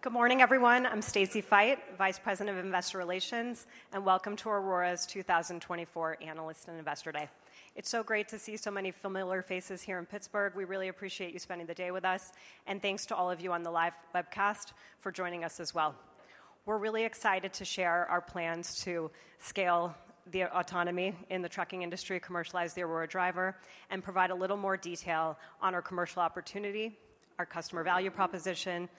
Good morning, everyone. I'm Stacy Feit, Vice President of Investor Relations, and welcome to Aurora's 2024 Analyst and Investor Day. It's so great to see so many familiar faces here in Pittsburgh. We really appreciate you spending the day with us, and thanks to all of you on the live webcast for joining us as well. We're really excited to share our plans to scale the autonomy in the trucking industry, commercialize the Aurora Driver, and provide a little more detail on our commercial opportunity, our customer value proposition, and our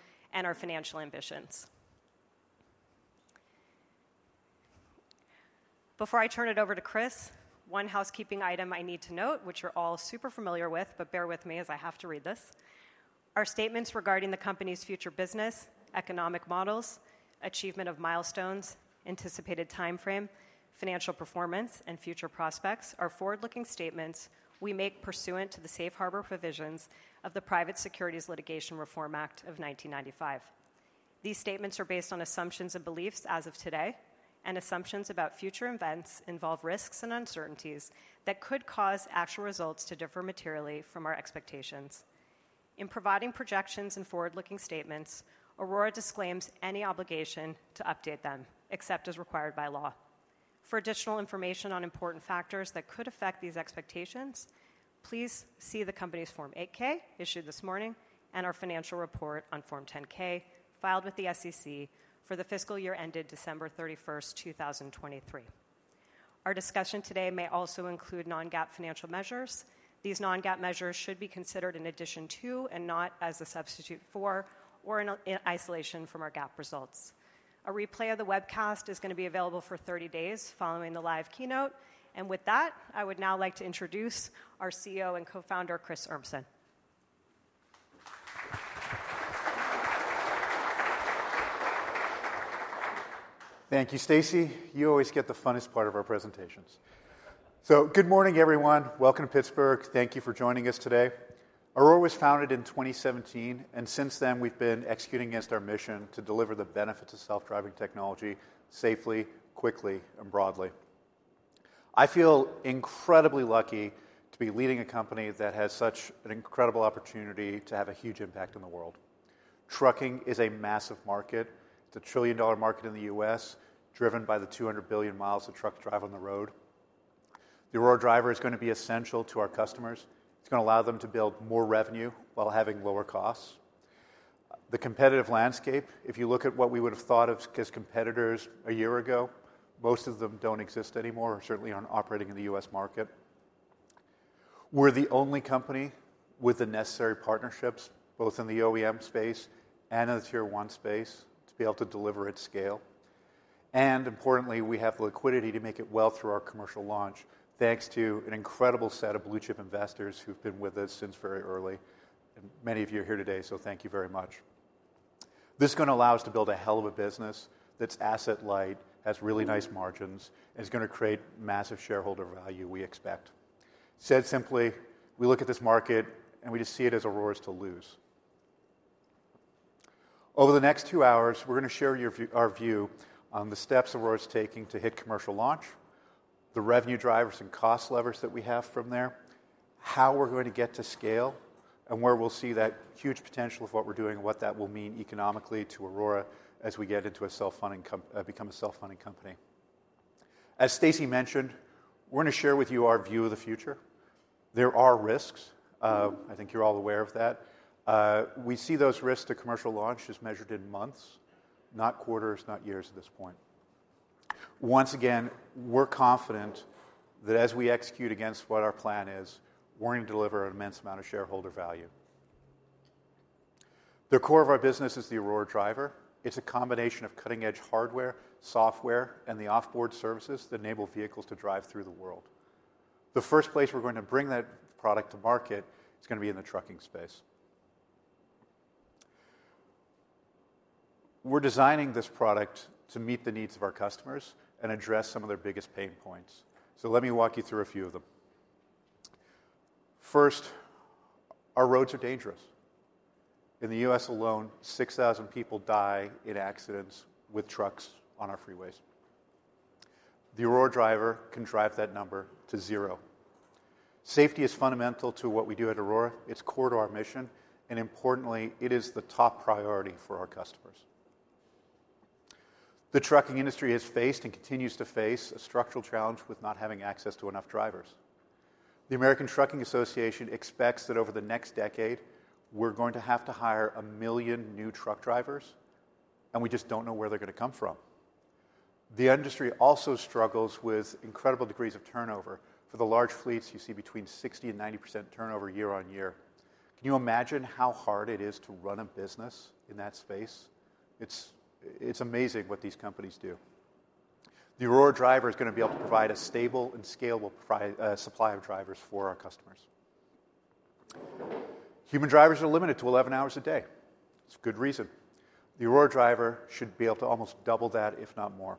financial ambitions. Before I turn it over to Chris, one housekeeping item I need to note, which you're all super familiar with, but bear with me as I have to read this. Our statements regarding the company's future business, economic models, achievement of milestones, anticipated timeframe, financial performance, and future prospects are forward-looking statements we make pursuant to the safe harbor provisions of the Private Securities Litigation Reform Act of 1995. These statements are based on assumptions and beliefs as of today, and assumptions about future events involve risks and uncertainties that could cause actual results to differ materially from our expectations. In providing projections and forward-looking statements, Aurora disclaims any obligation to update them, except as required by law. For additional information on important factors that could affect these expectations, please see the company's Form 8-K issued this morning and our financial report on Form 10-K filed with the SEC for the fiscal year ended December 31st, 2023. Our discussion today may also include non-GAAP financial measures. These non-GAAP measures should be considered an addition to and not as a substitute for or in isolation from our GAAP results. A replay of the webcast is going to be available for 30 days following the live keynote. With that, I would now like to introduce our CEO and Co-founder, Chris Urmson. Thank you, Stacy. You always get the funnest part of our presentations. So good morning, everyone. Welcome to Pittsburgh. Thank you for joining us today. Aurora was founded in 2017, and since then, we've been executing against our mission to deliver the benefits of self-driving technology safely, quickly, and broadly. I feel incredibly lucky to be leading a company that has such an incredible opportunity to have a huge impact in the world. Trucking is a massive market. It's a trillion-dollar market in the U.S., driven by the 200 billion miles of trucks drive on the road. The Aurora Driver is going to be essential to our customers. It's going to allow them to build more revenue while having lower costs. The competitive landscape, if you look at what we would have thought of as competitors a year ago, most of them don't exist anymore or certainly aren't operating in the U.S. market. We're the only company with the necessary partnerships, both in the OEM space and in the Tier 1 space, to be able to deliver at scale. Importantly, we have the liquidity to make it well through our commercial launch, thanks to an incredible set of blue-chip investors who've been with us since very early. Many of you are here today, so thank you very much. This is going to allow us to build a hell of a business that's asset-light, has really nice margins, and is going to create massive shareholder value we expect. Said simply, we look at this market, and we just see it as Aurora's to lose. Over the next two hours, we're going to share our view on the steps Aurora's taking to hit commercial launch, the revenue drivers and cost levers that we have from there, how we're going to get to scale, and where we'll see that huge potential of what we're doing and what that will mean economically to Aurora as we get into a self-funding become a self-funding company. As Stacy mentioned, we're going to share with you our view of the future. There are risks. I think you're all aware of that. We see those risks to commercial launch as measured in months, not quarters, not years at this point. Once again, we're confident that as we execute against what our plan is, we're going to deliver an immense amount of shareholder value. The core of our business is the Aurora Driver. It's a combination of cutting-edge hardware, software, and the offboard services that enable vehicles to drive through the world. The first place we're going to bring that product to market is going to be in the trucking space. We're designing this product to meet the needs of our customers and address some of their biggest pain points. So let me walk you through a few of them. First, our roads are dangerous. In the U.S. alone, 6,000 people die in accidents with trucks on our freeways. The Aurora Driver can drive that number to zero. Safety is fundamental to what we do at Aurora. It's core to our mission. And importantly, it is the top priority for our customers. The trucking industry has faced and continues to face a structural challenge with not having access to enough drivers. The American Trucking Associations expects that over the next decade, we're going to have to hire 1 million new truck drivers, and we just don't know where they're going to come from. The industry also struggles with incredible degrees of turnover. For the large fleets, you see between 60%-90% turnover year-over-year. Can you imagine how hard it is to run a business in that space? It's amazing what these companies do. The Aurora Driver is going to be able to provide a stable and scalable supply of drivers for our customers. Human drivers are limited to 11 hours a day. It's a good reason. The Aurora Driver should be able to almost double that, if not more.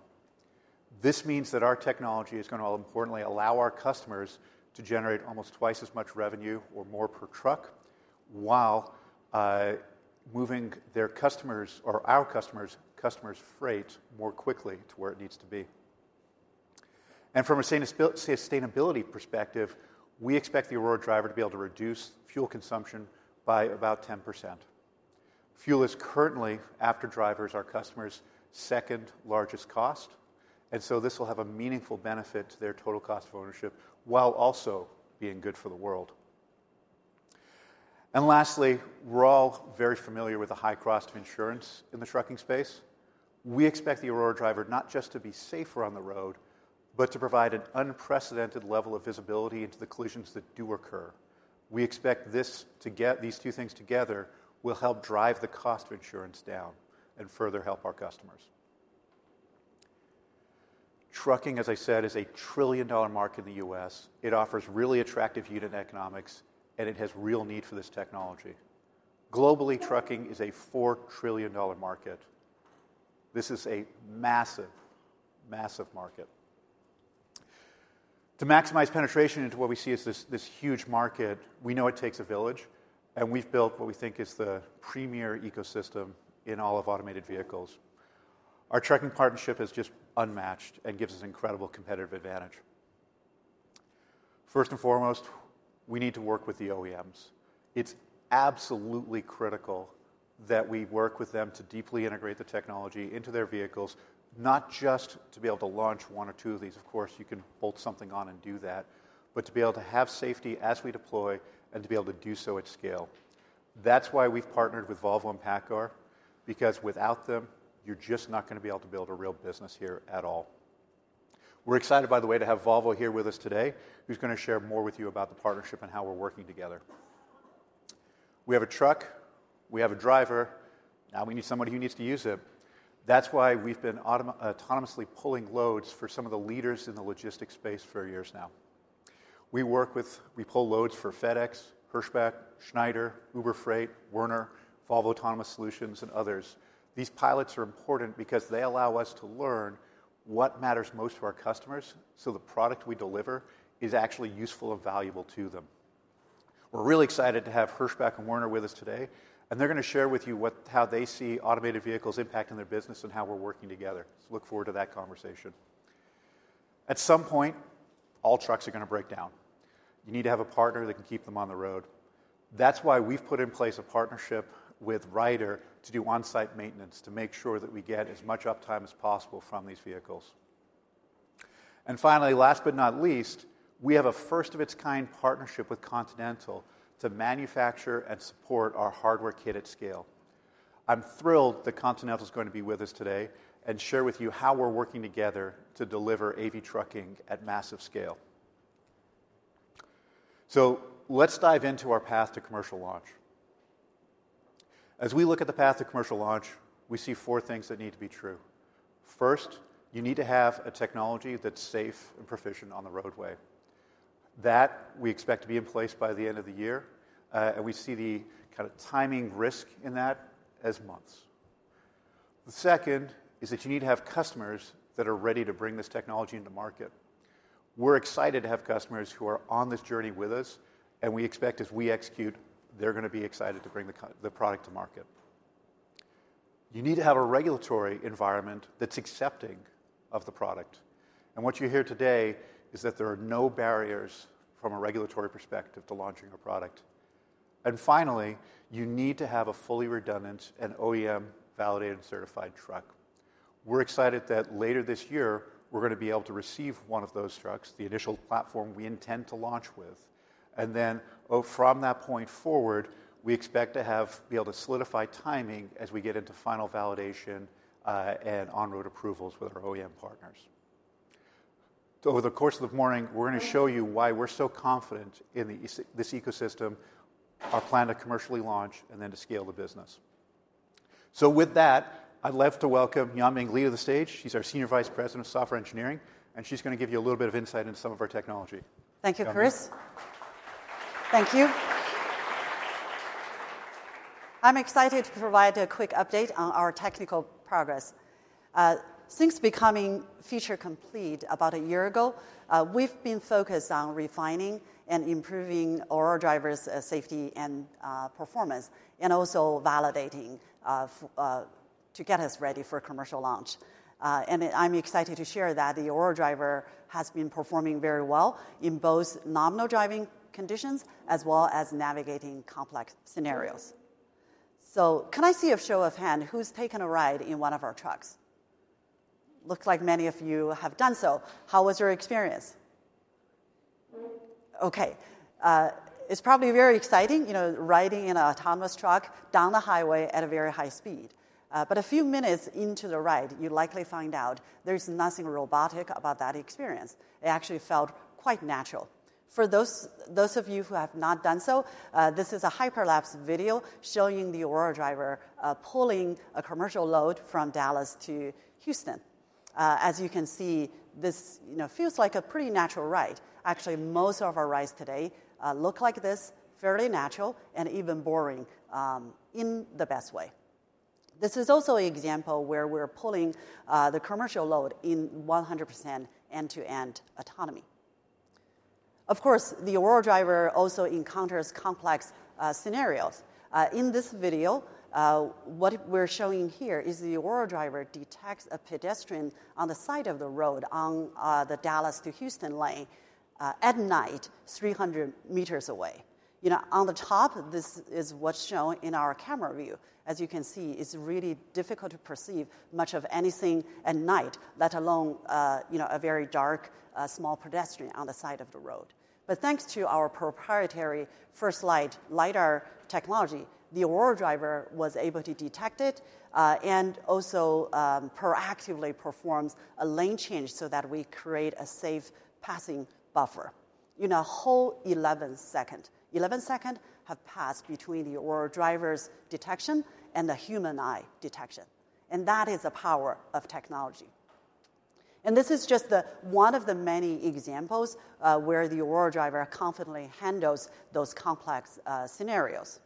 This means that our technology is going to, importantly, allow our customers to generate almost twice as much revenue or more per truck while moving their customers or our customers' customers' freight more quickly to where it needs to be. From a sustainability perspective, we expect the Aurora Driver to be able to reduce fuel consumption by about 10%. Fuel is currently, after drivers, our customers' second largest cost. So this will have a meaningful benefit to their total cost of ownership while also being good for the world. Lastly, we're all very familiar with the high cost of insurance in the trucking space. We expect the Aurora Driver not just to be safer on the road, but to provide an unprecedented level of visibility into the collisions that do occur. We expect this to get these two things together will help drive the cost of insurance down and further help our customers. Trucking, as I said, is a $1 trillion market in the U.S. It offers really attractive unit economics, and it has real need for this technology. Globally, trucking is a $4 trillion market. This is a massive, massive market. To maximize penetration into what we see as this huge market, we know it takes a village. We've built what we think is the premier ecosystem in all of automated vehicles. Our trucking partnership is just unmatched and gives us incredible competitive advantage. First and foremost, we need to work with the OEMs. It's absolutely critical that we work with them to deeply integrate the technology into their vehicles, not just to be able to launch one or two of these. Of course, you can bolt something on and do that, but to be able to have safety as we deploy and to be able to do so at scale, that's why we've partnered with Volvo and PACCAR, because without them, you're just not going to be able to build a real business here at all. We're excited, by the way, to have Volvo here with us today, who's going to share more with you about the partnership and how we're working together. We have a truck. We have a driver. Now we need somebody who needs to use it. That's why we've been autonomously pulling loads for some of the leaders in the logistics space for years now. We pull loads for FedEx, Hirschbach, Schneider, Uber Freight, Werner, Volvo Autonomous Solutions, and others. These pilots are important because they allow us to learn what matters most to our customers so the product we deliver is actually useful and valuable to them. We're really excited to have Hirschbach and Werner with us today, and they're going to share with you how they see automated vehicles impacting their business and how we're working together. So look forward to that conversation. At some point, all trucks are going to break down. You need to have a partner that can keep them on the road. That's why we've put in place a partnership with Ryder to do on-site maintenance to make sure that we get as much uptime as possible from these vehicles. And finally, last but not least, we have a first-of-its-kind partnership with Continental to manufacture and support our hardware kit at scale. I'm thrilled that Continental is going to be with us today and share with you how we're working together to deliver AV trucking at massive scale. So let's dive into our path to commercial launch. As we look at the path to commercial launch, we see four things that need to be true. First, you need to have a technology that's safe and proficient on the roadway. That we expect to be in place by the end of the year. And we see the kind of timing risk in that as months. The second is that you need to have customers that are ready to bring this technology into market. We're excited to have customers who are on this journey with us, and we expect, as we execute, they're going to be excited to bring the product to market. You need to have a regulatory environment that's accepting of the product. What you hear today is that there are no barriers from a regulatory perspective to launching a product. Finally, you need to have a fully redundant and OEM-validated and certified truck. We're excited that later this year, we're going to be able to receive one of those trucks, the initial platform we intend to launch with. Then from that point forward, we expect to be able to solidify timing as we get into final validation and on-road approvals with our OEM partners. Over the course of the morning, we're going to show you why we're so confident in this ecosystem, our plan to commercially launch, and then to scale the business. With that, I'd love to welcome Yanbing Li on the stage. She's our Senior Vice President of Software Engineering. She's going to give you a little bit of insight into some of our technology. Thank you, Chris. Thank you. I'm excited to provide a quick update on our technical progress. Since becoming feature complete about a year ago, we've been focused on refining and improving Aurora Driver's safety and performance and also validating to get us ready for commercial launch. I'm excited to share that the Aurora Driver has been performing very well in both nominal driving conditions as well as navigating complex scenarios. Can I see a show of hands who's taken a ride in one of our trucks? Looks like many of you have done so. How was your experience? Okay. It's probably very exciting, you know, riding in an autonomous truck down the highway at a very high speed. But a few minutes into the ride, you likely find out there's nothing robotic about that experience. It actually felt quite natural. For those of you who have not done so, this is a hyperlapse video showing the Aurora Driver pulling a commercial load from Dallas to Houston. As you can see, this feels like a pretty natural ride. Actually, most of our rides today look like this, fairly natural and even boring in the best way. This is also an example where we're pulling the commercial load in 100% end-to-end autonomy. Of course, the Aurora Driver also encounters complex scenarios. In this video, what we're showing here is the Aurora Driver detects a pedestrian on the side of the road on the Dallas to Houston lane at night, 300 m away. You know, on the top, this is what's shown in our camera view. As you can see, it's really difficult to perceive much of anything at night, let alone, you know, a very dark small pedestrian on the side of the road. But thanks to our proprietary FirstLight Lidar technology, the Aurora Driver was able to detect it and also proactively performs a lane change so that we create a safe passing buffer. You know, a whole 11 seconds. 11 seconds have passed between the Aurora Driver's detection and the human eye detection. And that is the power of technology. And this is just one of the many examples where the Aurora Driver confidently handles those complex scenarios.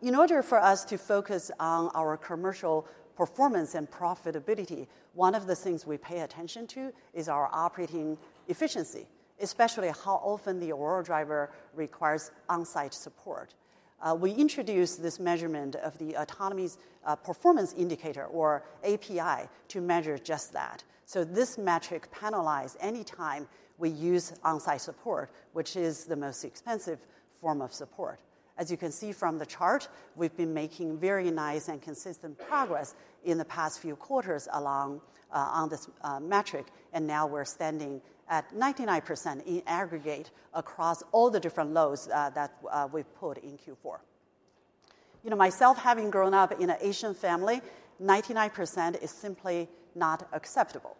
In order for us to focus on our commercial performance and profitability, one of the things we pay attention to is our operating efficiency, especially how often the Aurora Driver requires on-site support. We introduced this measurement of the Autonomy Performance Indicator, or API, to measure just that. So this metric penalizes any time we use on-site support, which is the most expensive form of support. As you can see from the chart, we've been making very nice and consistent progress in the past few quarters along on this metric. And now we're standing at 99% in aggregate across all the different loads that we've put in Q4. You know, myself having grown up in an Asian family, 99% is simply not acceptable.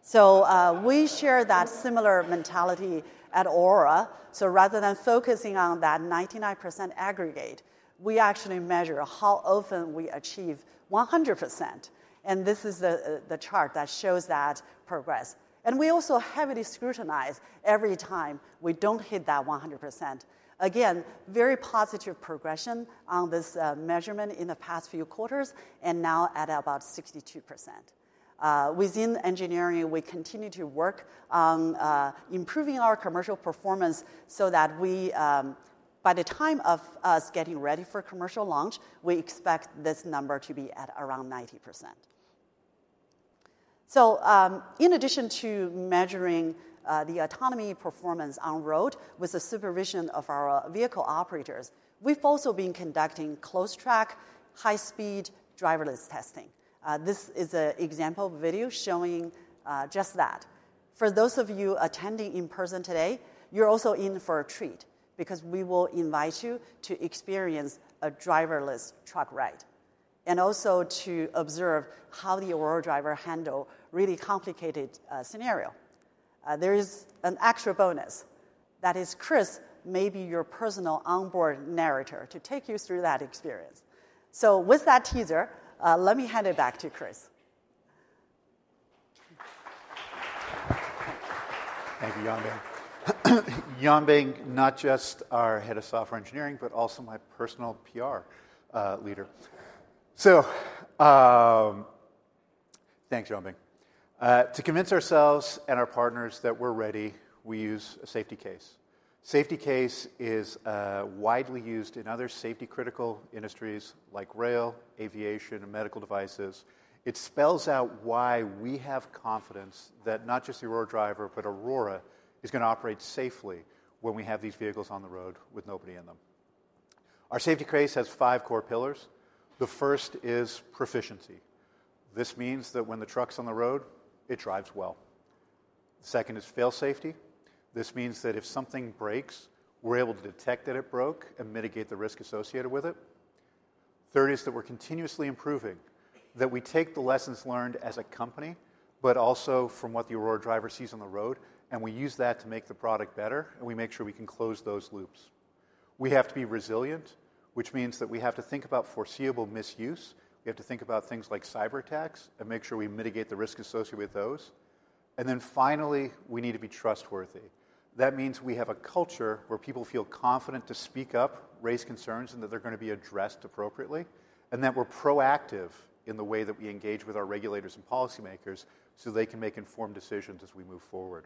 So we share that similar mentality at Aurora. So rather than focusing on that 99% aggregate, we actually measure how often we achieve 100%. And this is the chart that shows that progress. And we also heavily scrutinize every time we don't hit that 100%. Again, very positive progression on this measurement in the past few quarters and now at about 62%. Within engineering, we continue to work on improving our commercial performance so that we, by the time of us getting ready for commercial launch, we expect this number to be at around 90%. So in addition to measuring the autonomy performance on road with the supervision of our vehicle operators, we've also been conducting closed track, high-speed driverless testing. This is an example video showing just that. For those of you attending in person today, you're also in for a treat because we will invite you to experience a driverless truck ride and also to observe how the Aurora Driver handles really complicated scenarios. There is an extra bonus. That is Chris, maybe your personal onboard narrator, to take you through that experience. So with that teaser, let me hand it back to Chris. Thank you, Yanbing. Yanbing, not just our head of software engineering, but also my personal PR leader. So thanks, Yanbing. To convince ourselves and our partners that we're ready, we use a Safety Case. Safety Case is widely used in other safety-critical industries like rail, aviation, and medical devices. It spells out why we have confidence that not just the Aurora Driver, but Aurora is going to operate safely when we have these vehicles on the road with nobody in them. Our Safety Case has five core pillars. The first is proficiency. This means that when the truck's on the road, it drives well. The second is fail-safe. This means that if something breaks, we're able to detect that it broke and mitigate the risk associated with it. The third is that we're continuously improving, that we take the lessons learned as a company, but also from what the Aurora Driver sees on the road. We use that to make the product better. We make sure we can close those loops. We have to be resilient, which means that we have to think about foreseeable misuse. We have to think about things like cyberattacks and make sure we mitigate the risk associated with those. Finally, we need to be trustworthy. That means we have a culture where people feel confident to speak up, raise concerns, and that they're going to be addressed appropriately, and that we're proactive in the way that we engage with our regulators and policymakers so they can make informed decisions as we move forward.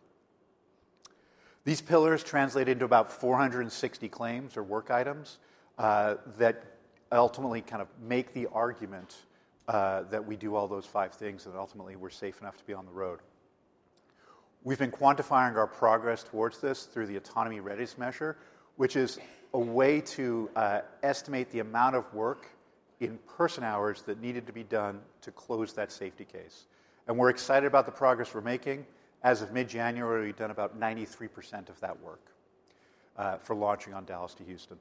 These pillars translate into about 460 claims or work items that ultimately kind of make the argument that we do all those five things and ultimately we're safe enough to be on the road. We've been quantifying our progress towards this through the Autonomy Readiness Measure, which is a way to estimate the amount of work in person hours that needed to be done to close that safety case. And we're excited about the progress we're making. As of mid-January, we've done about 93% of that work for launching on Dallas to Houston.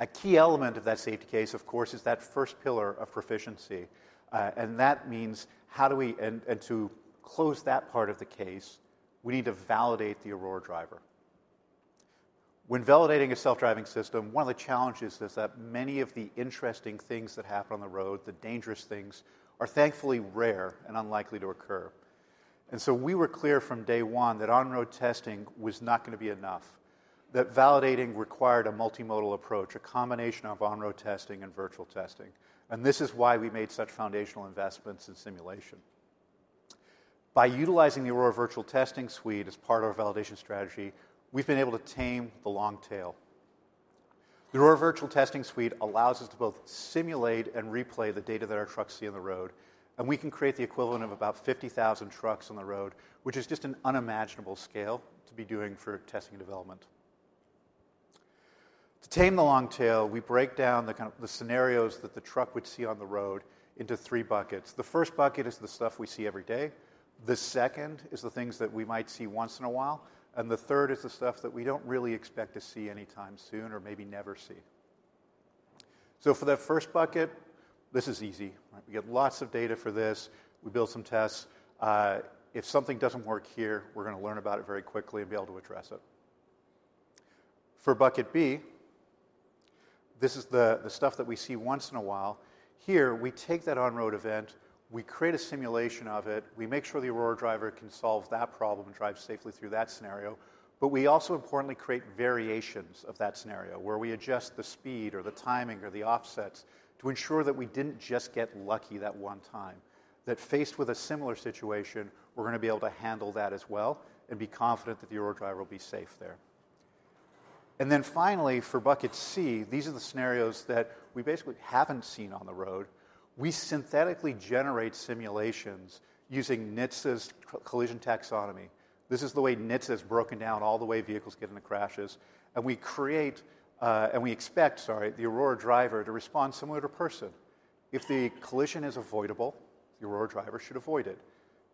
A key element of that safety case, of course, is that first pillar of proficiency. And that means how do we and to close that part of the case, we need to validate the Aurora Driver. When validating a self-driving system, one of the challenges is that many of the interesting things that happen on the road, the dangerous things, are thankfully rare and unlikely to occur. And so we were clear from day one that on-road testing was not going to be enough, that validating required a multimodal approach, a combination of on-road testing and virtual testing. And this is why we made such foundational investments in simulation. By utilizing the Aurora Virtual Testing Suite as part of our validation strategy, we've been able to tame the long tail. The Aurora Virtual Testing Suite allows us to both simulate and replay the data that our trucks see on the road. And we can create the equivalent of about 50,000 trucks on the road, which is just an unimaginable scale to be doing for testing and development. To tame the long tail, we break down the kind of scenarios that the truck would see on the road into three buckets. The first bucket is the stuff we see every day. The second is the things that we might see once in a while. The third is the stuff that we don't really expect to see anytime soon or maybe never see. For that first bucket, this is easy, right? We get lots of data for this. We build some tests. If something doesn't work here, we're going to learn about it very quickly and be able to address it. For bucket B, this is the stuff that we see once in a while. Here, we take that on-road event. We create a simulation of it. We make sure the Aurora Driver can solve that problem and drive safely through that scenario. But we also, importantly, create variations of that scenario where we adjust the speed or the timing or the offsets to ensure that we didn't just get lucky that one time, that faced with a similar situation, we're going to be able to handle that as well and be confident that the Aurora Driver will be safe there. And then finally, for bucket C, these are the scenarios that we basically haven't seen on the road. We synthetically generate simulations using NHTSA's collision taxonomy. This is the way NHTSA has broken down all the ways vehicles get into crashes. And we create and we expect, sorry, the Aurora Driver to respond similar to a person. If the collision is avoidable, the Aurora Driver should avoid it.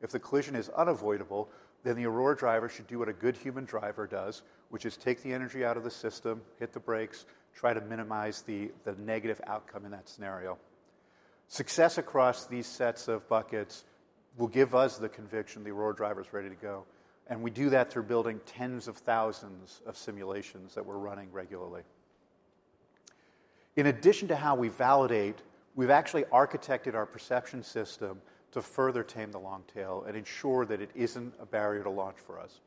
If the collision is unavoidable, then the Aurora Driver should do what a good human driver does, which is take the energy out of the system, hit the brakes, try to minimize the negative outcome in that scenario. Success across these sets of buckets will give us the conviction the Aurora Driver's ready to go. And we do that through building tens of thousands of simulations that we're running regularly. In addition to how we validate, we've actually architected our perception system to further tame the long tail and ensure that it isn't a barrier to launch for us.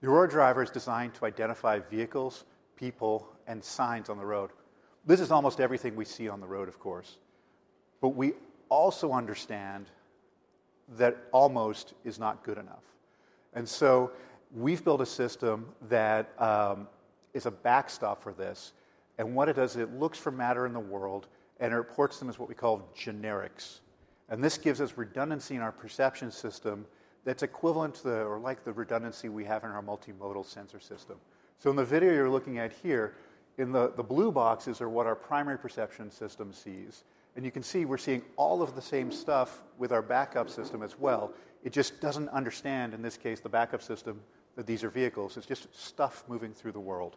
The Aurora Driver is designed to identify vehicles, people, and signs on the road. This is almost everything we see on the road, of course. But we also understand that almost is not good enough. And so we've built a system that is a backstop for this. And what it does, it looks for matter in the world and it reports them as what we call generics. And this gives us redundancy in our perception system that's equivalent to the or like the redundancy we have in our multimodal sensor system. So in the video you're looking at here, in the blue boxes are what our primary perception system sees. And you can see we're seeing all of the same stuff with our backup system as well. It just doesn't understand, in this case, the backup system that these are vehicles. It's just stuff moving through the world.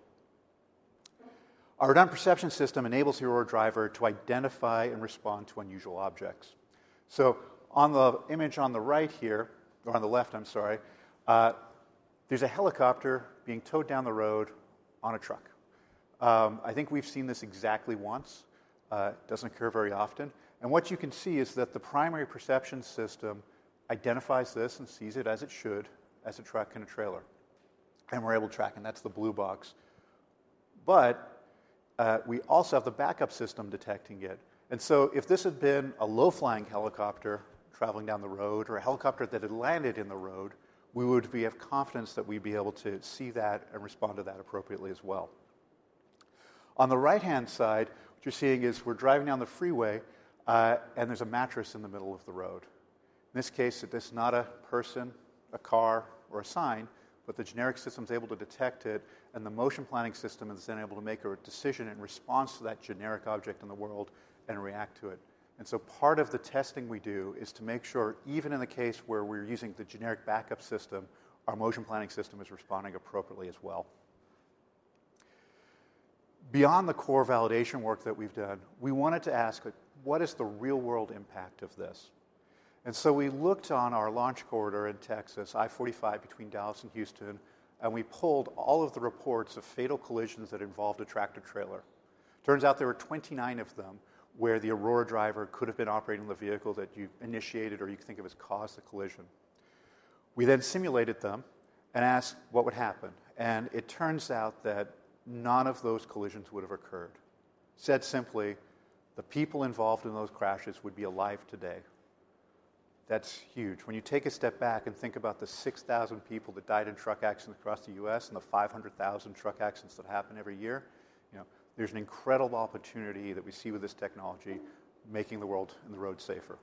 Our backup perception system enables the Aurora Driver to identify and respond to unusual objects. So on the image on the right here or on the left, I'm sorry, there's a helicopter being towed down the road on a truck. I think we've seen this exactly once. It doesn't occur very often. What you can see is that the primary perception system identifies this and sees it as it should, as a truck and a trailer. We're able to track it. That's the blue box. But we also have the backup system detecting it. So if this had been a low-flying helicopter traveling down the road or a helicopter that had landed in the road, we would have confidence that we'd be able to see that and respond to that appropriately as well. On the right-hand side, what you're seeing is we're driving down the freeway and there's a mattress in the middle of the road. In this case, it's not a person, a car, or a sign, but the generic system's able to detect it. The motion planning system is then able to make a decision in response to that generic object in the world and react to it. So part of the testing we do is to make sure, even in the case where we're using the generic backup system, our motion planning system is responding appropriately as well. Beyond the core validation work that we've done, we wanted to ask, what is the real-world impact of this? So we looked on our launch corridor in Texas, I-45 between Dallas and Houston. We pulled all of the reports of fatal collisions that involved a tractor-trailer. Turns out there were 29 of them where the Aurora Driver could have been operating the vehicle that you initiated or you think of as caused the collision. We then simulated them and asked what would happen. It turns out that none of those collisions would have occurred. Said simply, the people involved in those crashes would be alive today. That's huge. When you take a step back and think about the 6,000 people that died in truck accidents across the U.S. and the 500,000 truck accidents that happen every year, you know, there's an incredible opportunity that we see with this technology making the world and the road safer.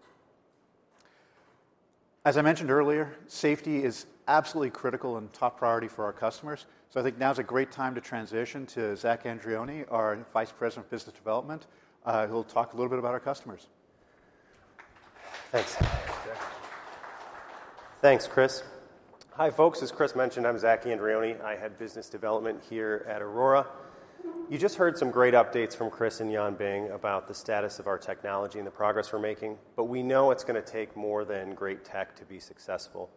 As I mentioned earlier, safety is absolutely critical and top priority for our customers. So I think now's a great time to transition to Zac Andreoni, our Vice President of Business Development, who'll talk a little bit about our customers. Thanks. Thanks, Chris. Hi folks. As Chris mentioned, I'm Zac Andreoni. I Head Business Development here at Aurora. You just heard some great updates from Chris and Yanbing about the status of our technology and the progress we're making. But we know it's going to take more than great tech to be successful.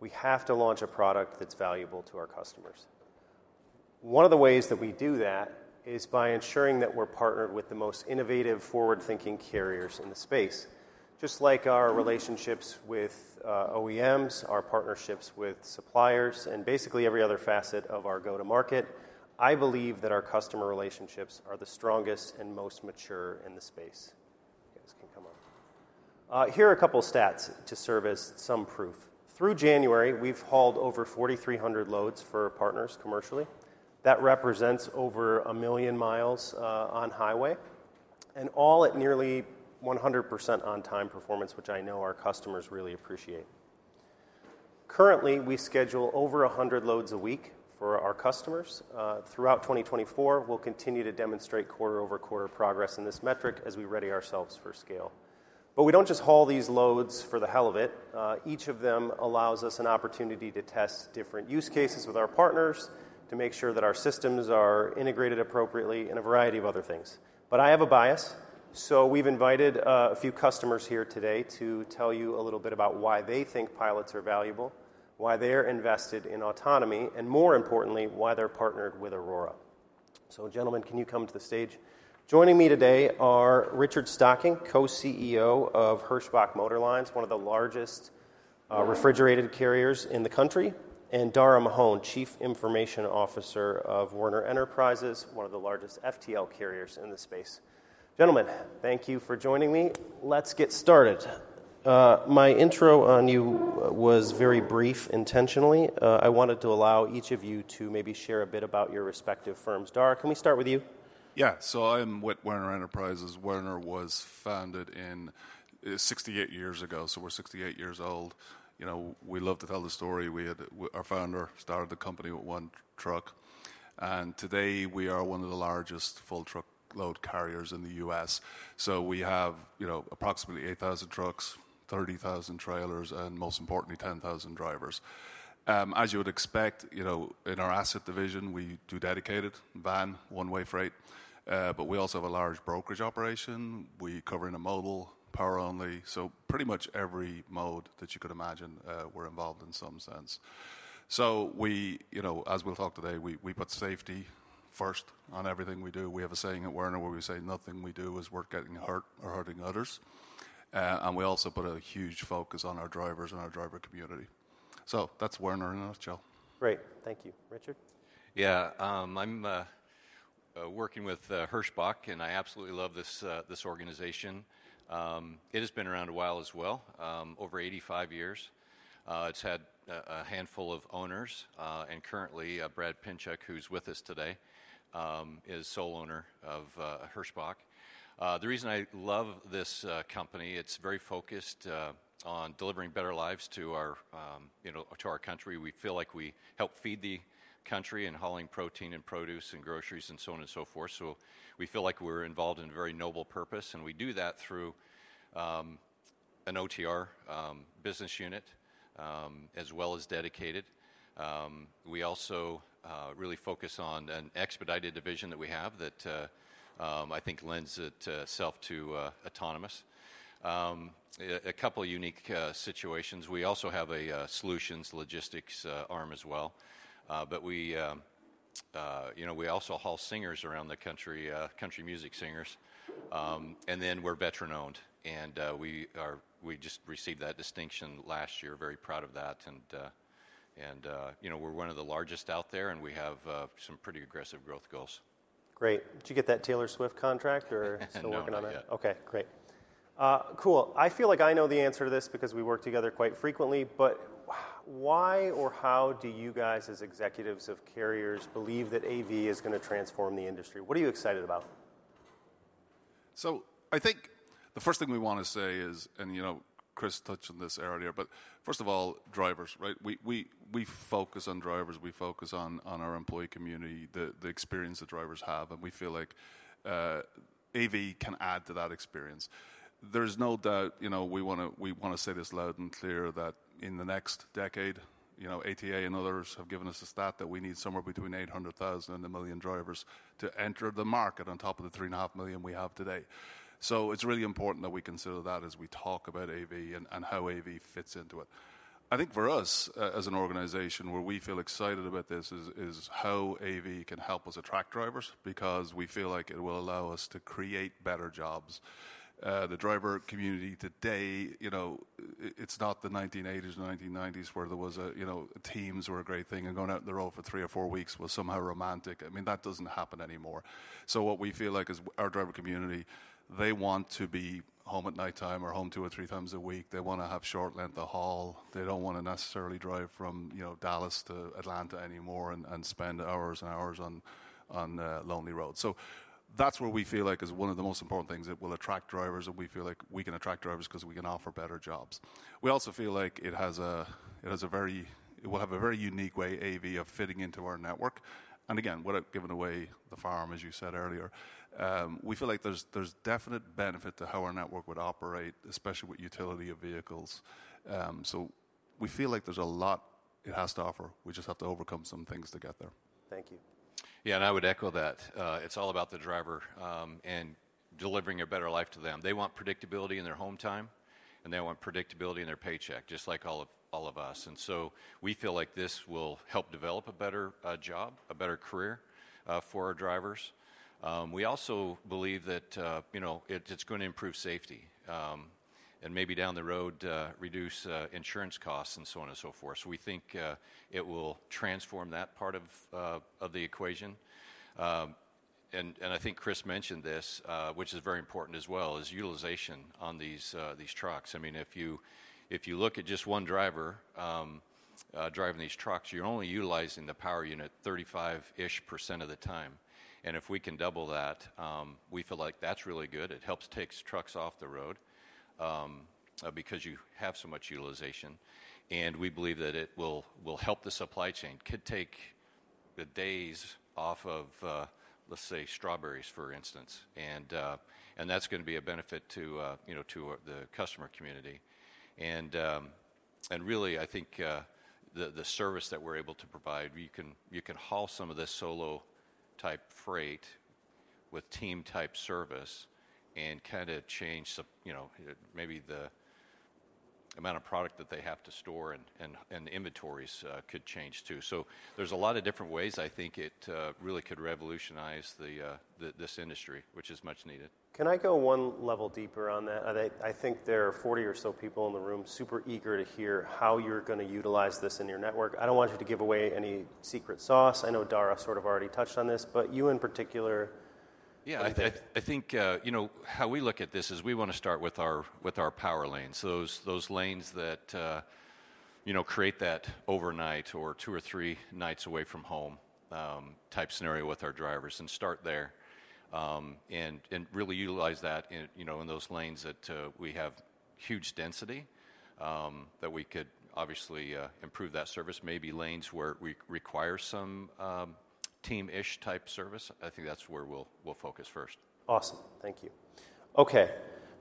We have to launch a product that's valuable to our customers. One of the ways that we do that is by ensuring that we're partnered with the most innovative, forward-thinking carriers in the space. Just like our relationships with OEMs, our partnerships with suppliers, and basically every other facet of our go-to-market, I believe that our customer relationships are the strongest and most mature in the space. You guys can come up. Here are a couple of stats to serve as some proof. Through January, we've hauled over 4,300 loads for our partners commercially. That represents over 1 million miles on highway and all at nearly 100% on-time performance, which I know our customers really appreciate. Currently, we schedule over 100 loads a week for our customers. Throughout 2024, we'll continue to demonstrate quarter-over-quarter progress in this metric as we ready ourselves for scale. But we don't just haul these loads for the hell of it. Each of them allows us an opportunity to test different use cases with our partners, to make sure that our systems are integrated appropriately, and a variety of other things. But I have a bias. So we've invited a few customers here today to tell you a little bit about why they think pilots are valuable, why they're invested in autonomy, and more importantly, why they're partnered with Aurora. So gentlemen, can you come to the stage? Joining me today are Richard Stocking, Co-CEO of Hirschbach Motor Lines, one of the largest refrigerated carriers in the country, and Daragh Mahon, Chief Information Officer of Werner Enterprises, one of the largest FTL carriers in the space. Gentlemen, thank you for joining me. Let's get started. My intro on you was very brief, intentionally. I wanted to allow each of you to maybe share a bit about your respective firms. Daragh, can we start with you? Yeah. So I'm with Werner Enterprises. Werner was founded 68 years ago. So we're 68 years old. You know, we love to tell the story. We had our founder started the company with one truck. And today, we are one of the largest full truckload carriers in the U.S. So we have, you know, approximately 8,000 trucks, 30,000 trailers, and most importantly, 10,000 drivers. As you would expect, you know, in our asset division, we do dedicated van, one-way freight. But we also have a large brokerage operation. We cover intermodal, power-only. So pretty much every mode that you could imagine, we're involved in some sense. So we, you know, as we'll talk today, we put safety first on everything we do. We have a saying at Werner where we say, "Nothing we do is worth getting hurt or hurting others." We also put a huge focus on our drivers and our driver community. That's Werner in a nutshell. Great. Thank you. Richard? Yeah. I'm working with Hirschbach, and I absolutely love this organization. It has been around a while as well, over 85 years. It's had a handful of owners. And currently, Brad Pinchuk, who's with us today, is sole owner of Hirschbach. The reason I love this company, it's very focused on delivering better lives to our, you know, to our country. We feel like we help feed the country in hauling protein and produce and groceries and so on and so forth. So we feel like we're involved in a very noble purpose. And we do that through an OTR business unit as well as dedicated. We also really focus on an expedited division that we have that I think lends itself to autonomous. A couple of unique situations. We also have a solutions logistics arm as well. But we, you know, we also haul singers around the country, country music singers. And then we're veteran-owned. And we just received that distinction last year, very proud of that. And, you know, we're one of the largest out there, and we have some pretty aggressive growth goals. Great. Did you get that Taylor Swift contract or still working on that? Yeah. Yeah. Okay. Great. Cool. I feel like I know the answer to this because we work together quite frequently. But why or how do you guys, as executives of carriers, believe that AV is going to transform the industry? What are you excited about? So I think the first thing we want to say is, and you know, Chris touched on this earlier, but first of all, drivers, right? We focus on drivers. We focus on our employee community, the experience the drivers have. And we feel like AV can add to that experience. There's no doubt, you know, we want to say this loud and clear that in the next decade, you know, ATA and others have given us a stat that we need somewhere between 800,000 and 1 million drivers to enter the market on top of the 3.5 million we have today. So it's really important that we consider that as we talk about AV and how AV fits into it. I think for us, as an organization, where we feel excited about this is how AV can help us attract drivers because we feel like it will allow us to create better jobs. The driver community today, you know, it's not the 1980s and 1990s where there was, you know, teams were a great thing and going out in the road for three or four weeks was somehow romantic. I mean, that doesn't happen anymore. So what we feel like is our driver community, they want to be home at nighttime or home two or three times a week. They want to have short length of haul. They don't want to necessarily drive from, you know, Dallas to Atlanta anymore and spend hours and hours on lonely roads. So that's where we feel like is one of the most important things. It will attract drivers. We feel like we can attract drivers because we can offer better jobs. We also feel like it will have a very unique way, AV, of fitting into our network. And again, without giving away the farm, as you said earlier, we feel like there's definite benefit to how our network would operate, especially with utility of vehicles. So we feel like there's a lot it has to offer. We just have to overcome some things to get there. Thank you. Yeah. I would echo that. It's all about the driver and delivering a better life to them. They want predictability in their home time, and they want predictability in their paycheck, just like all of us. So we feel like this will help develop a better job, a better career for our drivers. We also believe that, you know, it's going to improve safety and maybe down the road reduce insurance costs and so on and so forth. So we think it will transform that part of the equation. I think Chris mentioned this, which is very important as well, is utilization on these trucks. I mean, if you look at just one driver driving these trucks, you're only utilizing the power unit 35%-ish of the time. If we can double that, we feel like that's really good. It helps take trucks off the road because you have so much utilization. We believe that it will help the supply chain. Could take the days off of, let's say, strawberries, for instance. And that's going to be a benefit to, you know, to the customer community. And really, I think the service that we're able to provide, you can haul some of this solo-type freight with team-type service and kind of change, you know, maybe the amount of product that they have to store and the inventories could change too. So there's a lot of different ways I think it really could revolutionize this industry, which is much needed. Can I go one level deeper on that? I think there are 40 or so people in the room super eager to hear how you're going to utilize this in your network. I don't want you to give away any secret sauce. I know Daragh sort of already touched on this. But you in particular, I think. Yeah. I think, you know, how we look at this is we want to start with our power lanes. Those lanes that, you know, create that overnight or two or three nights away from home type scenario with our drivers and start there and really utilize that, you know, in those lanes that we have huge density that we could obviously improve that service. Maybe lanes where we require some team-ish type service. I think that's where we'll focus first. Awesome. Thank you. Okay.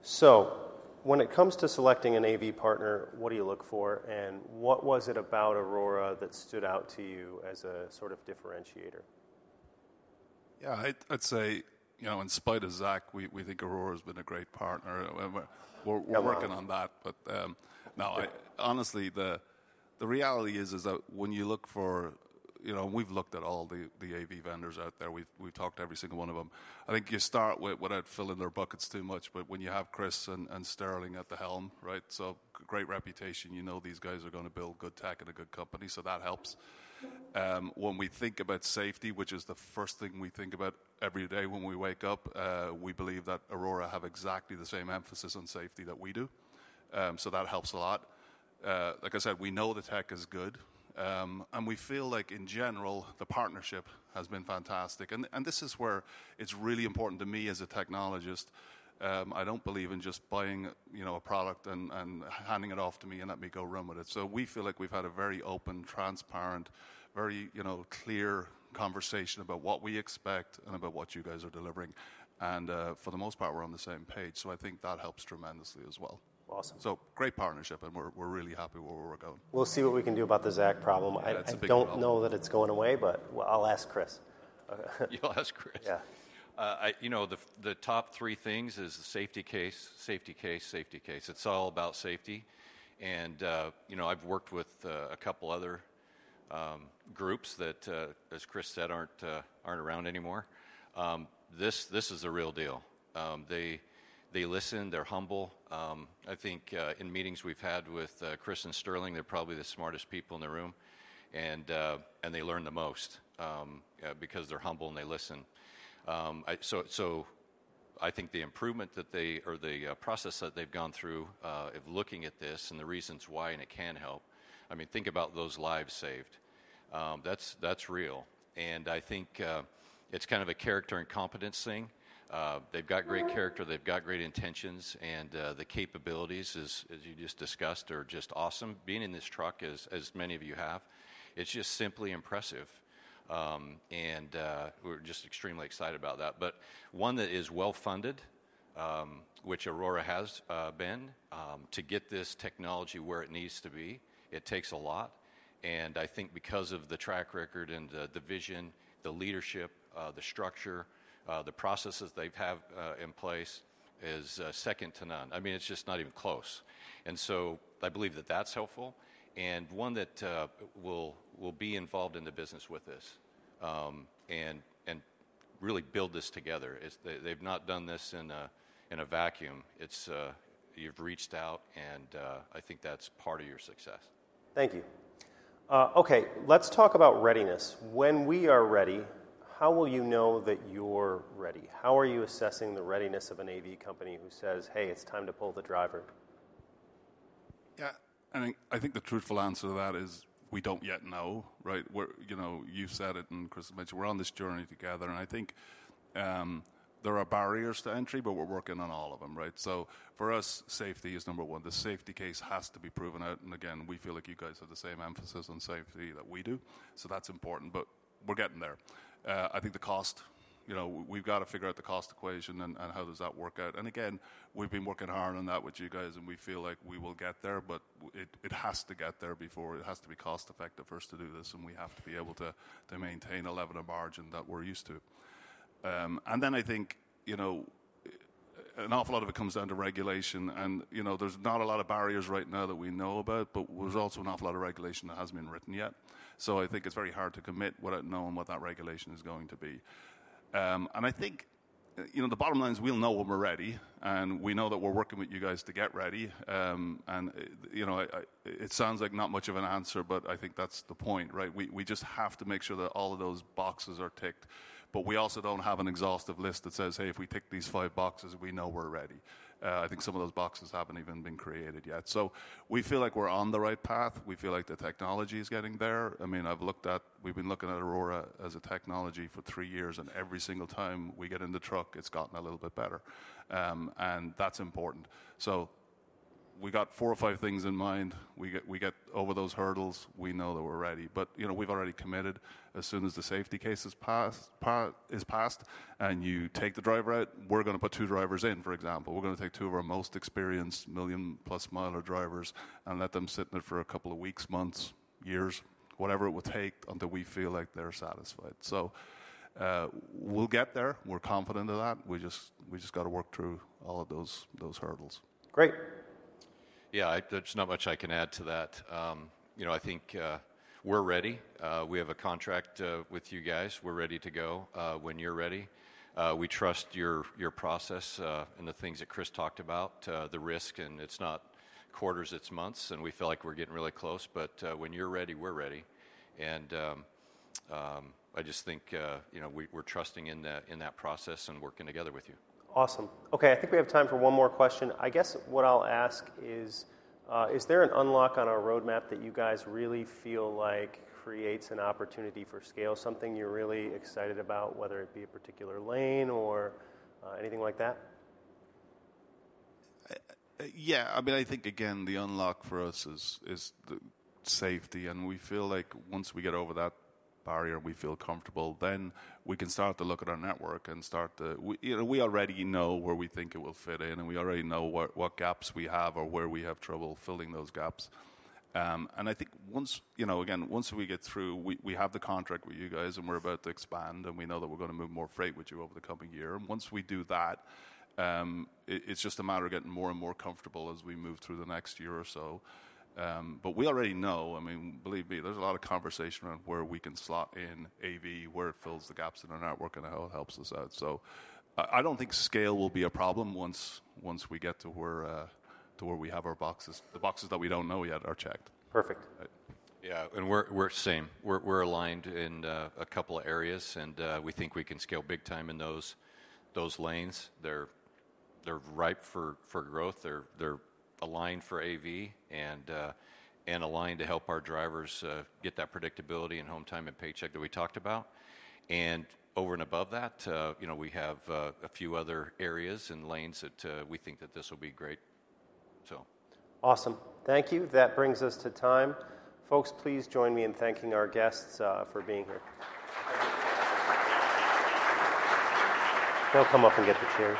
So when it comes to selecting an AV partner, what do you look for? And what was it about Aurora that stood out to you as a sort of differentiator? Yeah. I'd say, you know, in spite of Zac, we think Aurora has been a great partner. We're working on that. But no, honestly, the reality is that when you look for, you know, we've looked at all the AV vendors out there. We've talked to every single one of them. I think you start with without filling their buckets too much. But when you have Chris and Sterling at the helm, right, so great reputation. You know these guys are going to build good tech at a good company. So that helps. When we think about safety, which is the first thing we think about every day when we wake up, we believe that Aurora have exactly the same emphasis on safety that we do. So that helps a lot. Like I said, we know the tech is good. And we feel like, in general, the partnership has been fantastic. And this is where it's really important to me as a technologist. I don't believe in just buying, you know, a product and handing it off to me and let me go run with it. So we feel like we've had a very open, transparent, very, you know, clear conversation about what we expect and about what you guys are delivering. And for the most part, we're on the same page. So I think that helps tremendously as well. Awesome. Great partnership. We're really happy where we're going. We'll see what we can do about the problem. I don't know that it's going away, but I'll ask Chris. You'll ask Chris. Yeah. You know, the top three things is Safety Case, Safety Case, Safety Case. It's all about safety. And, you know, I've worked with a couple other groups that, as Chris said, aren't around anymore. This is a real deal. They listen. They're humble. I think in meetings we've had with Chris and Sterling, they're probably the smartest people in the room. And they learn the most because they're humble and they listen. So I think the improvement that they or the process that they've gone through of looking at this and the reasons why and it can help, I mean, think about those lives saved. That's real. And I think it's kind of a character and competence thing. They've got great character. They've got great intentions. And the capabilities, as you just discussed, are just awesome, being in this truck, as many of you have. It's just simply impressive. And we're just extremely excited about that. But one that is well-funded, which Aurora has been, to get this technology where it needs to be, it takes a lot. And I think because of the track record and the vision, the leadership, the structure, the processes they have in place is second to none. I mean, it's just not even close. And so I believe that that's helpful. And one that will be involved in the business with this and really build this together is they've not done this in a vacuum. You've reached out. And I think that's part of your success. Thank you. Okay. Let's talk about readiness. When we are ready, how will you know that you're ready? How are you assessing the readiness of an AV company who says, "Hey, it's time to pull the driver"? Yeah. I mean, I think the truthful answer to that is we don't yet know, right? You know, you said it, and Chris mentioned we're on this journey together. And I think there are barriers to entry, but we're working on all of them, right? So for us, safety is number one. The safety case has to be proven out. And again, we feel like you guys have the same emphasis on safety that we do. So that's important. But we're getting there. I think the cost, you know, we've got to figure out the cost equation and how does that work out. And again, we've been working hard on that with you guys. And we feel like we will get there. But it has to get there before. It has to be cost-effective for us to do this. We have to be able to maintain a level of margin that we're used to. And then I think, you know, an awful lot of it comes down to regulation. And, you know, there's not a lot of barriers right now that we know about. But there's also an awful lot of regulation that hasn't been written yet. So I think it's very hard to commit without knowing what that regulation is going to be. And I think, you know, the bottom line is we'll know when we're ready. And we know that we're working with you guys to get ready. And, you know, it sounds like not much of an answer, but I think that's the point, right? We just have to make sure that all of those boxes are ticked. But we also don't have an exhaustive list that says, "Hey, if we tick these five boxes, we know we're ready." I think some of those boxes haven't even been created yet. So we feel like we're on the right path. We feel like the technology is getting there. I mean, we've been looking at Aurora as a technology for three years. And every single time we get in the truck, it's gotten a little bit better. And that's important. So we got four or five things in mind. We get over those hurdles. We know that we're ready. But, you know, we've already committed. As soon as the Safety Case is passed and you take the driver out, we're going to put two drivers in, for example. We're going to take two of our most experienced 1 million+ mile drivers and let them sit in it for a couple of weeks, months, years, whatever it will take until we feel like they're satisfied. So we'll get there. We're confident of that. We just got to work through all of those hurdles. Great. Yeah. There's not much I can add to that. You know, I think we're ready. We have a contract with you guys. We're ready to go when you're ready. We trust your process and the things that Chris talked about, the risk. It's not quarters. It's months. We feel like we're getting really close. When you're ready, we're ready. I just think, you know, we're trusting in that process and working together with you. Awesome. Okay. I think we have time for one more question. I guess what I'll ask is, is there an unlock on a roadmap that you guys really feel like creates an opportunity for scale, something you're really excited about, whether it be a particular lane or anything like that? Yeah. I mean, I think, again, the unlock for us is safety. And we feel like once we get over that barrier and we feel comfortable, then we can start to look at our network and start to, you know, we already know where we think it will fit in. And we already know what gaps we have or where we have trouble filling those gaps. And I think once, you know, again, once we get through, we have the contract with you guys. And we're about to expand. And we know that we're going to move more freight with you over the coming year. And once we do that, it's just a matter of getting more and more comfortable as we move through the next year or so. But we already know. I mean, believe me, there's a lot of conversation around where we can slot in AV, where it fills the gaps in our network, and how it helps us out. So I don't think scale will be a problem once we get to where we have our boxes, the boxes that we don't know yet are checked. Perfect. Yeah. We're the same. We're aligned in a couple of areas. We think we can scale big time in those lanes. They're ripe for growth. They're aligned for AV and aligned to help our drivers get that predictability and home time and paycheck that we talked about. Over and above that, you know, we have a few other areas and lanes that we think that this will be great, so. Awesome. Thank you. That brings us to time. Folks, please join me in thanking our guests for being here. They'll come up and get the chairs.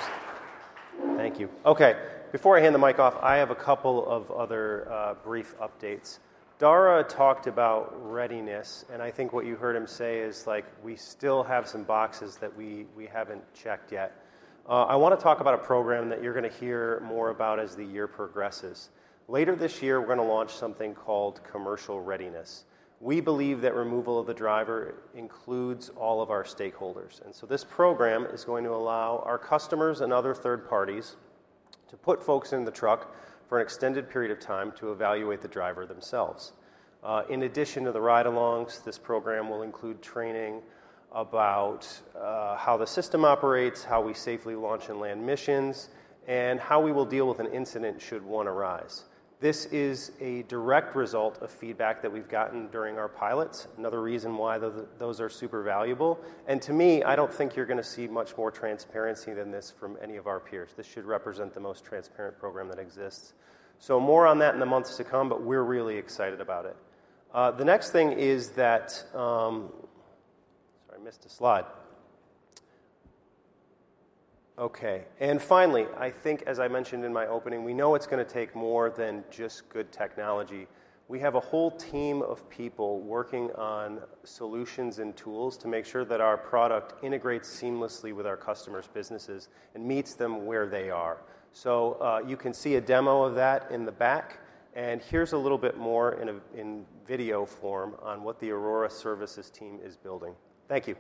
Thank you. Okay. Before I hand the mic off, I have a couple of other brief updates. Daragh talked about readiness. I think what you heard him say is, like, we still have some boxes that we haven't checked yet. I want to talk about a program that you're going to hear more about as the year progresses. Later this year, we're going to launch something called Commercial Readiness. We believe that removal of the driver includes all of our stakeholders. So this program is going to allow our customers and other third parties to put folks in the truck for an extended period of time to evaluate the driver themselves. In addition to the ride-alongs, this program will include training about how the system operates, how we safely launch and land missions, and how we will deal with an incident should one arise. This is a direct result of feedback that we've gotten during our pilots, another reason why those are super valuable. And to me, I don't think you're going to see much more transparency than this from any of our peers. This should represent the most transparent program that exists. So more on that in the months to come. But we're really excited about it. The next thing is that sorry. I missed a slide. Okay. And finally, I think, as I mentioned in my opening, we know it's going to take more than just good technology. We have a whole team of people working on solutions and tools to make sure that our product integrates seamlessly with our customers' businesses and meets them where they are. You can see a demo of that in the back. Here's a little bit more in video form on what the Aurora services team is building. Thank you.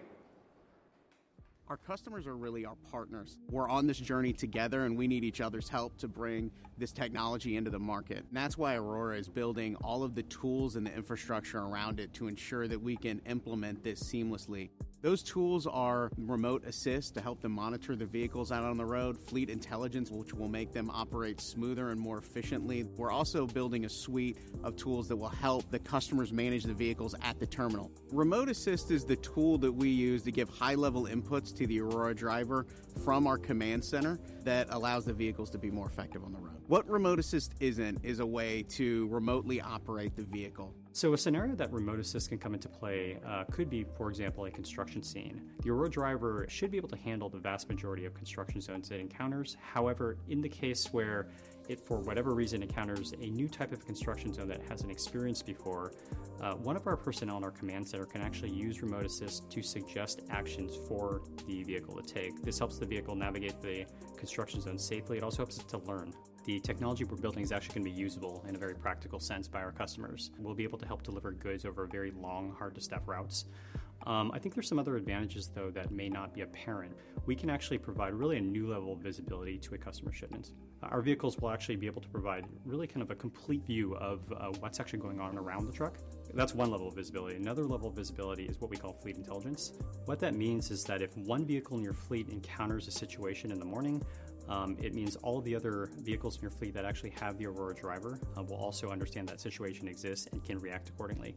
Our customers are really our partners. We're on this journey together. We need each other's help to bring this technology into the market. That's why Aurora is building all of the tools and the infrastructure around it to ensure that we can implement this seamlessly. Those tools are Remote Assist to help them monitor the vehicles out on the road, Fleet Intelligence, which will make them operate smoother and more efficiently. We're also building a suite of tools that will help the customers manage the vehicles at the terminal. Remote Assist is the tool that we use to give high-level inputs to the Aurora Driver from our command center that allows the vehicles to be more effective on the road. What Remote Assist isn't is a way to remotely operate the vehicle. A scenario that Remote Assist can come into play could be, for example, a construction scene. The Aurora Driver should be able to handle the vast majority of construction zones it encounters. However, in the case where it, for whatever reason, encounters a new type of construction zone that it hasn't experienced before, one of our personnel in our command center can actually use Remote Assist to suggest actions for the vehicle to take. This helps the vehicle navigate the construction zone safely. It also helps it to learn. The technology we're building is actually going to be usable in a very practical sense by our customers. We'll be able to help deliver goods over very long, hard-to-staff routes. I think there's some other advantages, though, that may not be apparent. We can actually provide really a new level of visibility to a customer's shipments. Our vehicles will actually be able to provide really kind of a complete view of what's actually going on around the truck. That's one level of visibility. Another level of visibility is what we call Fleet Intelligence. What that means is that if one vehicle in your fleet encounters a situation in the morning, it means all of the other vehicles in your fleet that actually have the Aurora Driver will also understand that situation exists and can react accordingly.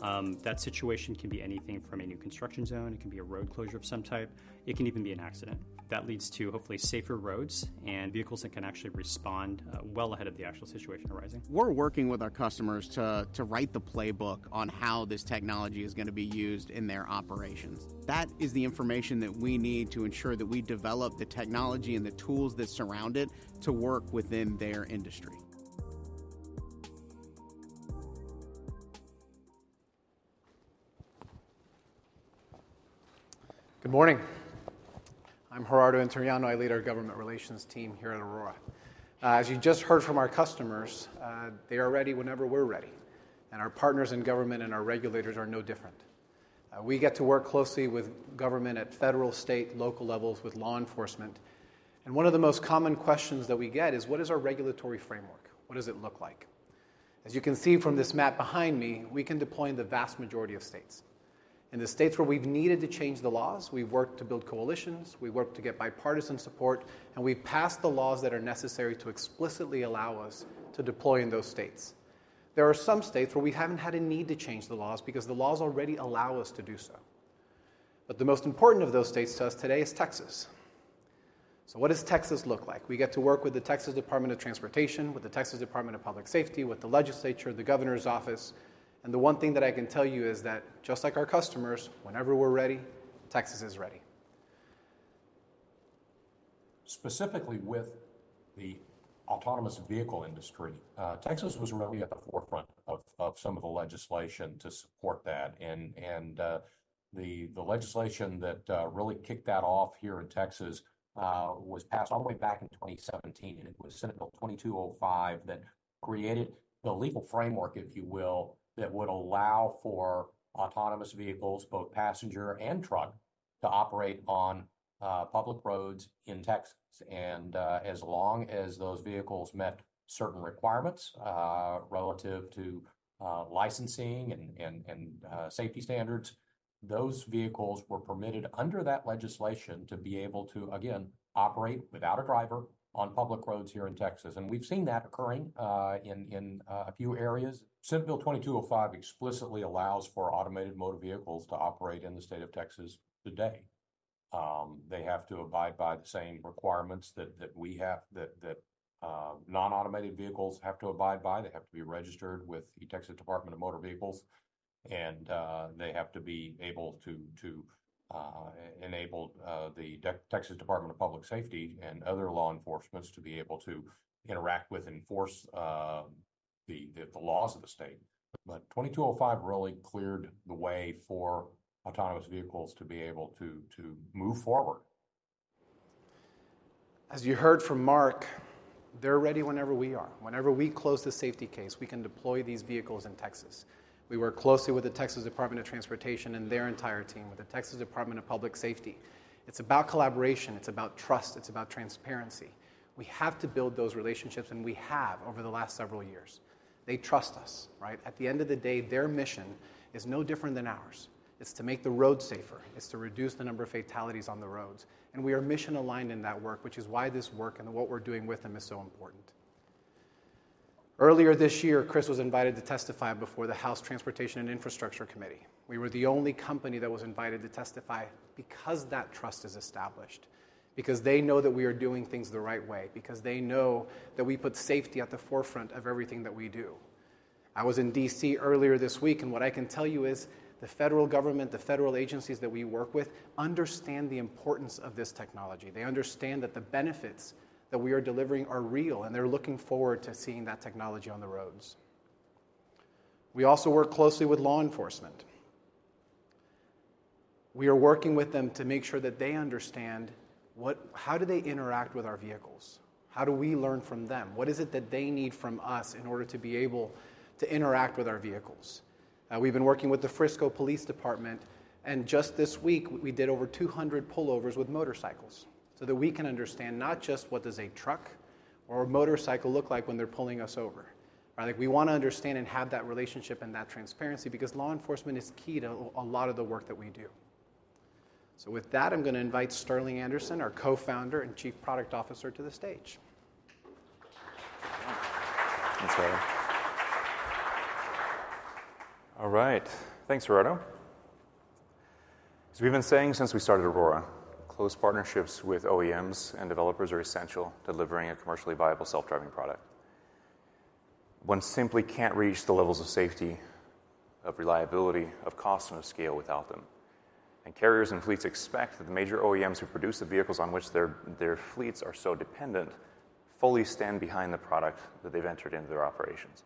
That situation can be anything from a new construction zone. It can be a road closure of some type. It can even be an accident. That leads to hopefully safer roads and vehicles that can actually respond well ahead of the actual situation arising. We're working with our customers to write the playbook on how this technology is going to be used in their operations. That is the information that we need to ensure that we develop the technology and the tools that surround it to work within their industry. Good morning. I'm Gerardo Interiano. I lead our government relations team here at Aurora. As you just heard from our customers, they are ready whenever we're ready. And our partners in government and our regulators are no different. We get to work closely with government at federal, state, local levels with law enforcement. And one of the most common questions that we get is, what is our regulatory framework? What does it look like? As you can see from this map behind me, we can deploy in the vast majority of states. In the states where we've needed to change the laws, we've worked to build coalitions. We've worked to get bipartisan support. And we've passed the laws that are necessary to explicitly allow us to deploy in those states. There are some states where we haven't had a need to change the laws because the laws already allow us to do so. The most important of those states to us today is Texas. What does Texas look like? We get to work with the Texas Department of Transportation, with the Texas Department of Public Safety, with the legislature, the governor's office. The one thing that I can tell you is that just like our customers, whenever we're ready, Texas is ready. Specifically with the autonomous vehicle industry, Texas was really at the forefront of some of the legislation to support that. The legislation that really kicked that off here in Texas was passed all the way back in 2017. It was Senate Bill 2205 that created the legal framework, if you will, that would allow for autonomous vehicles, both passenger and truck, to operate on public roads in Texas. As long as those vehicles met certain requirements relative to licensing and safety standards, those vehicles were permitted under that legislation to be able to, again, operate without a driver on public roads here in Texas. We've seen that occurring in a few areas. Senate Bill 2205 explicitly allows for automated motor vehicles to operate in the state of Texas today. They have to abide by the same requirements that we have, that non-automated vehicles have to abide by. They have to be registered with the Texas Department of Motor Vehicles. They have to be able to enable the Texas Department of Public Safety and other law enforcement to be able to interact with and enforce the laws of the state. 2205 really cleared the way for autonomous vehicles to be able to move forward. As you heard from Mark, they're ready whenever we are. Whenever we close the safety case, we can deploy these vehicles in Texas. We work closely with the Texas Department of Transportation and their entire team, with the Texas Department of Public Safety. It's about collaboration. It's about trust. It's about transparency. We have to build those relationships. We have over the last several years. They trust us, right? At the end of the day, their mission is no different than ours. It's to make the roads safer. It's to reduce the number of fatalities on the roads. We are mission-aligned in that work, which is why this work and what we're doing with them is so important. Earlier this year, Chris was invited to testify before the House Transportation and Infrastructure Committee. We were the only company that was invited to testify because that trust is established, because they know that we are doing things the right way, because they know that we put safety at the forefront of everything that we do. I was in D.C. earlier this week. What I can tell you is the federal government, the federal agencies that we work with understand the importance of this technology. They understand that the benefits that we are delivering are real. And they're looking forward to seeing that technology on the roads. We also work closely with law enforcement. We are working with them to make sure that they understand how do they interact with our vehicles? How do we learn from them? What is it that they need from us in order to be able to interact with our vehicles? We've been working with the Frisco Police Department. Just this week, we did over 200 pullovers with motorcycles so that we can understand not just what does a truck or a motorcycle look like when they're pulling us over, right? We want to understand and have that relationship and that transparency because law enforcement is key to a lot of the work that we do. With that, I'm going to invite Sterling Anderson, our Co-Founder and Chief Product Officer, to the stage. Thanks, Gerardo. All right. Thanks, Gerardo. As we've been saying since we started Aurora, close partnerships with OEMs and developers are essential to delivering a commercially viable self-driving product. One simply can't reach the levels of safety, of reliability, of cost, and of scale without them. Carriers and fleets expect that the major OEMs who produce the vehicles on which their fleets are so dependent fully stand behind the product that they've entered into their operations.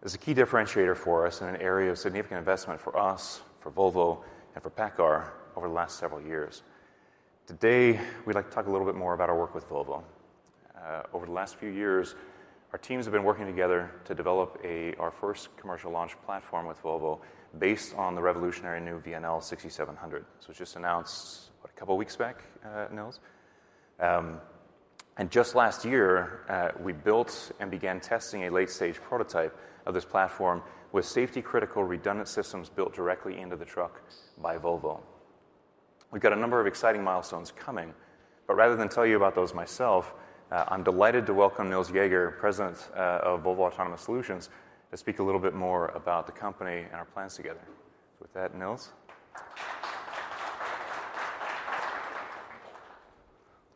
It's a key differentiator for us and an area of significant investment for us, for Volvo, and for PACCAR over the last several years. Today, we'd like to talk a little bit more about our work with Volvo. Over the last few years, our teams have been working together to develop our first commercial launch platform with Volvo based on the revolutionary new [VNL 6700]. So it was just announced, what, a couple of weeks back, Nils? And just last year, we built and began testing a late-stage prototype of this platform with safety-critical redundant systems built directly into the truck by Volvo. We've got a number of exciting milestones coming. But rather than tell you about those myself, I'm delighted to welcome Nils Jaeger, President of Volvo Autonomous Solutions, to speak a little bit more about the company and our plans together. So with that, Nils?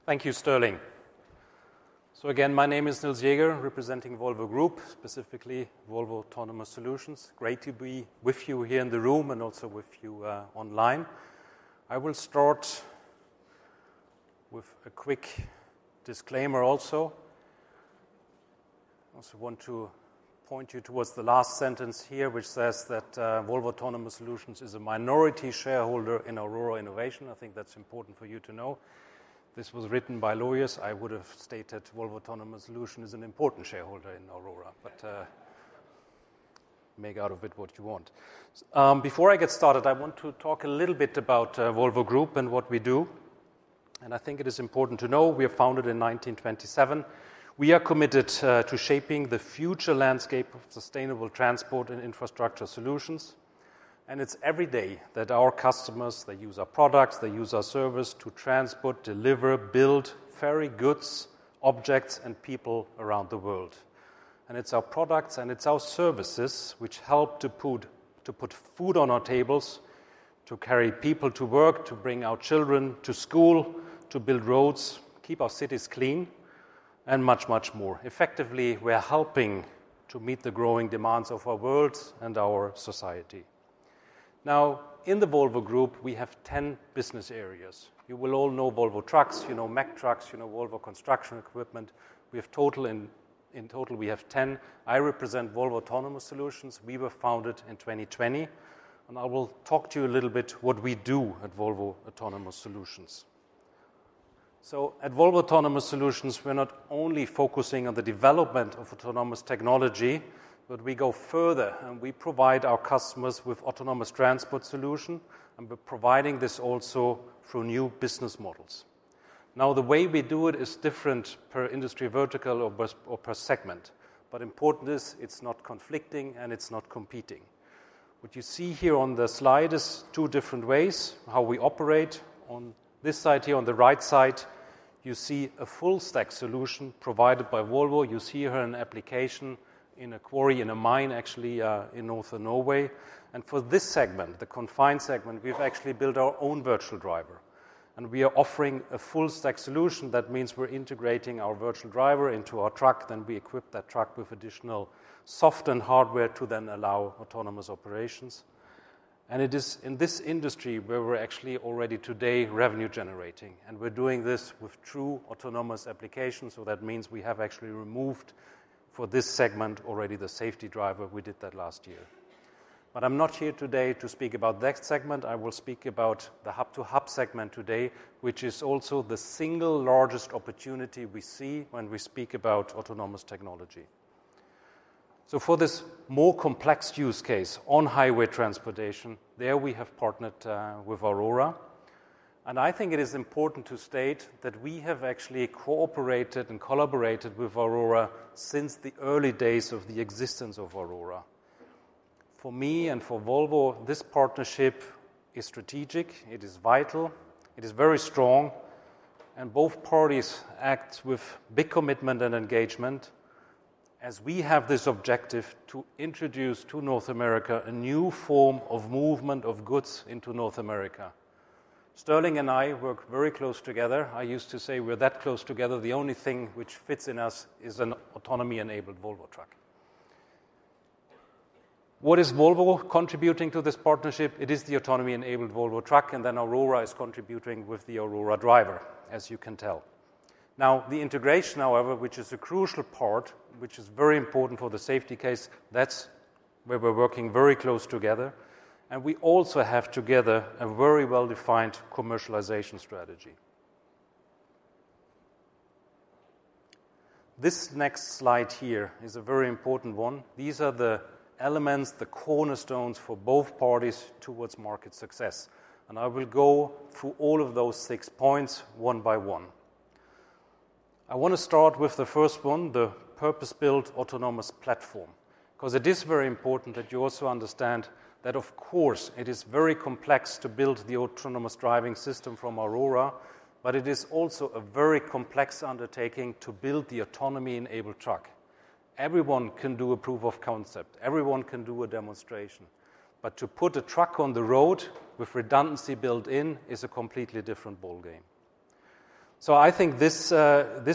Thank you, Sterling. So again, my name is Nils Jaeger, representing Volvo Group, specifically Volvo Autonomous Solutions. Great to be with you here in the room and also with you online. I will start with a quick disclaimer also. I also want to point you towards the last sentence here, which says that Volvo Autonomous Solutions is a minority shareholder in Aurora Innovation. I think that's important for you to know. This was written by lawyers. I would have stated Volvo Autonomous Solutions is an important shareholder in Aurora. But make of it what you want. Before I get started, I want to talk a little bit about Volvo Group and what we do. And I think it is important to know we are founded in 1927. We are committed to shaping the future landscape of sustainable transport and infrastructure solutions. It's every day that our customers, they use our products, they use our service to transport, deliver, build, ferry goods, objects, and people around the world. It's our products and it's our services which help to put food on our tables, to carry people to work, to bring our children to school, to build roads, keep our cities clean, and much, much more. Effectively, we are helping to meet the growing demands of our world and our society. Now, in the Volvo Group, we have 10 business areas. You will all know Volvo Trucks. You know Mack Trucks. You know Volvo Construction Equipment. In total, we have 10. I represent Volvo Autonomous Solutions. We were founded in 2020. I will talk to you a little bit what we do at Volvo Autonomous Solutions. At Volvo Autonomous Solutions, we're not only focusing on the development of autonomous technology, but we go further. We provide our customers with autonomous transport solutions. We're providing this also through new business models. Now, the way we do it is different per industry vertical or per segment. But important is it's not conflicting. It's not competing. What you see here on the slide is two different ways how we operate. On this side here, on the right side, you see a full-stack solution provided by Volvo. You see here an application in a quarry, in a mine, actually, in northern Norway. For this segment, the confined segment, we've actually built our own virtual driver. We are offering a full-stack solution. That means we're integrating our virtual driver into our truck. Then we equip that truck with additional software and hardware to then allow autonomous operations. It is in this industry where we're actually already today revenue-generating. We're doing this with true autonomous applications. So that means we have actually removed for this segment already the safety driver. We did that last year. But I'm not here today to speak about that segment. I will speak about the hub-to-hub segment today, which is also the single largest opportunity we see when we speak about autonomous technology. So for this more complex use case on highway transportation, there, we have partnered with Aurora. I think it is important to state that we have actually cooperated and collaborated with Aurora since the early days of the existence of Aurora. For me and for Volvo, this partnership is strategic. It is vital. It is very strong. And both parties act with big commitment and engagement as we have this objective to introduce to North America a new form of movement of goods into North America. Sterling and I work very close together. I used to say we're that close together. The only thing which fits in us is an autonomy-enabled Volvo Truck. What is Volvo contributing to this partnership? It is the autonomy-enabled Volvo Truck. And then Aurora is contributing with the Aurora Driver, as you can tell. Now, the integration, however, which is a crucial part, which is very important for the Safety Case, that's where we're working very close together. And we also have together a very well-defined commercialization strategy. This next slide here is a very important one. These are the elements, the cornerstones for both parties towards market success. And I will go through all of those six points one by one. I want to start with the first one, the purpose-built autonomous platform because it is very important that you also understand that, of course, it is very complex to build the autonomous driving system from Aurora. But it is also a very complex undertaking to build the autonomy-enabled truck. Everyone can do a proof of concept. Everyone can do a demonstration. But to put a truck on the road with redundancy built in is a completely different ballgame. So I think this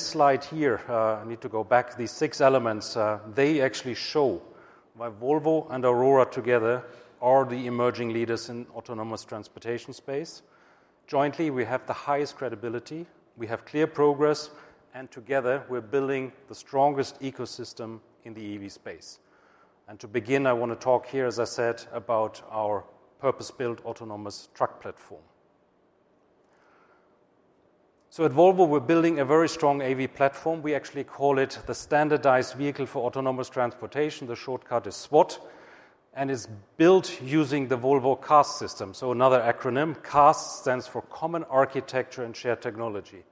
slide here. I need to go back. These six elements, they actually show why Volvo and Aurora together are the emerging leaders in the autonomous transportation space. Jointly, we have the highest credibility. We have clear progress. And together, we're building the strongest ecosystem in the AV space. And to begin, I want to talk here, as I said, about our purpose-built autonomous truck platform. So at Volvo, we're building a very strong AV platform. We actually call it the Standardized Vehicle for Autonomous Transportation. The shortcut is SVAT. It's built using the Volvo CAST system. Another acronym, CAST, stands for Common Architecture & Shared Technology.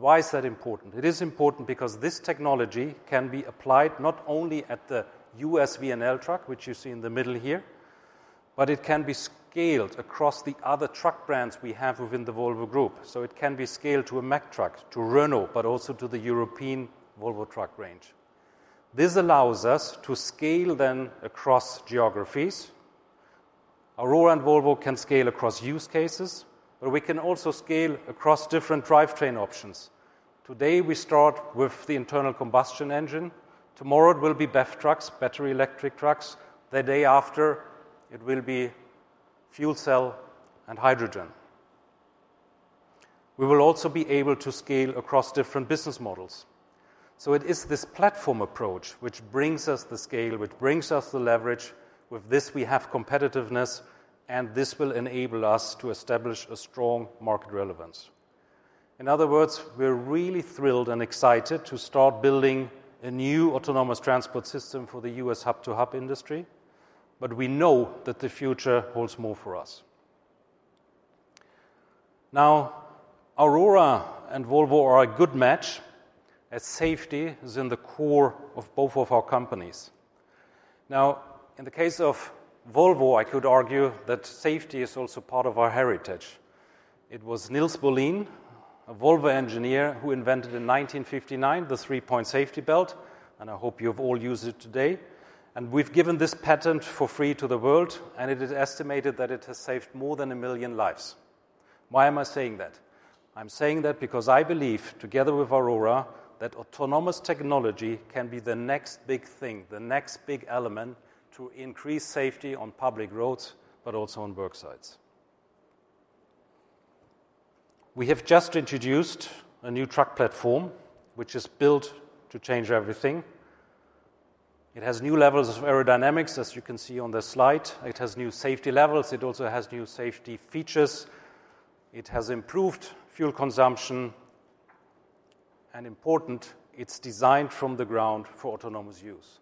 Why is that important? It is important because this technology can be applied not only at the U.S. VNL truck, which you see in the middle here, but it can be scaled across the other truck brands we have within the Volvo Group. It can be scaled to a Mack Truck, to Renault, but also to the European Volvo Truck range. This allows us to scale then across geographies. Aurora and Volvo can scale across use cases. We can also scale across different drivetrain options. Today, we start with the internal combustion engine. Tomorrow, it will be BEV trucks, battery electric trucks. The day after, it will be fuel cell and hydrogen. We will also be able to scale across different business models. So it is this platform approach which brings us the scale, which brings us the leverage. With this, we have competitiveness. And this will enable us to establish a strong market relevance. In other words, we're really thrilled and excited to start building a new autonomous transport system for the U.S. hub-to-hub industry. But we know that the future holds more for us. Now, Aurora and Volvo are a good match as safety is in the core of both of our companies. Now, in the case of Volvo, I could argue that safety is also part of our heritage. It was Nils Bohlin, a Volvo engineer, who invented in 1959 the three-point safety belt. And I hope you have all used it today. We've given this patent for free to the world. It is estimated that it has saved more than a million lives. Why am I saying that? I'm saying that because I believe, together with Aurora, that autonomous technology can be the next big thing, the next big element to increase safety on public roads but also on worksites. We have just introduced a new truck platform, which is built to change everything. It has new levels of aerodynamics, as you can see on the slide. It has new safety levels. It also has new safety features. It has improved fuel consumption. Important, it's designed from the ground for autonomous use.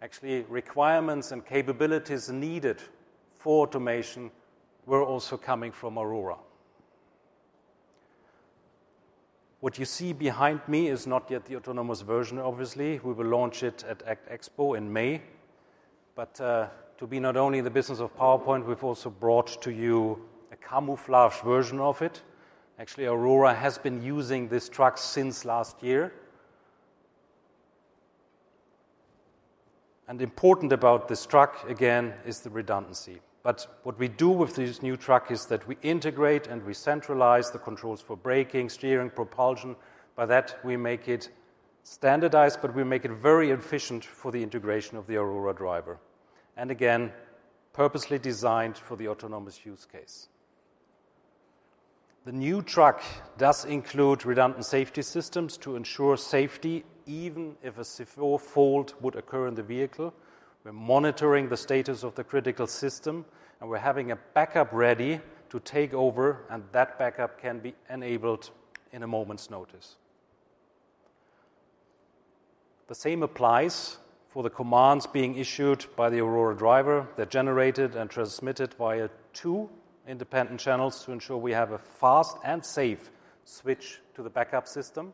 Actually, requirements and capabilities needed for automation were also coming from Aurora. What you see behind me is not yet the autonomous version, obviously. We will launch it at ACT Expo in May. But to be not only the business of PowerPoint, we've also brought to you a camouflage version of it. Actually, Aurora has been using this truck since last year. Important about this truck, again, is the redundancy. But what we do with this new truck is that we integrate and we centralize the controls for braking, steering, propulsion. By that, we make it standardized. But we make it very efficient for the integration of the Aurora Driver and, again, purposely designed for the autonomous use case. The new truck does include redundant safety systems to ensure safety even if a fault would occur in the vehicle. We're monitoring the status of the critical system. We're having a backup ready to take over. And that backup can be enabled in a moment's notice. The same applies for the commands being issued by the Aurora Driver that are generated and transmitted via two independent channels to ensure we have a fast and safe switch to the backup system.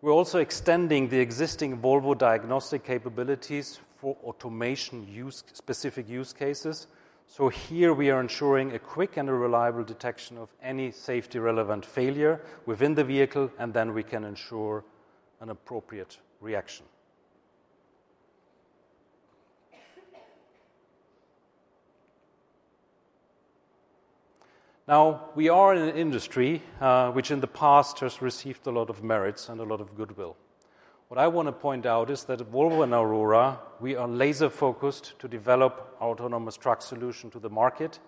We're also extending the existing Volvo diagnostic capabilities for automation-specific use cases. So here, we are ensuring a quick and reliable detection of any safety-relevant failure within the vehicle. And then we can ensure an appropriate reaction. Now, we are in an industry which, in the past, has received a lot of merits and a lot of goodwill. What I want to point out is that at Volvo and Aurora, we are laser-focused to develop our autonomous truck solution to the market.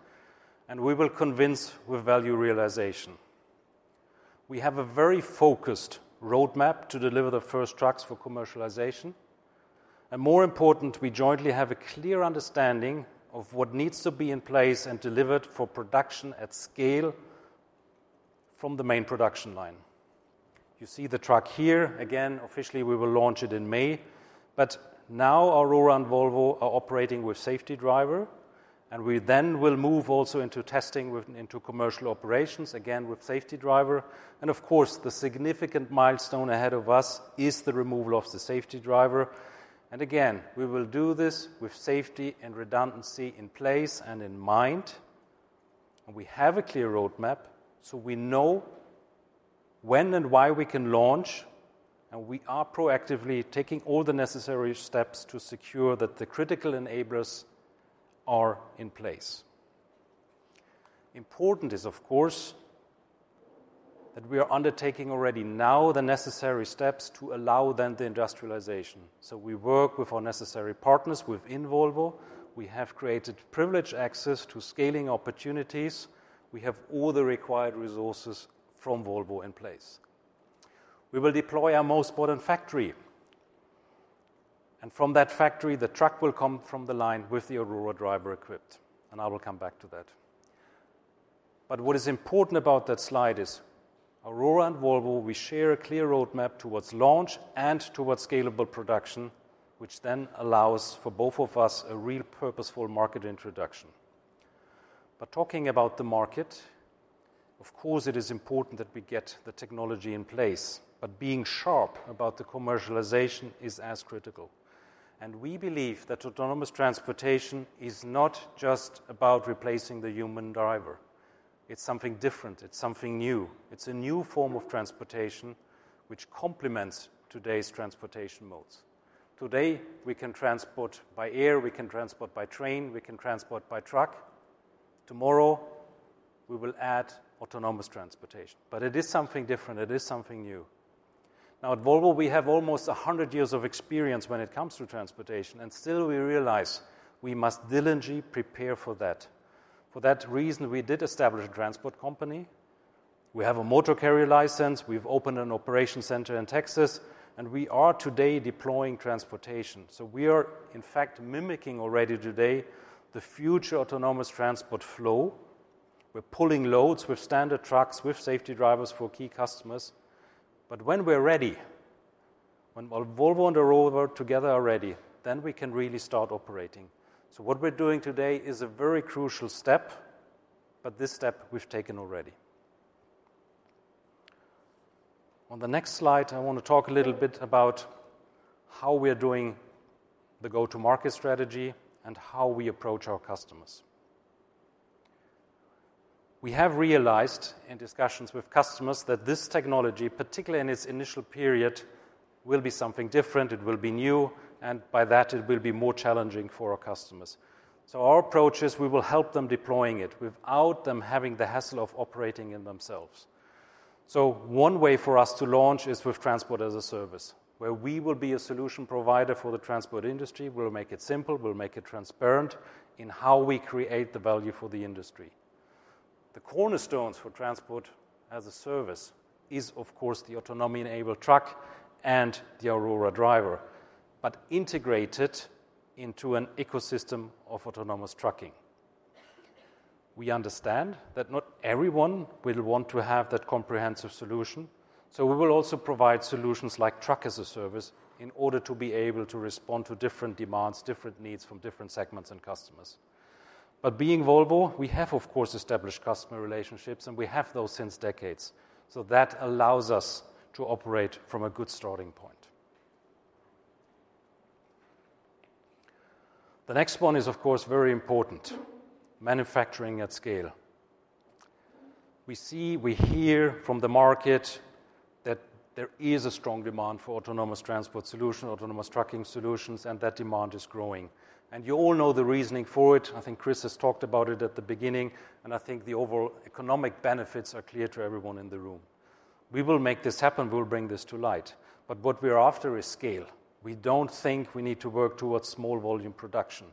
And we will convince with value realization. We have a very focused roadmap to deliver the first trucks for commercialization. More important, we jointly have a clear understanding of what needs to be in place and delivered for production at scale from the main production line. You see the truck here. Again, officially, we will launch it in May. Now, Aurora and Volvo are operating with safety driver. We then will move also into testing into commercial operations, again, with safety driver. Of course, the significant milestone ahead of us is the removal of the safety driver. Again, we will do this with safety and redundancy in place and in mind. We have a clear roadmap. We know when and why we can launch. We are proactively taking all the necessary steps to secure that the critical enablers are in place. Important is, of course, that we are undertaking already now the necessary steps to allow then the industrialization. So we work with our necessary partners within Volvo. We have created privileged access to scaling opportunities. We have all the required resources from Volvo in place. We will deploy our most modern factory. From that factory, the truck will come from the line with the Aurora Driver equipped. I will come back to that. What is important about that slide is Aurora and Volvo, we share a clear roadmap towards launch and towards scalable production, which then allows for both of us a real purposeful market introduction. Talking about the market, of course, it is important that we get the technology in place. Being sharp about the commercialization is as critical. We believe that autonomous transportation is not just about replacing the human driver. It's something different. It's something new. It's a new form of transportation which complements today's transportation modes. Today, we can transport by air. We can transport by train. We can transport by truck. Tomorrow, we will add autonomous transportation. But it is something different. It is something new. Now, at Volvo, we have almost 100 years of experience when it comes to transportation. And still, we realize we must diligently prepare for that. For that reason, we did establish a transport company. We have a motor carrier license. We've opened an operation center in Texas. And we are today deploying transportation. So we are, in fact, mimicking already today the future autonomous transport flow. We're pulling loads with standard trucks, with safety drivers for key customers. But when we're ready, when Volvo and Aurora together are ready, then we can really start operating. So what we're doing today is a very crucial step. But this step, we've taken already. On the next slide, I want to talk a little bit about how we are doing the go-to-market strategy and how we approach our customers. We have realized in discussions with customers that this technology, particularly in its initial period, will be something different. It will be new. And by that, it will be more challenging for our customers. So our approach is we will help them deploying it without them having the hassle of operating it themselves. So one way for us to launch is with Transport as a Service, where we will be a solution provider for the transport industry. We'll make it simple. We'll make it transparent in how we create the value for the industry. The cornerstones for Transport as a Service are, of course, the autonomy-enabled truck and the Aurora Driver but integrated into an ecosystem of autonomous trucking. We understand that not everyone will want to have that comprehensive solution. So we will also provide solutions like Truck as a Service in order to be able to respond to different demands, different needs from different segments and customers. But being Volvo, we have, of course, established customer relationships. And we have those since decades. So that allows us to operate from a good starting point. The next one is, of course, very important: manufacturing at scale. We see, we hear from the market that there is a strong demand for autonomous transport solutions, autonomous trucking solutions. And that demand is growing. And you all know the reasoning for it. I think Chris has talked about it at the beginning. And I think the overall economic benefits are clear to everyone in the room. We will make this happen. We will bring this to light. But what we are after is scale. We don't think we need to work towards small volume production.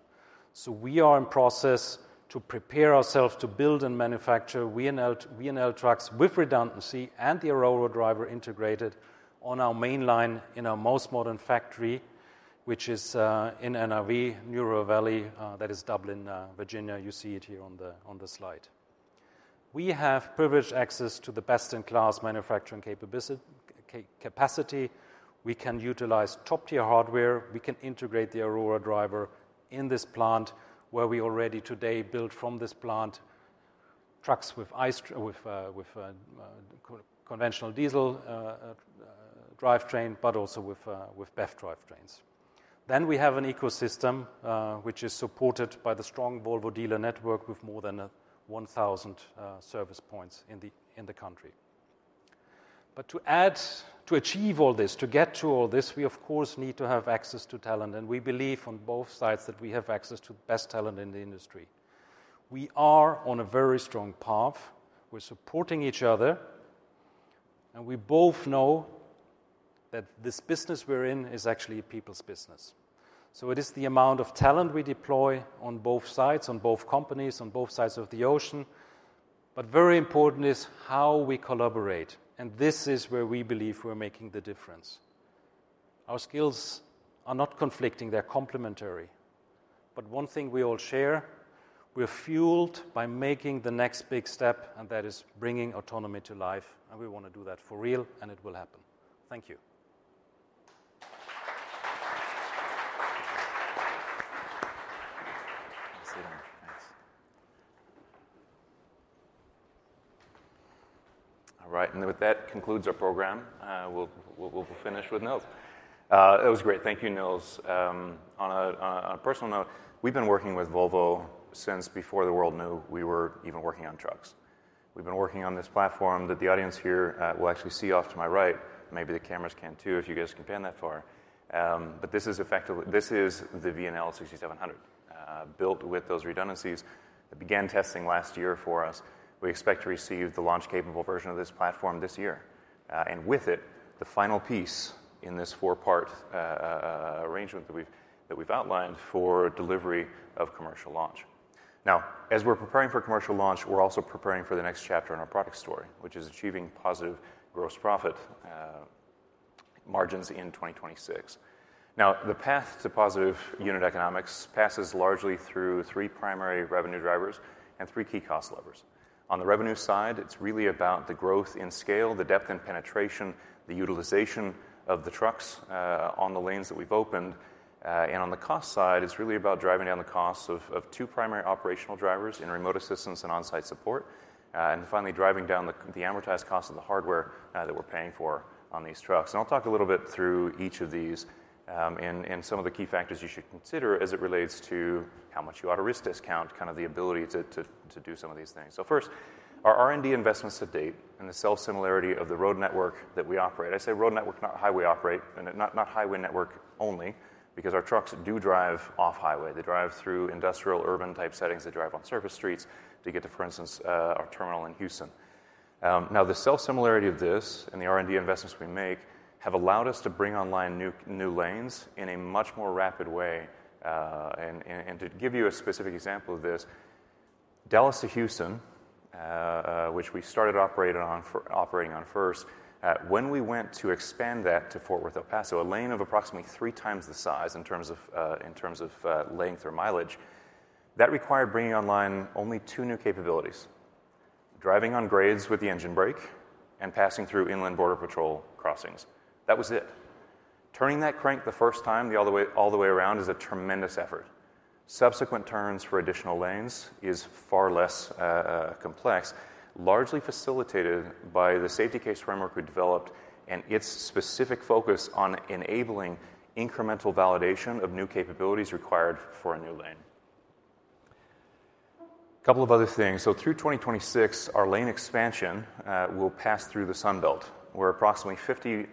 So we are in the process to prepare ourselves to build and manufacture VNL trucks with redundancy and the Aurora Driver integrated on our main line in our most modern factory, which is in NRV, New River Valley. That is Dublin, Virginia. You see it here on the slide. We have privileged access to the best-in-class manufacturing capability. We can utilize top-tier hardware. We can integrate the Aurora Driver in this plant, where we already today build from this plant trucks with conventional diesel drivetrain but also with BEV drivetrains. Then we have an ecosystem, which is supported by the strong Volvo dealer network with more than 1,000 service points in the country. But to achieve all this, to get to all this, we, of course, need to have access to talent. We believe on both sides that we have access to the best talent in the industry. We are on a very strong path. We're supporting each other. We both know that this business we're in is actually people's business. It is the amount of talent we deploy on both sides, on both companies, on both sides of the ocean. But very important is how we collaborate. This is where we believe we're making the difference. Our skills are not conflicting. They're complementary. But one thing we all share: we're fueled by making the next big step. That is bringing autonomy to life. We want to do that for real. It will happen. Thank you. Thanks. All right. With that concludes our program. We'll finish with Nils. It was great. Thank you, Nils. On a personal note, we've been working with Volvo since before the world knew we were even working on trucks. We've been working on this platform that the audience here will actually see off to my right. Maybe the cameras can too if you guys can pan that far. But this is the [VNL 6700] built with those redundancies. It began testing last year for us. We expect to receive the launch-capable version of this platform this year. With it, the final piece in this four-part arrangement that we've outlined for delivery of commercial launch. Now, as we're preparing for commercial launch, we're also preparing for the next chapter in our product story, which is achieving positive gross profit margins in 2026. Now, the path to positive unit economics passes largely through three primary revenue drivers and three key cost levers. On the revenue side, it's really about the growth in scale, the depth and penetration, the utilization of the trucks on the lanes that we've opened. And on the cost side, it's really about driving down the costs of two primary operational drivers in remote assistance and on-site support. And finally, driving down the amortized cost of the hardware that we're paying for on these trucks. And I'll talk a little bit through each of these and some of the key factors you should consider as it relates to how much you authorize discount, kind of the ability to do some of these things. So first, our R&D investments to date and the self-similarity of the road network that we operate. I say road network, not highway operate. Not highway network only because our trucks do drive off highway. They drive through industrial, urban-type settings. They drive on surface streets to get to, for instance, our terminal in Houston. Now, the self-similarity of this and the R&D investments we make have allowed us to bring online new lanes in a much more rapid way. And to give you a specific example of this, Dallas to Houston, which we started operating on first, when we went to expand that to Fort Worth, El Paso, a lane of approximately three times the size in terms of length or mileage, that required bringing online only two new capabilities: driving on grades with the engine brake and passing through inland border patrol crossings. That was it. Turning that crank the first time all the way around is a tremendous effort. Subsequent turns for additional lanes are far less complex, largely facilitated by the safety case framework we developed and its specific focus on enabling incremental validation of new capabilities required for a new lane. A couple of other things. So through 2026, our lane expansion will pass through the Sunbelt, where approximately 50%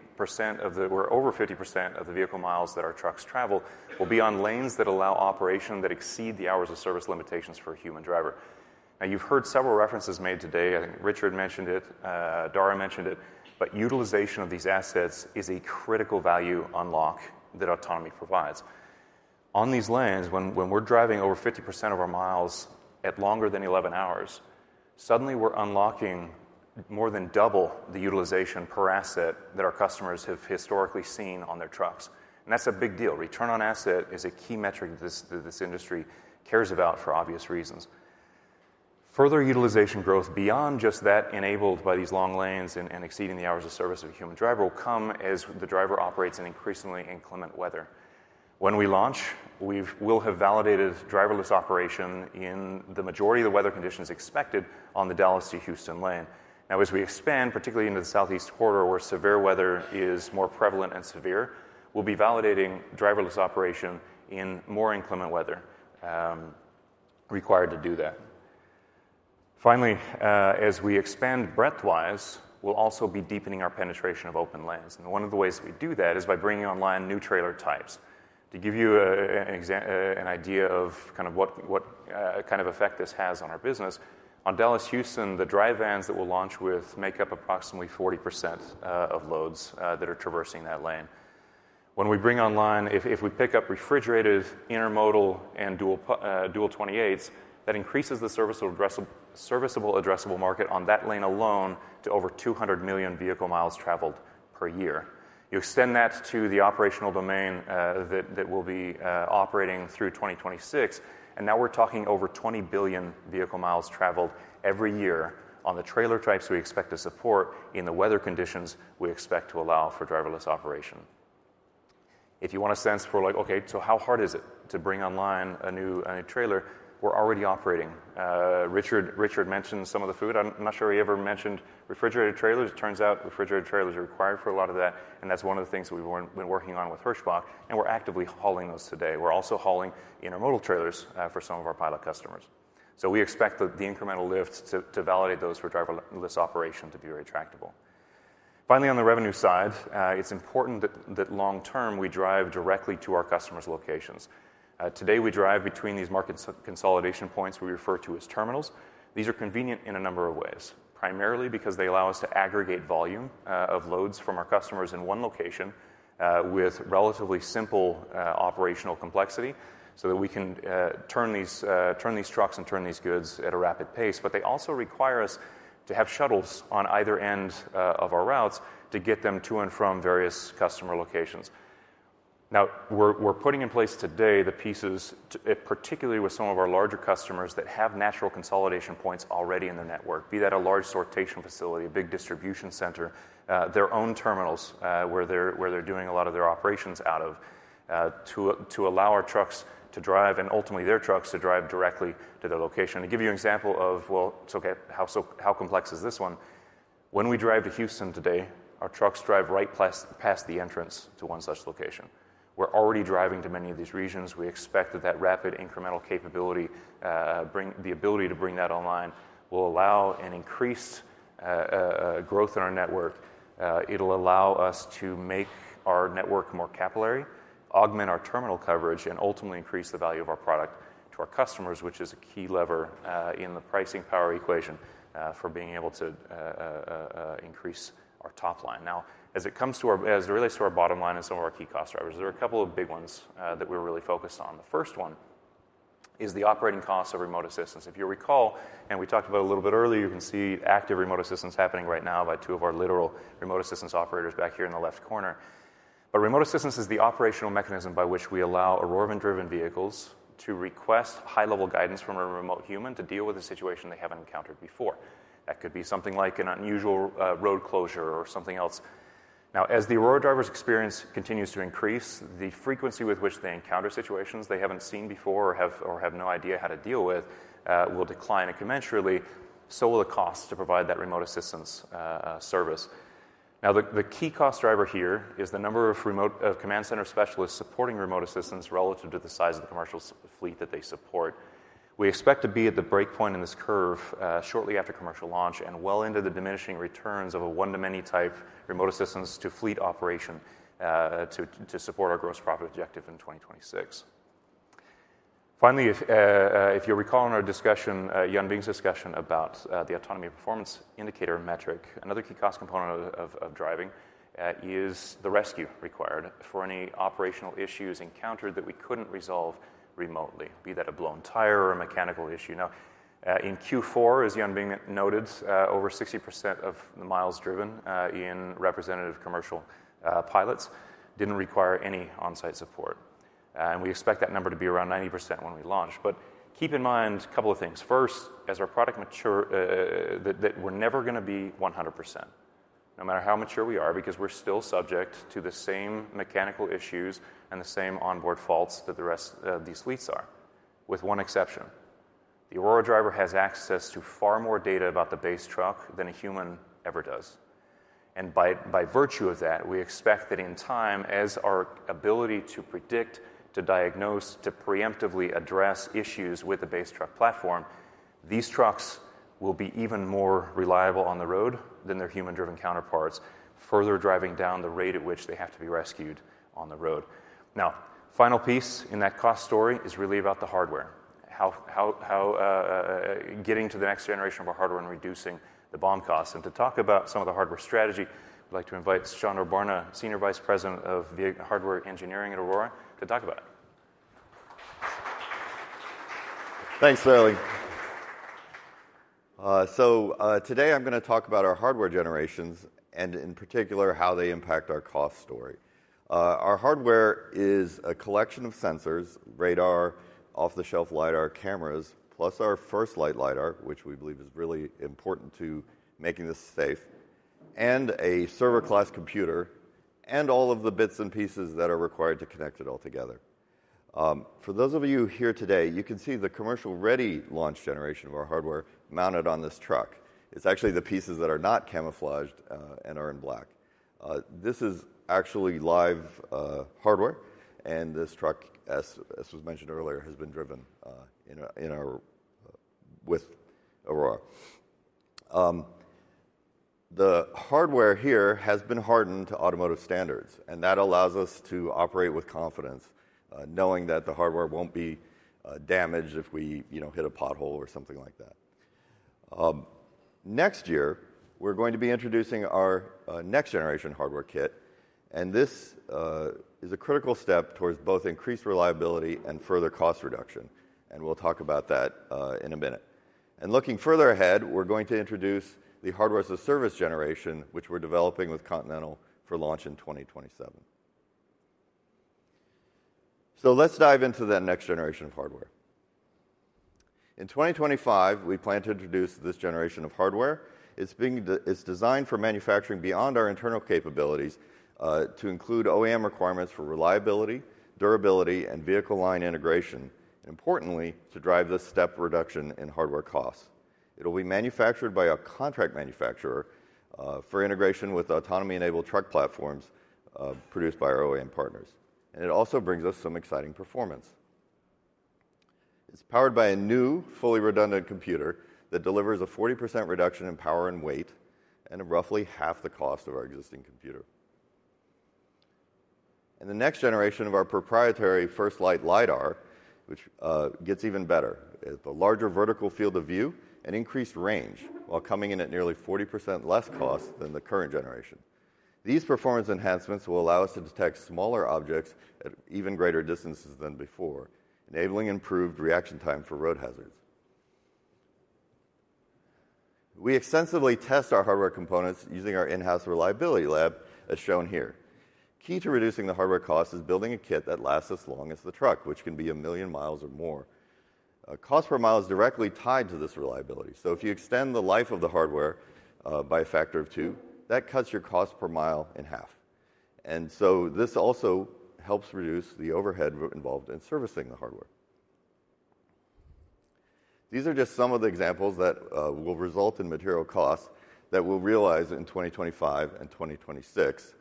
of the or over 50% of the vehicle miles that our trucks travel will be on lanes that allow operation that exceed the hours of service limitations for a human driver. Now, you've heard several references made today. I think Richard mentioned it. Daragh mentioned it. But utilization of these assets is a critical value unlock that autonomy provides. On these lanes, when we're driving over 50% of our miles at longer than 11 hours, suddenly, we're unlocking more than double the utilization per asset that our customers have historically seen on their trucks. That's a big deal. Return on assets is a key metric that this industry cares about for obvious reasons. Further utilization growth beyond just that enabled by these long lanes and exceeding the hours of service of a human driver will come as the driver operates in increasingly inclement weather. When we launch, we will have validated driverless operation in the majority of the weather conditions expected on the Dallas to Houston lane. Now, as we expand, particularly into the Southeast Corridor, where severe weather is more prevalent and severe, we'll be validating driverless operation in more inclement weather required to do that. Finally, as we expand breadthwise, we'll also be deepening our penetration of open lanes. And one of the ways we do that is by bringing online new trailer types. To give you an idea of kind of what kind of effect this has on our business, on Dallas to Houston, the dry vans that we'll launch with make up approximately 40% of loads that are traversing that lane. When we bring online, if we pick up refrigerated intermodal and doubles, that increases the serviceable addressable market on that lane alone to over 200 million vehicle miles traveled per year. You extend that to the operational domain that we'll be operating through 2026. And now, we're talking over 20 billion vehicle miles traveled every year on the trailer types we expect to support in the weather conditions we expect to allow for driverless operation. If you want a sense for, like, OK, so how hard is it to bring online a new trailer? We're already operating. Richard mentioned some of the food. I'm not sure he ever mentioned refrigerated trailers. It turns out refrigerated trailers are required for a lot of that. That's one of the things that we've been working on with Hirschbach. We're actively hauling those today. We're also hauling intermodal trailers for some of our pilot customers. We expect the incremental lifts to validate those for driverless operation to be very attractive. Finally, on the revenue side, it's important that long-term, we drive directly to our customers' locations. Today, we drive between these market consolidation points we refer to as terminals. These are convenient in a number of ways, primarily because they allow us to aggregate volume of loads from our customers in one location with relatively simple operational complexity so that we can turn these trucks and turn these goods at a rapid pace. But they also require us to have shuttles on either end of our routes to get them to and from various customer locations. Now, we're putting in place today the pieces, particularly with some of our larger customers that have natural consolidation points already in their network, be that a large sortation facility, a big distribution center, their own terminals where they're doing a lot of their operations out of, to allow our trucks to drive and ultimately their trucks to drive directly to their location. To give you an example of, well, it's OK. How complex is this one? When we drive to Houston today, our trucks drive right past the entrance to one such location. We're already driving to many of these regions. We expect that that rapid incremental capability, the ability to bring that online, will allow an increased growth in our network. It'll allow us to make our network more capillary, augment our terminal coverage, and ultimately increase the value of our product to our customers, which is a key lever in the pricing power equation for being able to increase our top line. Now, as it relates to our bottom line and some of our key cost drivers, there are a couple of big ones that we're really focused on. The first one is the operating costs of remote assistance. If you recall, and we talked about it a little bit earlier, you can see active remote assistance happening right now by two of our literal remote assistance operators back here in the left corner. But remote assistance is the operational mechanism by which we allow Aurora-driven vehicles to request high-level guidance from a remote human to deal with a situation they haven't encountered before. That could be something like an unusual road closure or something else. Now, as the Aurora Driver's experience continues to increase, the frequency with which they encounter situations they haven't seen before or have no idea how to deal with will decline commensurately. So will the costs to provide that remote assistance service. Now, the key cost driver here is the number of command center specialists supporting remote assistance relative to the size of the commercial fleet that they support. We expect to be at the breakpoint in this curve shortly after commercial launch and well into the diminishing returns of a one-to-many type remote assistance to fleet operation to support our gross profit objective in 2026. Finally, if you recall in our discussion, Yanbing's discussion about the Autonomy Performance Indicator metric, another key cost component of driving is the rescue required for any operational issues encountered that we couldn't resolve remotely, be that a blown tire or a mechanical issue. Now, in Q4, as Yanbing noted, over 60% of the miles driven in representative commercial pilots didn't require any on-site support. And we expect that number to be around 90% when we launch. But keep in mind a couple of things. First, as our product mature, that we're never going to be 100% no matter how mature we are because we're still subject to the same mechanical issues and the same onboard faults that the rest of these fleets are, with one exception. The Aurora Driver has access to far more data about the base truck than a human ever does. By virtue of that, we expect that in time, as our ability to predict, to diagnose, to preemptively address issues with the base truck platform, these trucks will be even more reliable on the road than their human-driven counterparts, further driving down the rate at which they have to be rescued on the road. Now, the final piece in that cost story is really about the hardware, getting to the next generation of our hardware and reducing the BOM costs. To talk about some of the hardware strategy, we'd like to invite Sandor Barna, Senior Vice President of Hardware Engineering at Aurora, to talk about it. Thanks. So today, I'm going to talk about our hardware generations and, in particular, how they impact our cost story. Our hardware is a collection of sensors, radar, off-the-shelf Lidar cameras, plus our FirstLight Lidar, which we believe is really important to making this safe, and a server-class computer and all of the bits and pieces that are required to connect it all together. For those of you here today, you can see the commercial-ready launch generation of our hardware mounted on this truck. It's actually the pieces that are not camouflaged and are in black. This is actually live hardware. And this truck, as was mentioned earlier, has been driven with Aurora. The hardware here has been hardened to automotive standards. And that allows us to operate with confidence, knowing that the hardware won't be damaged if we hit a pothole or something like that. Next year, we're going to be introducing our next-generation hardware kit. This is a critical step towards both increased reliability and further cost reduction. We'll talk about that in a minute. Looking further ahead, we're going to introduce the hardware-as-a-service generation, which we're developing with Continental for launch in 2027. Let's dive into that next generation of hardware. In 2025, we plan to introduce this generation of hardware. It's designed for manufacturing beyond our internal capabilities to include OEM requirements for reliability, durability, and vehicle line integration, and importantly, to drive this step reduction in hardware costs. It'll be manufactured by a contract manufacturer for integration with autonomy-enabled truck platforms produced by our OEM partners. It also brings us some exciting performance. It's powered by a new, fully redundant computer that delivers a 40% reduction in power and weight and roughly half the cost of our existing computer. The next generation of our proprietary FirstLight Lidar, which gets even better, is the larger vertical field of view and increased range while coming in at nearly 40% less cost than the current generation. These performance enhancements will allow us to detect smaller objects at even greater distances than before, enabling improved reaction time for road hazards. We extensively test our hardware components using our in-house reliability lab, as shown here. Key to reducing the hardware cost is building a kit that lasts as long as the truck, which can be 1 million miles or more. Cost per mile is directly tied to this reliability. So if you extend the life of the hardware by a factor of two, that cuts your cost per mile in half. And so this also helps reduce the overhead involved in servicing the hardware. These are just some of the examples that will result in material costs that we'll realize in 2025 and 2026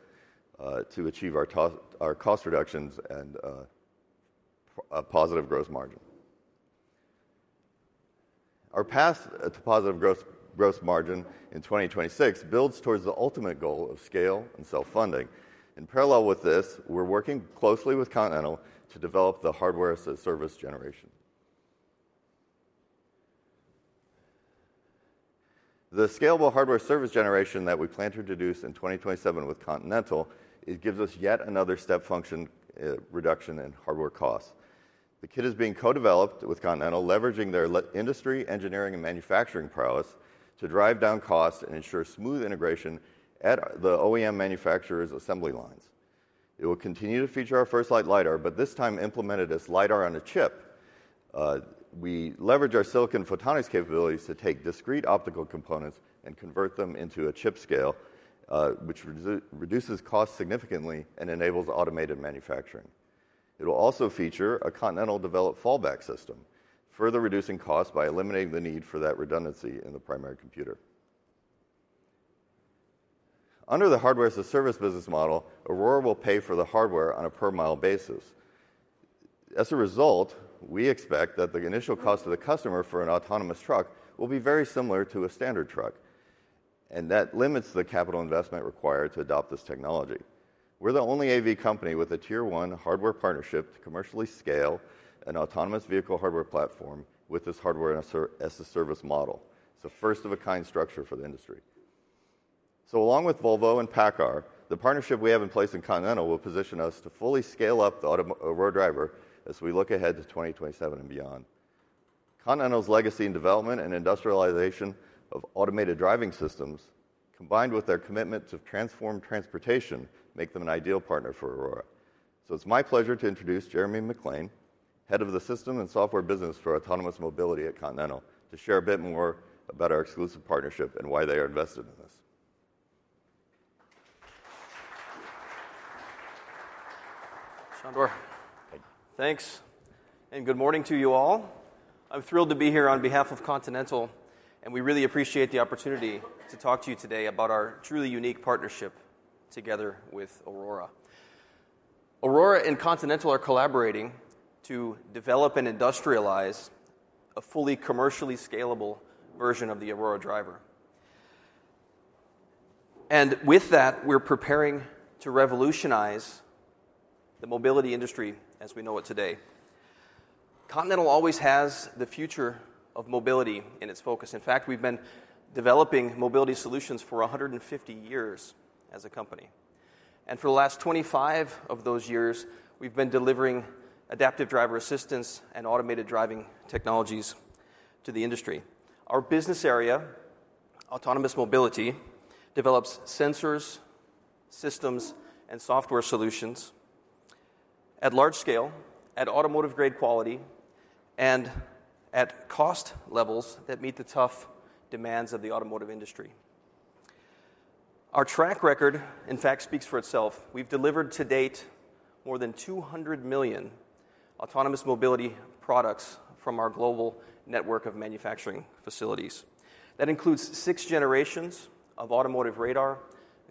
to achieve our cost reductions and a positive gross margin. Our path to positive gross margin in 2026 builds towards the ultimate goal of scale and self-funding. In parallel with this, we're working closely with Continental to develop the hardware-as-a-service generation. The scalable hardware-as-a-service generation that we plan to introduce in 2027 with Continental gives us yet another step function reduction in hardware costs. The kit is being co-developed with Continental, leveraging their industry, engineering, and manufacturing prowess to drive down costs and ensure smooth integration at the OEM manufacturer's assembly lines. It will continue to feature our FirstLight Lidar, but this time implemented as lidar-on-a-chip. We leverage our silicon photonics capabilities to take discrete optical components and convert them into a chip scale, which reduces costs significantly and enables automated manufacturing. It will also feature a Continental-developed fallback system, further reducing costs by eliminating the need for that redundancy in the primary computer. Under the hardware-as-a-service business model, Aurora will pay for the hardware on a per-mile basis. As a result, we expect that the initial cost to the customer for an autonomous truck will be very similar to a standard truck. That limits the capital investment required to adopt this technology. We're the only AV company with a Tier 1 hardware partnership to commercially scale an autonomous vehicle hardware platform with this hardware-as-a-service model. It's a first-of-a-kind structure for the industry. Along with Volvo and PACCAR, the partnership we have in place in Continental will position us to fully scale up the Aurora Driver as we look ahead to 2027 and beyond. Continental's legacy in development and industrialization of automated driving systems, combined with their commitment to transform transportation, make them an ideal partner for Aurora. It's my pleasure to introduce Jeremy McClain, Head of System and Software Business for Autonomous Mobility at Continental, to share a bit more about our exclusive partnership and why they are invested in this. Thanks. Thanks. Good morning to you all. I'm thrilled to be here on behalf of Continental. We really appreciate the opportunity to talk to you today about our truly unique partnership together with Aurora. Aurora and Continental are collaborating to develop and industrialize a fully commercially scalable version of the Aurora Driver. With that, we're preparing to revolutionize the mobility industry as we know it today. Continental always has the future of mobility in its focus. In fact, we've been developing mobility solutions for 150 years as a company. For the last 25 of those years, we've been delivering adaptive driver assistance and automated driving technologies to the industry. Our business area, autonomous mobility, develops sensors, systems, and software solutions at large scale, at automotive-grade quality, and at cost levels that meet the tough demands of the automotive industry. Our track record, in fact, speaks for itself. We've delivered to date more than 200 million autonomous mobility products from our global network of manufacturing facilities. That includes six generations of automotive radar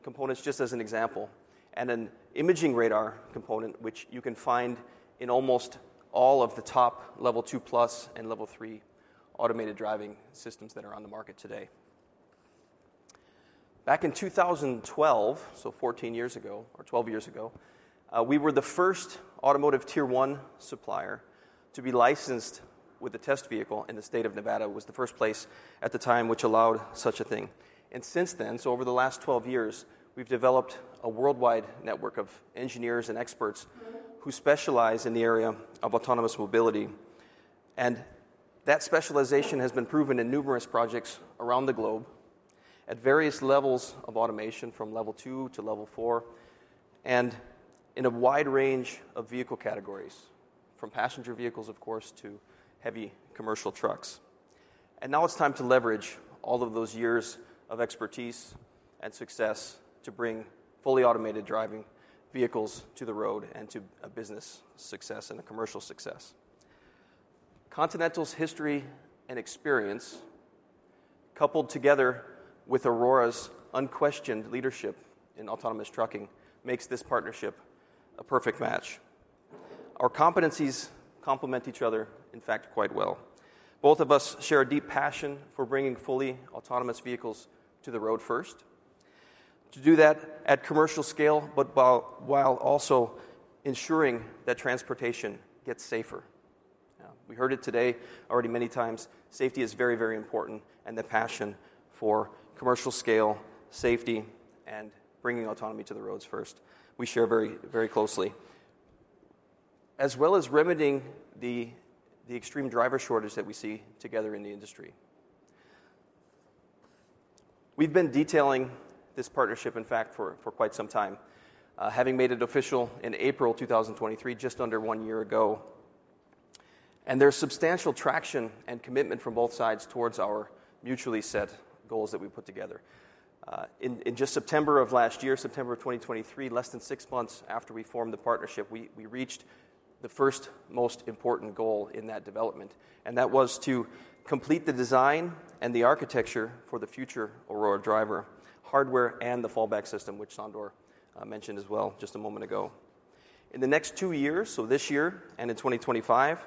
components, just as an example, and an imaging radar component, which you can find in almost all of the top Level 2 Plus and Level 3 automated driving systems that are on the market today. Back in 2012, so 14 years ago or 12 years ago, we were the first automotive Tier 1 supplier to be licensed with a test vehicle in the state of Nevada. It was the first place at the time which allowed such a thing. Since then, so over the last 12 years, we've developed a worldwide network of engineers and experts who specialize in the area of autonomous mobility. That specialization has been proven in numerous projects around the globe at various levels of automation, from Level 2 to Level 4, and in a wide range of vehicle categories, from passenger vehicles, of course, to heavy commercial trucks. Now it's time to leverage all of those years of expertise and success to bring fully automated driving vehicles to the road and to business success and a commercial success. Continental's history and experience, coupled together with Aurora's unquestioned leadership in autonomous trucking, makes this partnership a perfect match. Our competencies complement each other, in fact, quite well. Both of us share a deep passion for bringing fully autonomous vehicles to the road first, to do that at commercial scale but while also ensuring that transportation gets safer. We heard it today already many times. Safety is very, very important. The passion for commercial scale, safety, and bringing autonomy to the roads first, we share very, very closely, as well as remedying the extreme driver shortage that we see together in the industry. We've been detailing this partnership, in fact, for quite some time, having made it official in April 2023, just under one year ago. There's substantial traction and commitment from both sides towards our mutually set goals that we put together. In just September of last year, September of 2023, less than six months after we formed the partnership, we reached the first most important goal in that development. That was to complete the design and the architecture for the future Aurora Driver hardware and the fallback system, which Sandor mentioned as well just a moment ago. In the next two years, so this year and in 2025,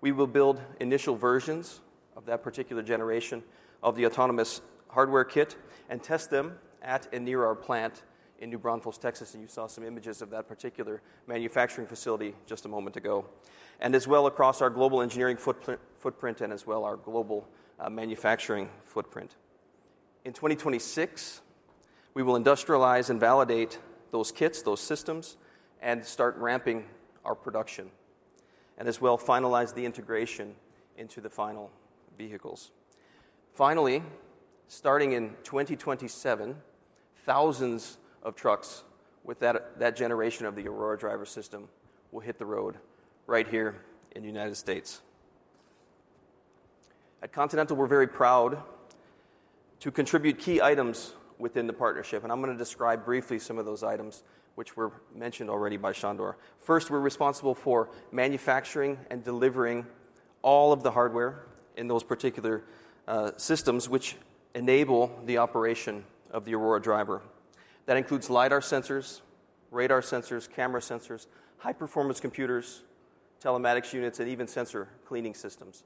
we will build initial versions of that particular generation of the autonomous hardware kit and test them at and near our plant in New Braunfels, Texas. You saw some images of that particular manufacturing facility just a moment ago, and as well across our global engineering footprint and as well our global manufacturing footprint. In 2026, we will industrialize and validate those kits, those systems, and start ramping our production, and as well finalize the integration into the final vehicles. Finally, starting in 2027, thousands of trucks with that generation of the Aurora Driver system will hit the road right here in the United States. At Continental, we're very proud to contribute key items within the partnership. I'm going to describe briefly some of those items, which were mentioned already by Sandor. First, we're responsible for manufacturing and delivering all of the hardware in those particular systems which enable the operation of the Aurora Driver. That includes Lidar sensors, radar sensors, camera sensors, high-performance computers, telematics units, and even sensor cleaning systems.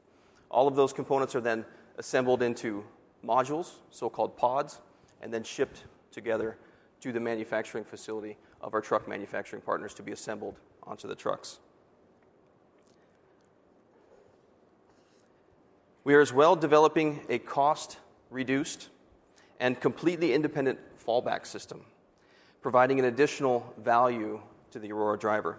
All of those components are then assembled into modules, so-called pods, and then shipped together to the manufacturing facility of our truck manufacturing partners to be assembled onto the trucks. We are as well developing a cost-reduced and completely independent fallback system, providing an additional value to the Aurora Driver.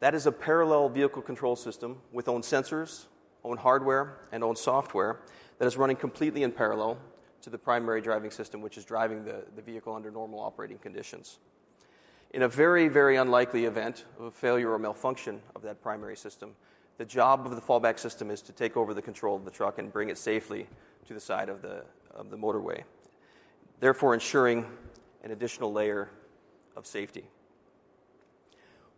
That is a parallel vehicle control system with own sensors, own hardware, and own software that is running completely in parallel to the primary driving system, which is driving the vehicle under normal operating conditions. In a very, very unlikely event of a failure or malfunction of that primary system, the job of the fallback system is to take over the control of the truck and bring it safely to the side of the motorway, therefore ensuring an additional layer of safety.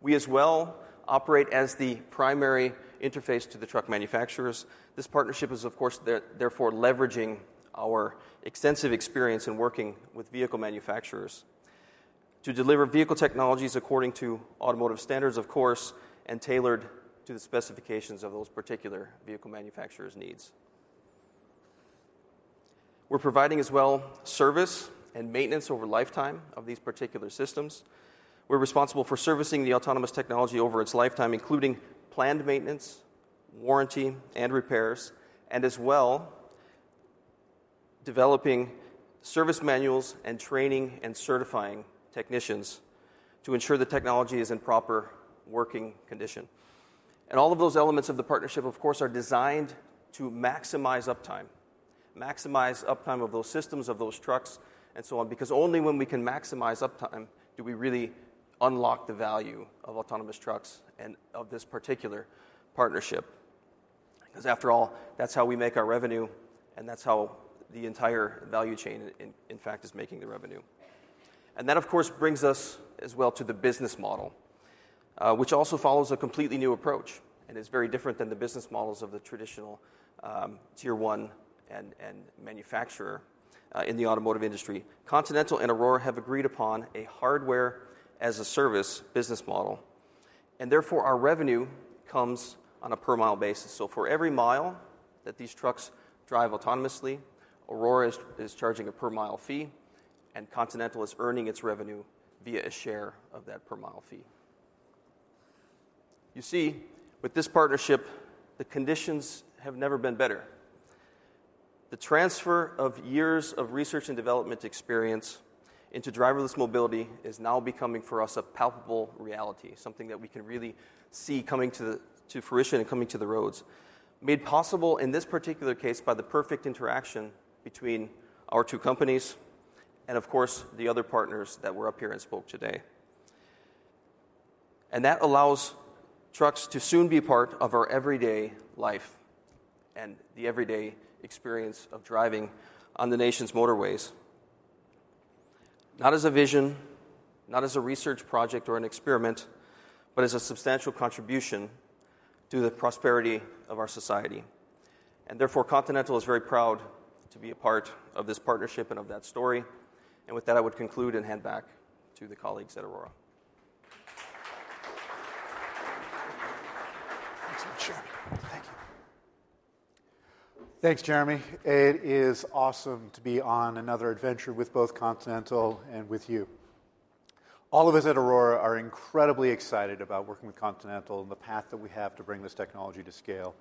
We as well operate as the primary interface to the truck manufacturers. This partnership is, of course, therefore leveraging our extensive experience in working with vehicle manufacturers to deliver vehicle technologies according to automotive standards, of course, and tailored to the specifications of those particular vehicle manufacturers' needs. We're providing as well service and maintenance over lifetime of these particular systems. We're responsible for servicing the autonomous technology over its lifetime, including planned maintenance, warranty, and repairs, and as well developing service manuals and training and certifying technicians to ensure the technology is in proper working condition. All of those elements of the partnership, of course, are designed to maximize uptime, maximize uptime of those systems, of those trucks, and so on, because only when we can maximize uptime do we really unlock the value of autonomous trucks and of this particular partnership. Because after all, that's how we make our revenue. That's how the entire value chain, in fact, is making the revenue. That, of course, brings us as well to the business model, which also follows a completely new approach and is very different than the business models of the traditional Tier 1 manufacturer in the automotive industry. Continental and Aurora have agreed upon a hardware-as-a-service business model. Therefore, our revenue comes on a per-mile basis. For every mile that these trucks drive autonomously, Aurora is charging a per-mile fee. Continental is earning its revenue via a share of that per-mile fee. You see, with this partnership, the conditions have never been better. The transfer of years of research and development experience into driverless mobility is now becoming for us a palpable reality, something that we can really see coming to fruition and coming to the roads, made possible in this particular case by the perfect interaction between our two companies and, of course, the other partners that were up here and spoke today. That allows trucks to soon be part of our everyday life and the everyday experience of driving on the nation's motorways, not as a vision, not as a research project or an experiment, but as a substantial contribution to the prosperity of our society. Therefore, Continental is very proud to be a part of this partnership and of that story. With that, I would conclude and hand back to the colleagues at Aurora. Thanks, Jeremy. Thank you. Thanks, Jeremy. It is awesome to be on another adventure with both Continental and with you. All of us at Aurora are incredibly excited about working with Continental and the path that we have to bring this technology to scale.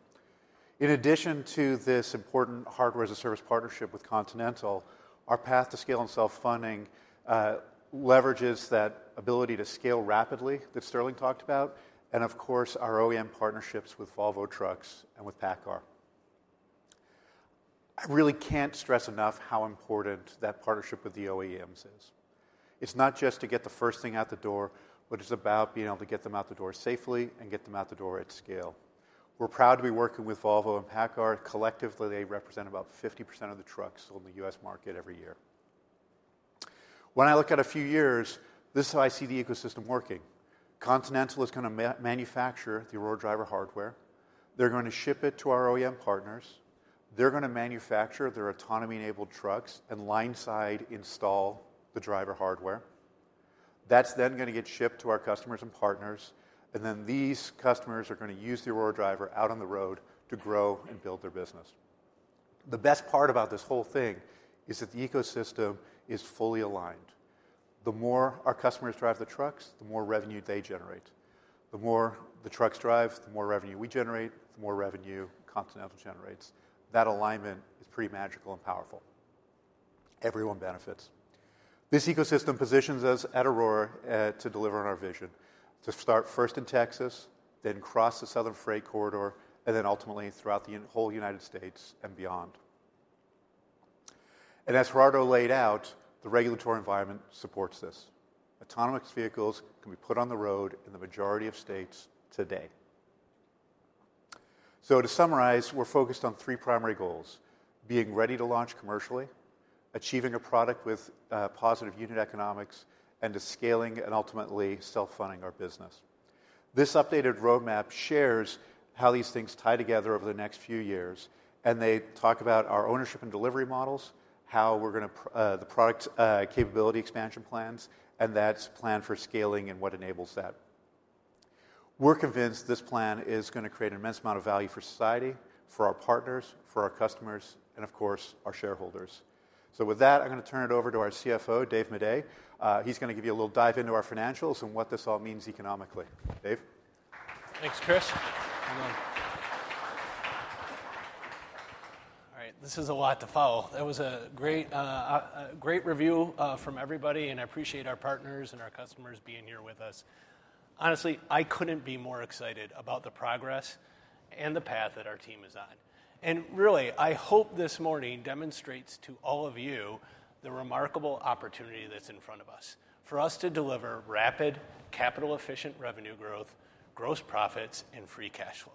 In addition to this important hardware-as-a-service partnership with Continental, our path to scale and self-funding leverages that ability to scale rapidly that Sterling talked about and, of course, our OEM partnerships with Volvo Trucks and with PACCAR. I really can't stress enough how important that partnership with the OEMs is. It's not just to get the first thing out the door, but it's about being able to get them out the door safely and get them out the door at scale. We're proud to be working with Volvo and PACCAR. Collectively, they represent about 50% of the trucks sold in the U.S. market every year. When I look at a few years, this is how I see the ecosystem working. Continental is going to manufacture the Aurora Driver hardware. They're going to ship it to our OEM partners. They're going to manufacture their autonomy-enabled trucks and line-side install the Aurora Driver hardware. That's then going to get shipped to our customers and partners. And then these customers are going to use the Aurora Driver out on the road to grow and build their business. The best part about this whole thing is that the ecosystem is fully aligned. The more our customers drive the trucks, the more revenue they generate. The more the trucks drive, the more revenue we generate, the more revenue Continental generates. That alignment is pretty magical and powerful. Everyone benefits. This ecosystem positions us at Aurora to deliver on our vision, to start first in Texas, then cross the Southern Freight Corridor, and then ultimately throughout the whole United States and beyond. As Gerardo laid out, the regulatory environment supports this. Autonomous vehicles can be put on the road in the majority of states today. To summarize, we're focused on three primary goals: being ready to launch commercially, achieving a product with positive unit economics, and scaling and ultimately self-funding our business. This updated roadmap shares how these things tie together over the next few years. They talk about our ownership and delivery models, how we're going to the product capability expansion plans, and that's planned for scaling and what enables that. We're convinced this plan is going to create an immense amount of value for society, for our partners, for our customers, and, of course, our shareholders. With that, I'm going to turn it over to our CFO, Dave Maday. He's going to give you a little dive into our financials and what this all means economically. Dave? Thanks, Chris. All right. This is a lot to follow. That was a great review from everybody. I appreciate our partners and our customers being here with us. Honestly, I couldn't be more excited about the progress and the path that our team is on. Really, I hope this morning demonstrates to all of you the remarkable opportunity that's in front of us for us to deliver rapid, capital-efficient revenue growth, gross profits, and free cash flow.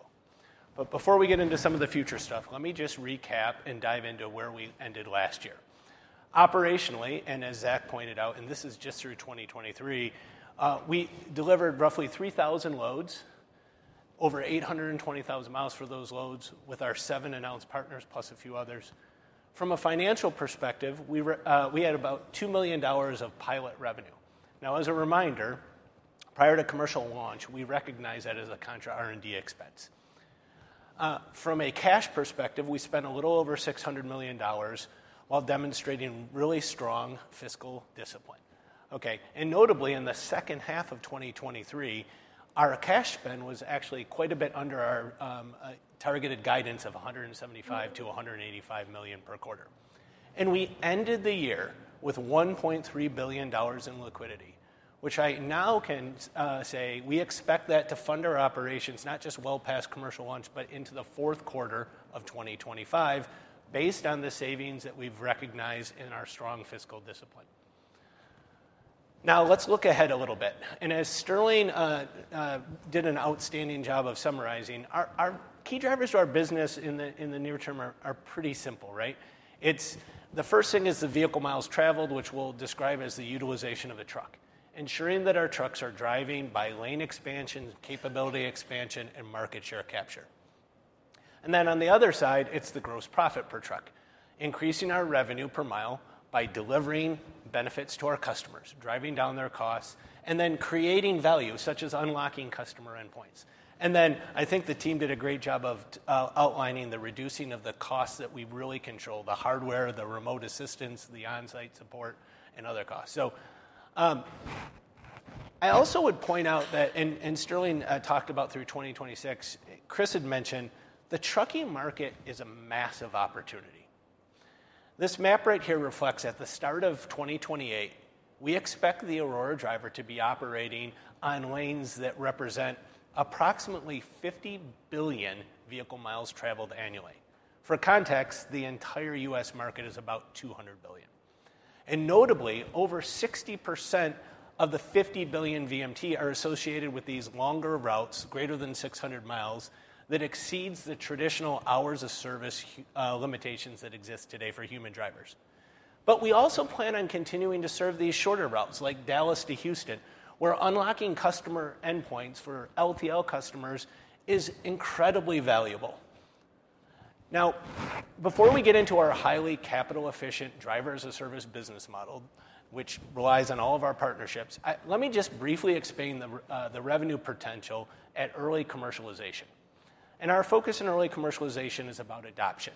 But before we get into some of the future stuff, let me just recap and dive into where we ended last year. Operationally, and as Zac pointed out, and this is just through 2023, we delivered roughly 3,000 loads, over 820,000 miles for those loads with our seven announced partners plus a few others. From a financial perspective, we had about $2 million of pilot revenue. Now, as a reminder, prior to commercial launch, we recognize that as a contra R&D expense. From a cash perspective, we spent a little over $600 million while demonstrating really strong fiscal discipline. OK, and notably, in the second half of 2023, our cash spend was actually quite a bit under our targeted guidance of $175 million-$185 million per quarter. We ended the year with $1.3 billion in liquidity, which I now can say we expect that to fund our operations not just well past commercial launch but into the fourth quarter of 2025 based on the savings that we've recognized in our strong fiscal discipline. Now, let's look ahead a little bit. As Sterling did an outstanding job of summarizing, our key drivers to our business in the near term are pretty simple, right? The first thing is the vehicle miles traveled, which we'll describe as the utilization of the truck, ensuring that our trucks are driving by lane expansion, capability expansion, and market share capture. Then on the other side, it's the gross profit per truck, increasing our revenue per mile by delivering benefits to our customers, driving down their costs, and then creating value such as unlocking customer endpoints. Then I think the team did a great job of outlining the reducing of the costs that we really control: the hardware, the remote assistance, the on-site support, and other costs. So I also would point out that, and Sterling talked about, through 2026. Chris had mentioned the trucking market is a massive opportunity. This map right here reflects at the start of 2028, we expect the Aurora Driver to be operating on lanes that represent approximately 50 billion vehicle miles traveled annually. For context, the entire U.S. market is about 200 billion. And notably, over 60% of the 50 billion VMT are associated with these longer routes, greater than 600 miles, that exceed the traditional hours of service limitations that exist today for human drivers. But we also plan on continuing to serve these shorter routes, like Dallas to Houston, where unlocking customer endpoints for LTL customers is incredibly valuable. Now, before we get into our highly capital-efficient driver-as-a-service business model, which relies on all of our partnerships, let me just briefly explain the revenue potential at early commercialization. And our focus in early commercialization is about adoption.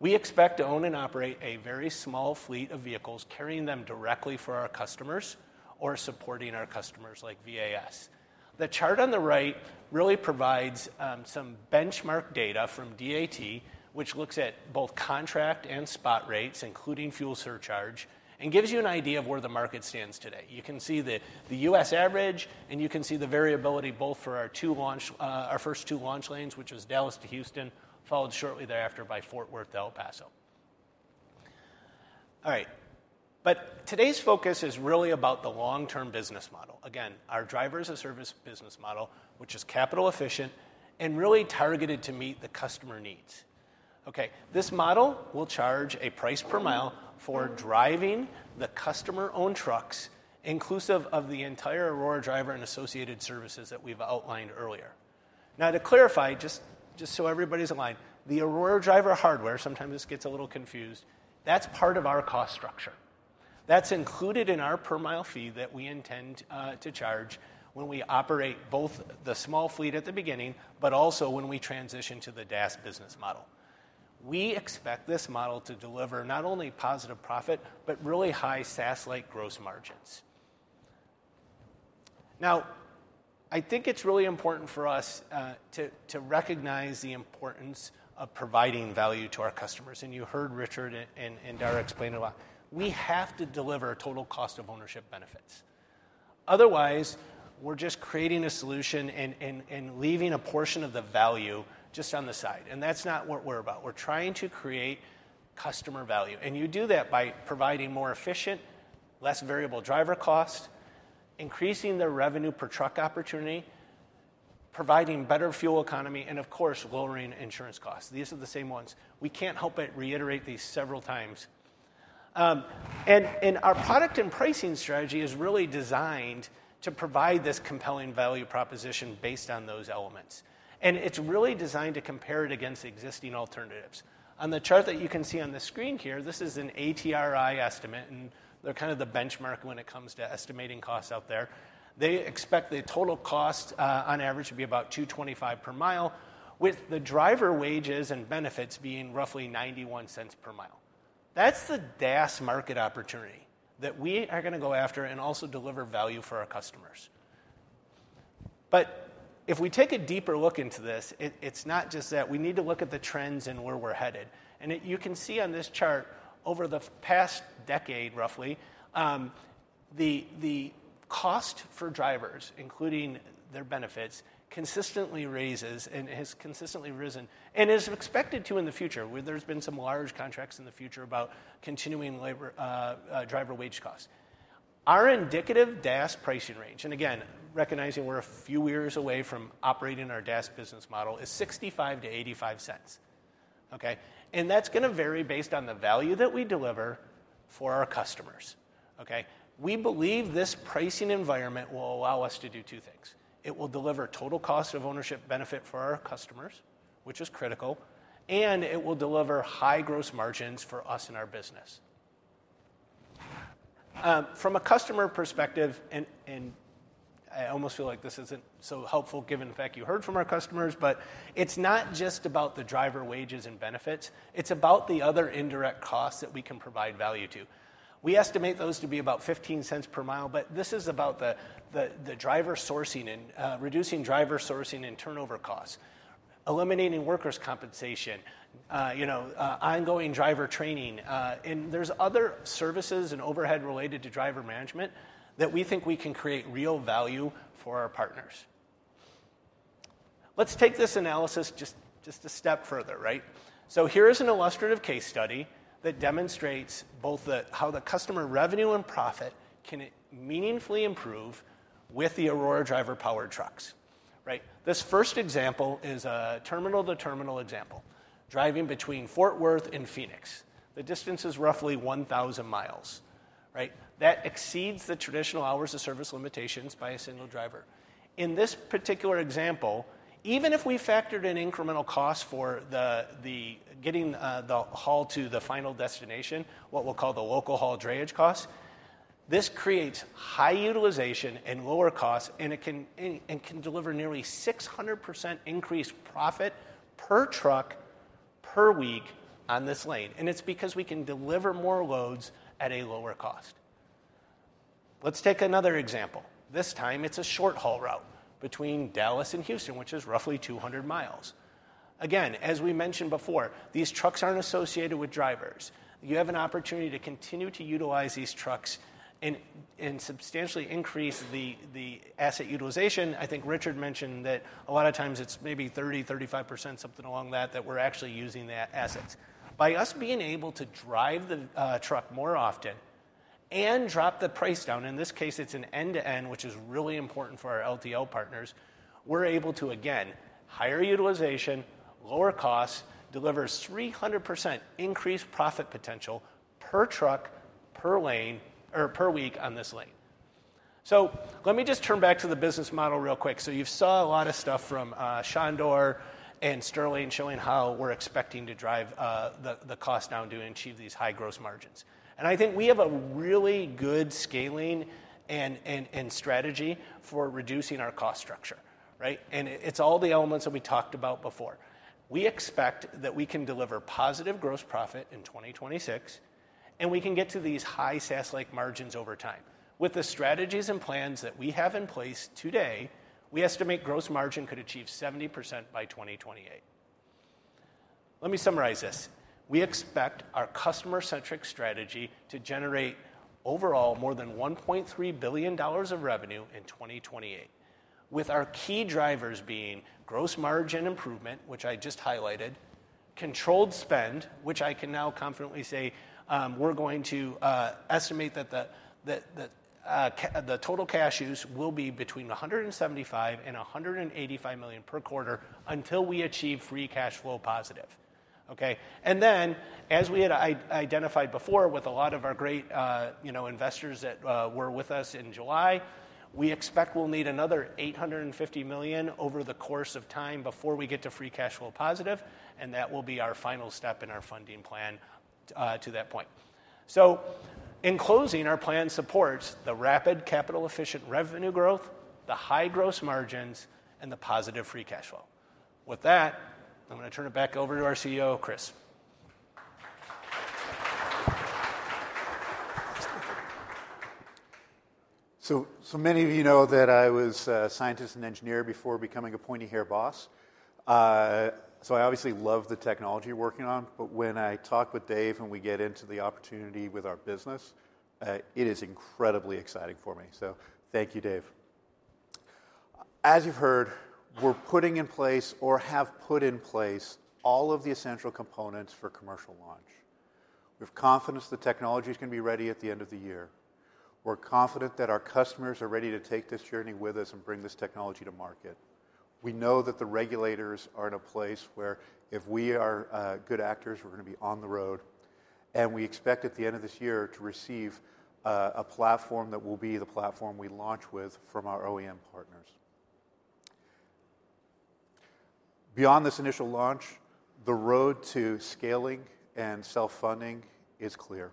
We expect to own and operate a very small fleet of vehicles, carrying them directly for our customers or supporting our customers like VAS. The chart on the right really provides some benchmark data from DAT, which looks at both contract and spot rates, including fuel surcharge, and gives you an idea of where the market stands today. You can see the U.S. average. You can see the variability both for our first two launch lanes, which was Dallas to Houston, followed shortly thereafter by Fort Worth to El Paso. All right. Today's focus is really about the long-term business model, again, our driver-as-a-service business model, which is capital-efficient and really targeted to meet the customer needs. OK, this model will charge a price per mile for driving the customer-owned trucks, inclusive of the entire Aurora Driver and associated services that we've outlined earlier. Now, to clarify, just so everybody's aligned, the Aurora Driver hardware—sometimes this gets a little confused. That's part of our cost structure. That's included in our per-mile fee that we intend to charge when we operate both the small fleet at the beginning but also when we transition to the DaaS business model. We expect this model to deliver not only positive profit but really high SaaS-like gross margins. Now, I think it's really important for us to recognize the importance of providing value to our customers. And you heard Richard and Daragh explain it a lot. We have to deliver Total Cost of Ownership benefits. Otherwise, we're just creating a solution and leaving a portion of the value just on the side. And that's not what we're about. We're trying to create customer value. You do that by providing more efficient, less variable driver cost, increasing the revenue per truck opportunity, providing better fuel economy, and, of course, lowering insurance costs. These are the same ones. We can't help but reiterate these several times. Our product and pricing strategy is really designed to provide this compelling value proposition based on those elements. It's really designed to compare it against existing alternatives. On the chart that you can see on the screen here, this is an ATRI estimate. They're kind of the benchmark when it comes to estimating costs out there. They expect the total cost on average to be about $2.25 per mile, with the driver wages and benefits being roughly $0.91 per mile. That's the DaaS market opportunity that we are going to go after and also deliver value for our customers. But if we take a deeper look into this, it's not just that. We need to look at the trends and where we're headed. And you can see on this chart, over the past decade, roughly, the cost for drivers, including their benefits, consistently raises and has consistently risen and is expected to in the future, where there's been some large contracts in the future about continuing driver wage costs. Our indicative DaaS pricing range, and again, recognizing we're a few years away from operating our DaaS business model, is $0.65-$0.85. OK? And that's going to vary based on the value that we deliver for our customers. OK? We believe this pricing environment will allow us to do two things. It will deliver total cost of ownership benefit for our customers, which is critical. And it will deliver high gross margins for us and our business. From a customer perspective, and I almost feel like this isn't so helpful given the fact you heard from our customers, but it's not just about the driver wages and benefits. It's about the other indirect costs that we can provide value to. We estimate those to be about $0.15 per mile. But this is about the reducing driver sourcing and turnover costs, eliminating workers' compensation, ongoing driver training. And there's other services and overhead related to driver management that we think we can create real value for our partners. Let's take this analysis just a step further, right? So here is an illustrative case study that demonstrates both how the customer revenue and profit can meaningfully improve with the Aurora Driver-powered trucks, right? This first example is a terminal-to-terminal example, driving between Fort Worth and Phoenix. The distance is roughly 1,000 miles, right? That exceeds the traditional hours of service limitations by a single driver. In this particular example, even if we factored in incremental costs for getting the haul to the final destination, what we'll call the local haul drayage costs, this creates high utilization and lower costs. It can deliver nearly 600% increased profit per truck per week on this lane. It's because we can deliver more loads at a lower cost. Let's take another example. This time, it's a short haul route between Dallas and Houston, which is roughly 200 miles. Again, as we mentioned before, these trucks aren't associated with drivers. You have an opportunity to continue to utilize these trucks and substantially increase the asset utilization. I think Richard mentioned that a lot of times, it's maybe 30%, 35%, something along that, that we're actually using the assets. By us being able to drive the truck more often and drop the price down in this case, it's an end-to-end, which is really important for our LTL partners. We're able to, again, higher utilization, lower costs, deliver 300% increased profit potential per truck, per lane, or per week on this lane. So let me just turn back to the business model real quick. So you saw a lot of stuff from Sandor and Sterling showing how we're expecting to drive the cost down to achieve these high gross margins. And I think we have a really good scaling and strategy for reducing our cost structure, right? And it's all the elements that we talked about before. We expect that we can deliver positive gross profit in 2026. And we can get to these high SaaS-like margins over time. With the strategies and plans that we have in place today, we estimate gross margin could achieve 70% by 2028. Let me summarize this. We expect our customer-centric strategy to generate overall more than $1.3 billion of revenue in 2028, with our key drivers being gross margin improvement, which I just highlighted, controlled spend, which I can now confidently say we're going to estimate that the total cash use will be between $175 million and $185 million per quarter until we achieve free cash flow positive. OK? And then, as we had identified before with a lot of our great investors that were with us in July, we expect we'll need another $850 million over the course of time before we get to free cash flow positive. And that will be our final step in our funding plan to that point. In closing, our plan supports the rapid, capital-efficient revenue growth, the high gross margins, and the positive free cash flow. With that, I'm going to turn it back over to our CEO, Chris. So many of you know that I was a scientist and engineer before becoming a pointy-haired boss. So I obviously love the technology working on. But when I talk with Dave and we get into the opportunity with our business, it is incredibly exciting for me. So thank you, Dave. As you've heard, we're putting in place or have put in place all of the essential components for commercial launch. We have confidence the technology is going to be ready at the end of the year. We're confident that our customers are ready to take this journey with us and bring this technology to market. We know that the regulators are in a place where, if we are good actors, we're going to be on the road. We expect at the end of this year to receive a platform that will be the platform we launch with from our OEM partners. Beyond this initial launch, the road to scaling and self-funding is clear.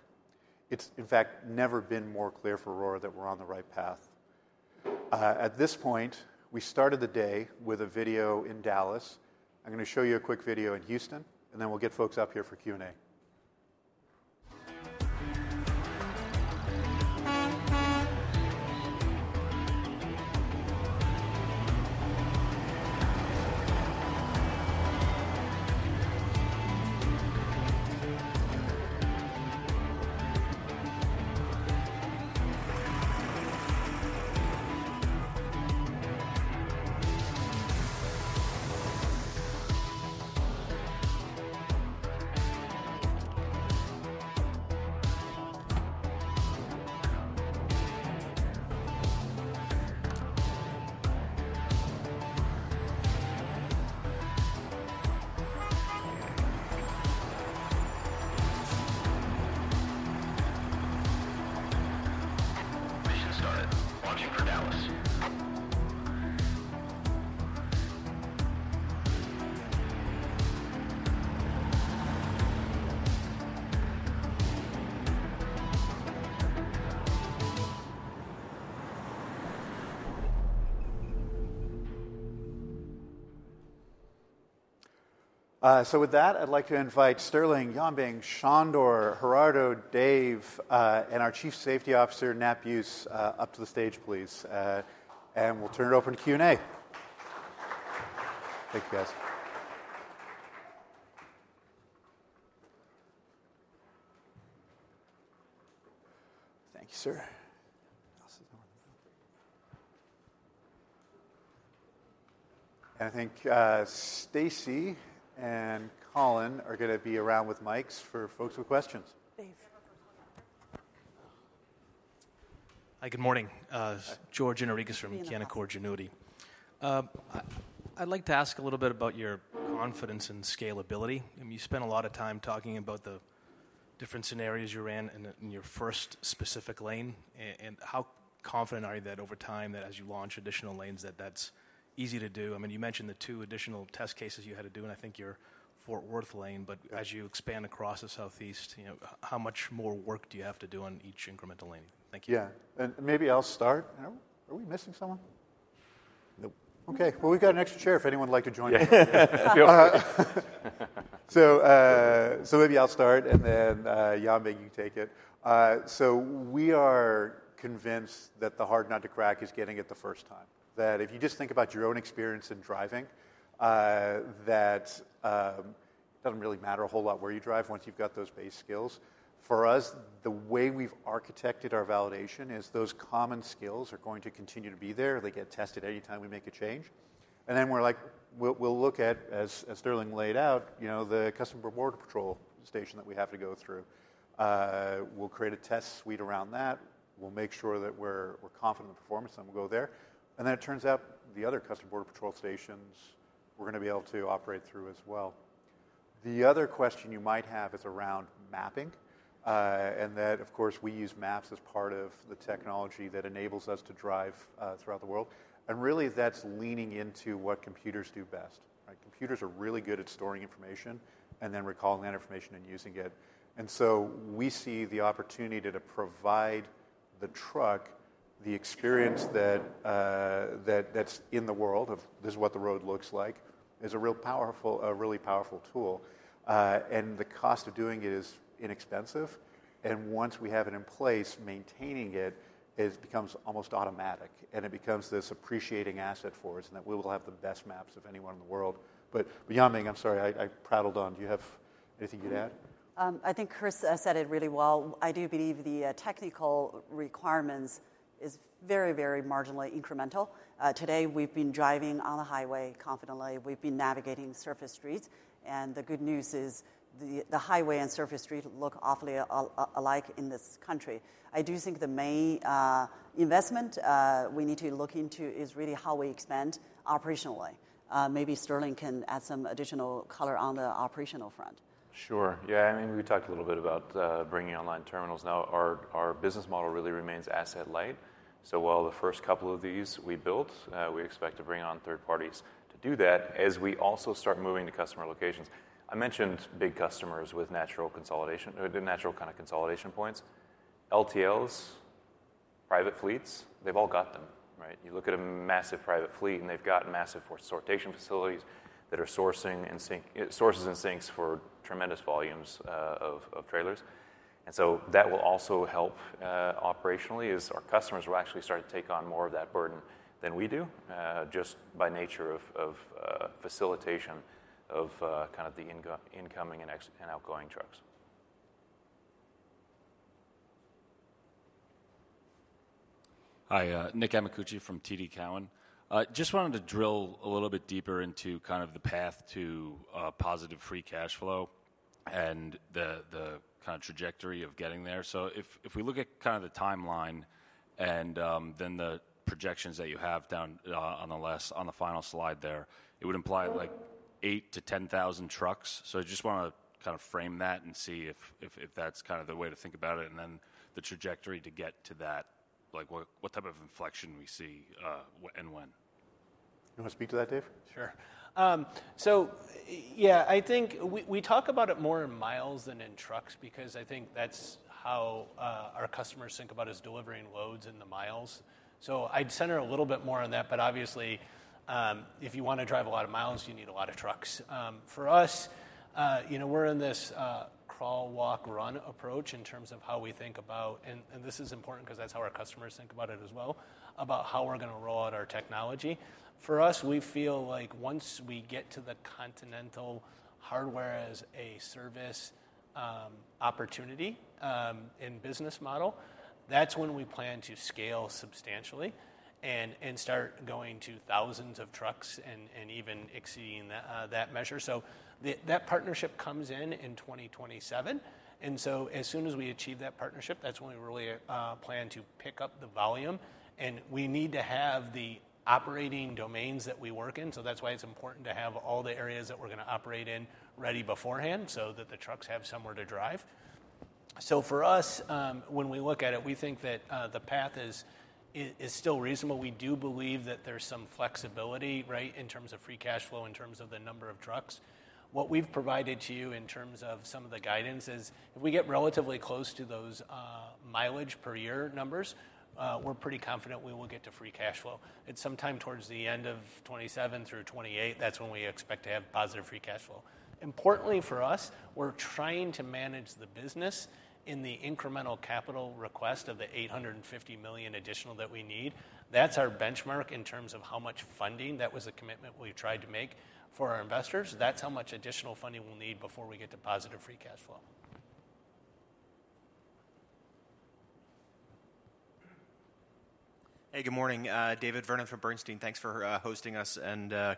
It's, in fact, never been more clear for Aurora that we're on the right path. At this point, we started the day with a video in Dallas. I'm going to show you a quick video in Houston. Then we'll get folks up here for Q&A. Mission started. Launching for Dallas. So with that, I'd like to invite Sterling, Yanbing, Sandor, Gerardo, Dave, and our Chief Safety Officer, Nat Beuse, up to the stage, please. We'll turn it over to Q&A. Thank you, guys. Thank you, sir. I think Stacy and Colin are going to be around with mics for folks with questions. Dave. Hi. Good morning. George Gianarikas from Canaccord Genuity. I'd like to ask a little bit about your confidence in scalability. I mean, you spent a lot of time talking about the different scenarios you ran in your first specific lane. How confident are you that over time, that as you launch additional lanes, that that's easy to do? I mean, you mentioned the two additional test cases you had to do. I think your Fort Worth lane. As you expand across the Southeast, how much more work do you have to do on each incremental lane? Thank you. Yeah. And maybe I'll start. Are we missing someone? OK. Well, we've got an extra chair if anyone would like to join in. So maybe I'll start. And then, Yanbing, you can take it. So we are convinced that the hard not to crack is getting it the first time, that if you just think about your own experience in driving, that it doesn't really matter a whole lot where you drive once you've got those base skills. For us, the way we've architected our validation is those common skills are going to continue to be there. They get tested any time we make a change. And then we're like, we'll look at, as Sterling laid out, the custom border patrol station that we have to go through. We'll create a test suite around that. We'll make sure that we're confident in the performance. And we'll go there. And then it turns out, the other custom border patrol stations, we're going to be able to operate through as well. The other question you might have is around mapping. And that, of course, we use maps as part of the technology that enables us to drive throughout the world. And really, that's leaning into what computers do best, right? Computers are really good at storing information and then recalling that information and using it. And so we see the opportunity to provide the truck the experience that's in the world of, this is what the road looks like, is a really powerful tool. And the cost of doing it is inexpensive. And once we have it in place, maintaining it becomes almost automatic. And it becomes this appreciating asset for us, and that we will have the best maps of anyone in the world. But Yanbing, I'm sorry. I prattled on. Do you have anything you'd add? I think Chris said it really well. I do believe the technical requirements are very, very marginally incremental. Today, we've been driving on the highway confidently. We've been navigating surface streets. And the good news is, the highway and surface street look awfully alike in this country. I do think the main investment we need to look into is really how we expand operationally. Maybe Sterling can add some additional color on the operational front. Sure. Yeah. I mean, we talked a little bit about bringing online terminals. Now, our business model really remains asset-light. So while the first couple of these we built, we expect to bring on third parties to do that as we also start moving to customer locations. I mentioned big customers with natural kind of consolidation points. LTLs, private fleets, they've all got them, right? You look at a massive private fleet, and they've got massive sortation facilities that are sources and sinks for tremendous volumes of trailers. And so that will also help operationally, as our customers will actually start to take on more of that burden than we do just by nature of facilitation of kind of the incoming and outgoing trucks. Hi. Nick Amicucci from TD Cowen. Just wanted to drill a little bit deeper into kind of the path to positive free cash flow and the kind of trajectory of getting there. So if we look at kind of the timeline and then the projections that you have down on the final slide there, it would imply like 8,000-10,000 trucks. So I just want to kind of frame that and see if that's kind of the way to think about it. And then the trajectory to get to that, like what type of inflection we see and when. You want to speak to that, Dave? Sure. So yeah, I think we talk about it more in miles than in trucks because I think that's how our customers think about us delivering loads in the miles. So I'd center a little bit more on that. But obviously, if you want to drive a lot of miles, you need a lot of trucks. For us, we're in this crawl, walk, run approach in terms of how we think about and this is important because that's how our customers think about it as well about how we're going to roll out our technology. For us, we feel like once we get to the Continental hardware-as-a-service opportunity in business model, that's when we plan to scale substantially and start going to thousands of trucks and even exceeding that measure. So that partnership comes in in 2027. As soon as we achieve that partnership, that's when we really plan to pick up the volume. We need to have the operating domains that we work in. That's why it's important to have all the areas that we're going to operate in ready beforehand so that the trucks have somewhere to drive. For us, when we look at it, we think that the path is still reasonable. We do believe that there's some flexibility, right, in terms of free cash flow, in terms of the number of trucks. What we've provided to you in terms of some of the guidance is, if we get relatively close to those mileage per year numbers, we're pretty confident we will get to free cash flow. It's sometime towards the end of 2027 through 2028. That's when we expect to have positive free cash flow. Importantly for us, we're trying to manage the business in the incremental capital request of the $850 million additional that we need. That's our benchmark in terms of how much funding that was a commitment we tried to make for our investors. That's how much additional funding we'll need before we get to positive free cash flow. Hey. Good morning. David Vernon from Bernstein. Thanks for hosting us.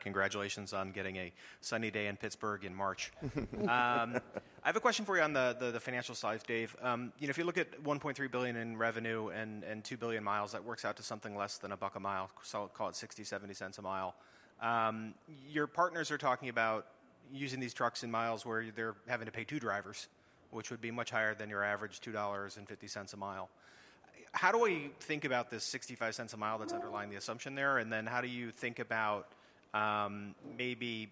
Congratulations on getting a sunny day in Pittsburgh in March. I have a question for you on the financial side, Dave. If you look at $1.3 billion in revenue and 2 billion miles, that works out to something less than a buck a mile. So call it $0.60-$0.70 a mile. Your partners are talking about using these trucks in miles where they're having to pay two drivers, which would be much higher than your average $2.50 a mile. How do we think about this $0.65 a mile that's underlying the assumption there? And then how do you think about maybe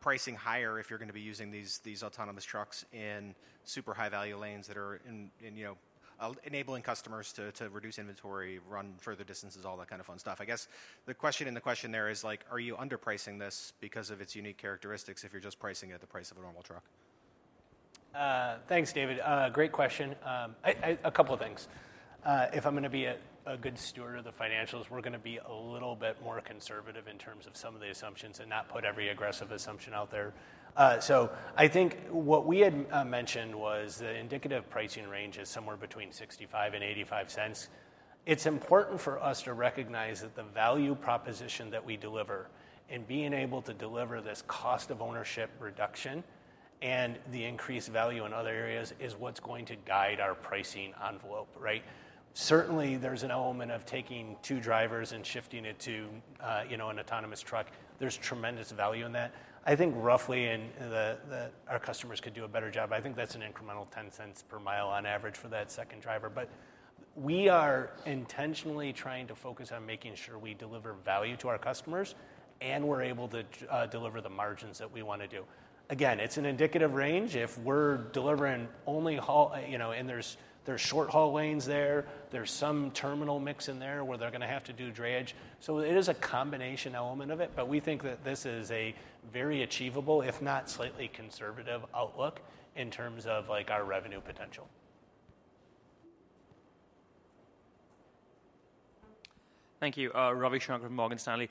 pricing higher if you're going to be using these autonomous trucks in super high-value lanes that are enabling customers to reduce inventory, run further distances, all that kind of fun stuff? I guess the question in the question there is, are you underpricing this because of its unique characteristics if you're just pricing it at the price of a normal truck? Thanks, David. Great question. A couple of things. If I'm going to be a good steward of the financials, we're going to be a little bit more conservative in terms of some of the assumptions and not put every aggressive assumption out there. So I think what we had mentioned was the indicative pricing range is somewhere between $0.65-$0.85. It's important for us to recognize that the value proposition that we deliver and being able to deliver this cost of ownership reduction and the increased value in other areas is what's going to guide our pricing envelope, right? Certainly, there's an element of taking two drivers and shifting it to an autonomous truck. There's tremendous value in that. I think roughly, our customers could do a better job. I think that's an incremental $0.10 per mile on average for that second driver. But we are intentionally trying to focus on making sure we deliver value to our customers. We're able to deliver the margins that we want to do. Again, it's an indicative range. If we're delivering only long haul and there's short haul lanes there, there's some terminal mix in there where they're going to have to do drayage. It is a combination element of it. We think that this is a very achievable, if not slightly conservative, outlook in terms of our revenue potential. Thank you. Ravi Shanker from Morgan Stanley.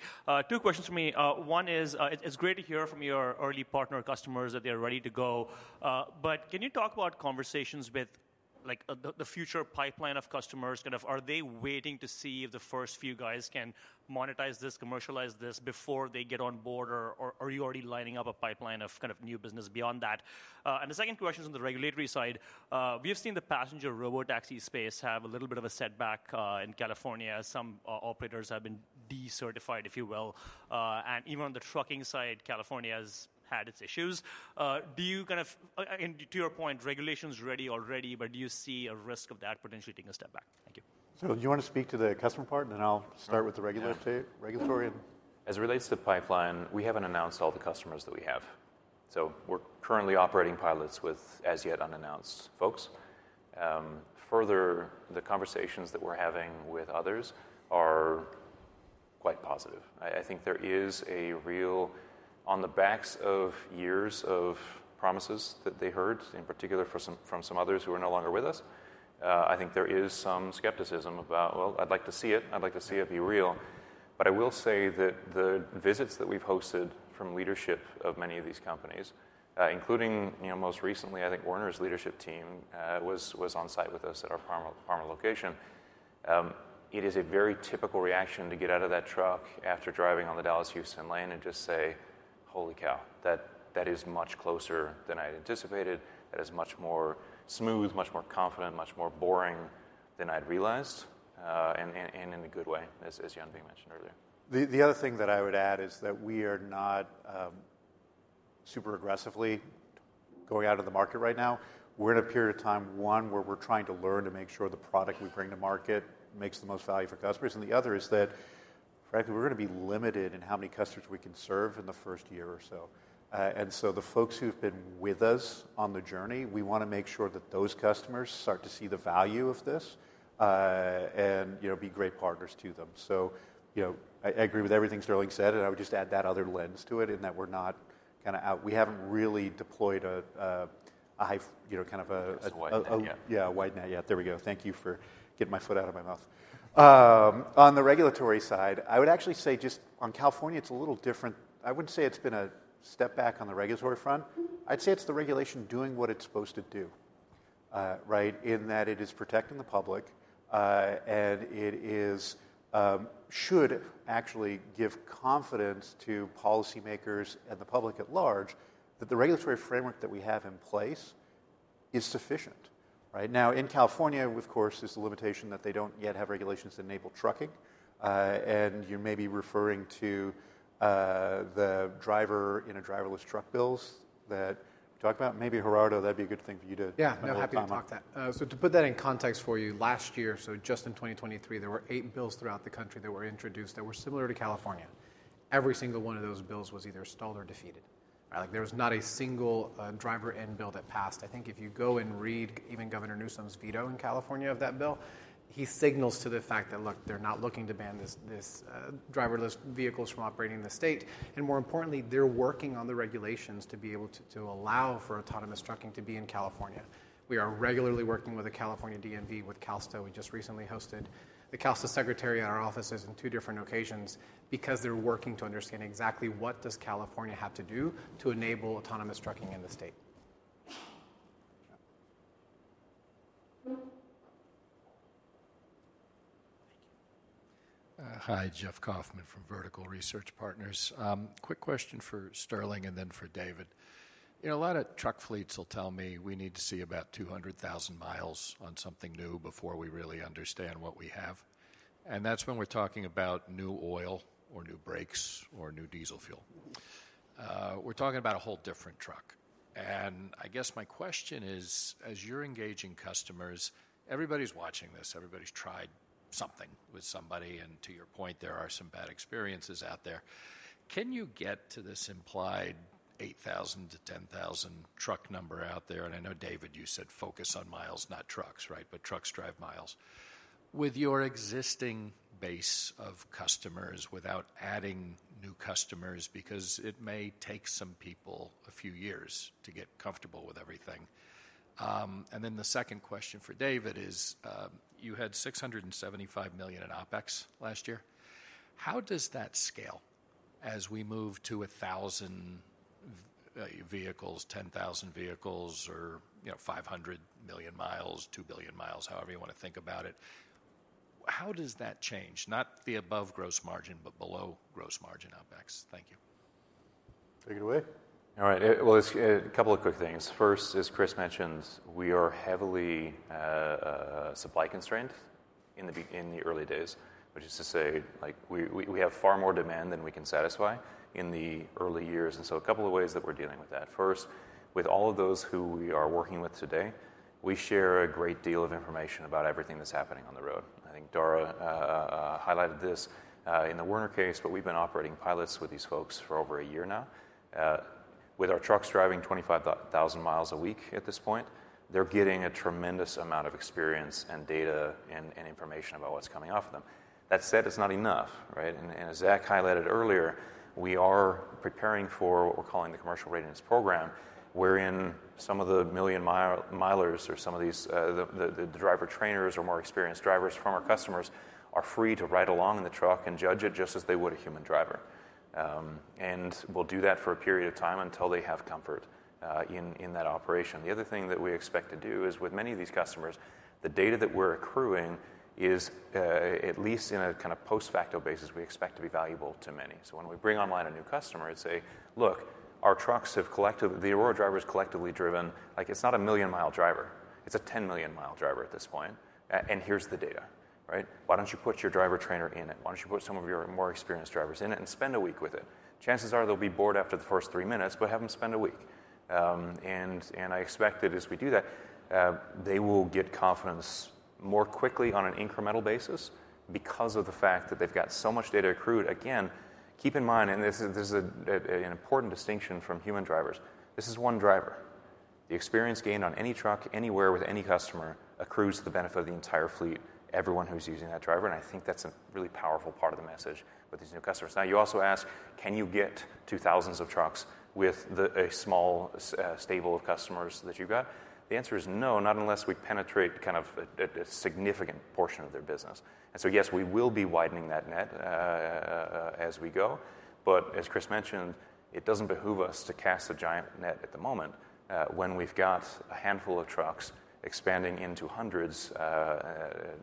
Two questions for me. One is, it's great to hear from your early partner customers that they are ready to go. But can you talk about conversations with the future pipeline of customers? Kind of are they waiting to see if the first few guys can monetize this, commercialize this before they get on board? Or are you already lining up a pipeline of kind of new business beyond that? And the second question is on the regulatory side. We have seen the passenger robotaxi space have a little bit of a setback in California. Some operators have been de-certified, if you will. And even on the trucking side, California has had its issues. Do you kind of, to your point, regulation's ready already. But do you see a risk of that potentially taking a step back? Thank you. Do you want to speak to the customer part? Then I'll start with the regulatory. As it relates to pipeline, we haven't announced all the customers that we have. So we're currently operating pilots with as yet unannounced folks. Further, the conversations that we're having with others are quite positive. I think there is a real, on the backs of years of promises that they heard, in particular from some others who are no longer with us, I think there is some skepticism about, well, I'd like to see it. I'd like to see it be real. But I will say that the visits that we've hosted from leadership of many of these companies, including most recently, I think Werner's leadership team was on site with us at our former location, it is a very typical reaction to get out of that truck after driving on the Dallas-Houston lane and just say, holy cow, that is much closer than I had anticipated. That is much more smooth, much more confident, much more boring than I'd realized, and in a good way, as Yanbing mentioned earlier. The other thing that I would add is that we are not super aggressively going out in the market right now. We're in a period of time, one, where we're trying to learn to make sure the product we bring to market makes the most value for customers. And the other is that, frankly, we're going to be limited in how many customers we can serve in the first year or so. And so the folks who've been with us on the journey, we want to make sure that those customers start to see the value of this and be great partners to them. So I agree with everything Sterling said. And I would just add that other lens to it in that we're not kind of out we haven't really deployed a kind of a. It's a wide net yet. Yeah, a wide net yet. There we go. Thank you for getting my foot out of my mouth. On the regulatory side, I would actually say just on California, it's a little different. I wouldn't say it's been a step back on the regulatory front. I'd say it's the regulation doing what it's supposed to do, right, in that it is protecting the public. And it should actually give confidence to policymakers and the public at large that the regulatory framework that we have in place is sufficient, right? Now, in California, of course, is the limitation that they don't yet have regulations to enable trucking. And you may be referring to the driver in a driverless truck bills that we talked about. Maybe, Gerardo, that'd be a good thing for you to. Yeah. No, happy to talk that. So to put that in context for you, last year, so just in 2023, there were eight bills throughout the country that were introduced that were similar to California. Every single one of those bills was either stalled or defeated, right? There was not a single driver-in bill that passed. I think if you go and read even Governor Newsom's veto in California of that bill, he signals to the fact that, look, they're not looking to ban these driverless vehicles from operating in the state. And more importantly, they're working on the regulations to be able to allow for autonomous trucking to be in California. We are regularly working with the California DMV, with CalSTA. We just recently hosted the CalSTA Secretary at our offices in two different occasions because they're working to understand exactly what does California have to do to enable autonomous trucking in the state. Thank you. Hi. Jeff Kauffman from Vertical Research Partners. Quick question for Sterling and then for David. A lot of truck fleets will tell me, we need to see about 200,000 miles on something new before we really understand what we have. That's when we're talking about new oil or new brakes or new diesel fuel. We're talking about a whole different truck. I guess my question is, as you're engaging customers, everybody's watching this. Everybody's tried something with somebody. To your point, there are some bad experiences out there. Can you get to this implied 8,000-10,000 truck number out there? I know, David, you said focus on miles, not trucks, right? But trucks drive miles. With your existing base of customers, without adding new customers because it may take some people a few years to get comfortable with everything. Then the second question for David is, you had $675 million in OpEx last year. How does that scale as we move to 1,000 vehicles, 10,000 vehicles, or 500 million miles, 2 billion miles, however you want to think about it? How does that change, not the above gross margin, but below gross margin OpEx? Thank you. Take it away. All right. Well, a couple of quick things. First, as Chris mentioned, we are heavily supply constrained in the early days, which is to say, we have far more demand than we can satisfy in the early years. And so a couple of ways that we're dealing with that. First, with all of those who we are working with today, we share a great deal of information about everything that's happening on the road. I think Daragh highlighted this in the Werner case. But we've been operating pilots with these folks for over a year now. With our trucks driving 25,000 miles a week at this point, they're getting a tremendous amount of experience and data and information about what's coming off of them. That said, it's not enough, right? As Zac highlighted earlier, we are preparing for what we're calling the Commercial Readines Program, wherein some of the million-milers or some of these driver trainers or more experienced drivers from our customers are free to ride along in the truck and judge it just as they would a human driver. We'll do that for a period of time until they have comfort in that operation. The other thing that we expect to do is, with many of these customers, the data that we're accruing is, at least in a kind of post-facto basis, valuable to many. So when we bring online a new customer, and say, look, our trucks have collectively the Aurora Driver is collectively driven. It's not a million-mile driver. It's a 10 million-mile driver at this point. And here's the data, right? Why don't you put your driver trainer in it? Why don't you put some of your more experienced drivers in it and spend a week with it? Chances are, they'll be bored after the first three minutes. But have them spend a week. And I expect that as we do that, they will get confidence more quickly on an incremental basis because of the fact that they've got so much data accrued. Again, keep in mind and this is an important distinction from human drivers. This is one driver. The experience gained on any truck, anywhere with any customer accrues to the benefit of the entire fleet, everyone who's using that driver. And I think that's a really powerful part of the message with these new customers. Now, you also ask, can you get to thousands of trucks with a small stable of customers that you've got? The answer is no, not unless we penetrate kind of a significant portion of their business. And so yes, we will be widening that net as we go. But as Chris mentioned, it doesn't behoove us to cast a giant net at the moment. When we've got a handful of trucks expanding into hundreds, it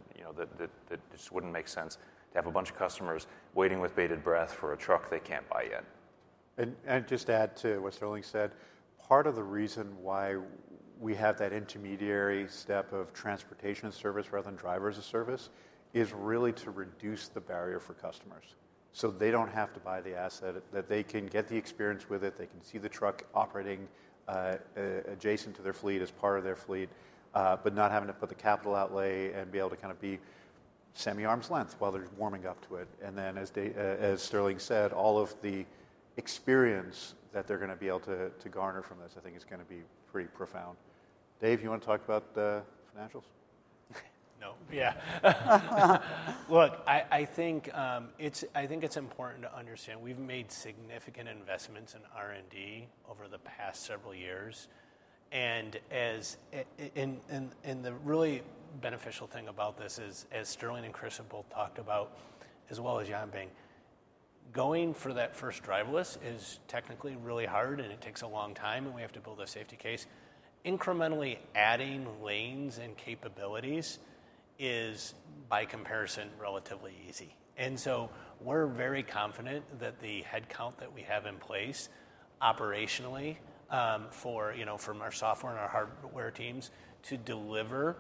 just wouldn't make sense to have a bunch of customers waiting with bated breath for a truck they can't buy yet. And just add to what Sterling said, part of the reason why we have that intermediary step of transportation-as-a-service rather than driver-as-a-service is really to reduce the barrier for customers so they don't have to buy the asset. That they can get the experience with it. They can see the truck operating adjacent to their fleet as part of their fleet, but not having to put the capital outlay and be able to kind of be semi-arm's length while they're warming up to it. And then, as Sterling said, all of the experience that they're going to be able to garner from this, I think, is going to be pretty profound. Dave, you want to talk about the financials? No. Yeah. Look, I think it's important to understand we've made significant investments in R&D over the past several years. And the really beneficial thing about this is, as Sterling and Chris have both talked about, as well as Yanbing, going for that first driverless is technically really hard. And it takes a long time. And we have to build a safety case. Incrementally adding lanes and capabilities is, by comparison, relatively easy. And so we're very confident that the headcount that we have in place operationally from our software and our hardware teams to deliver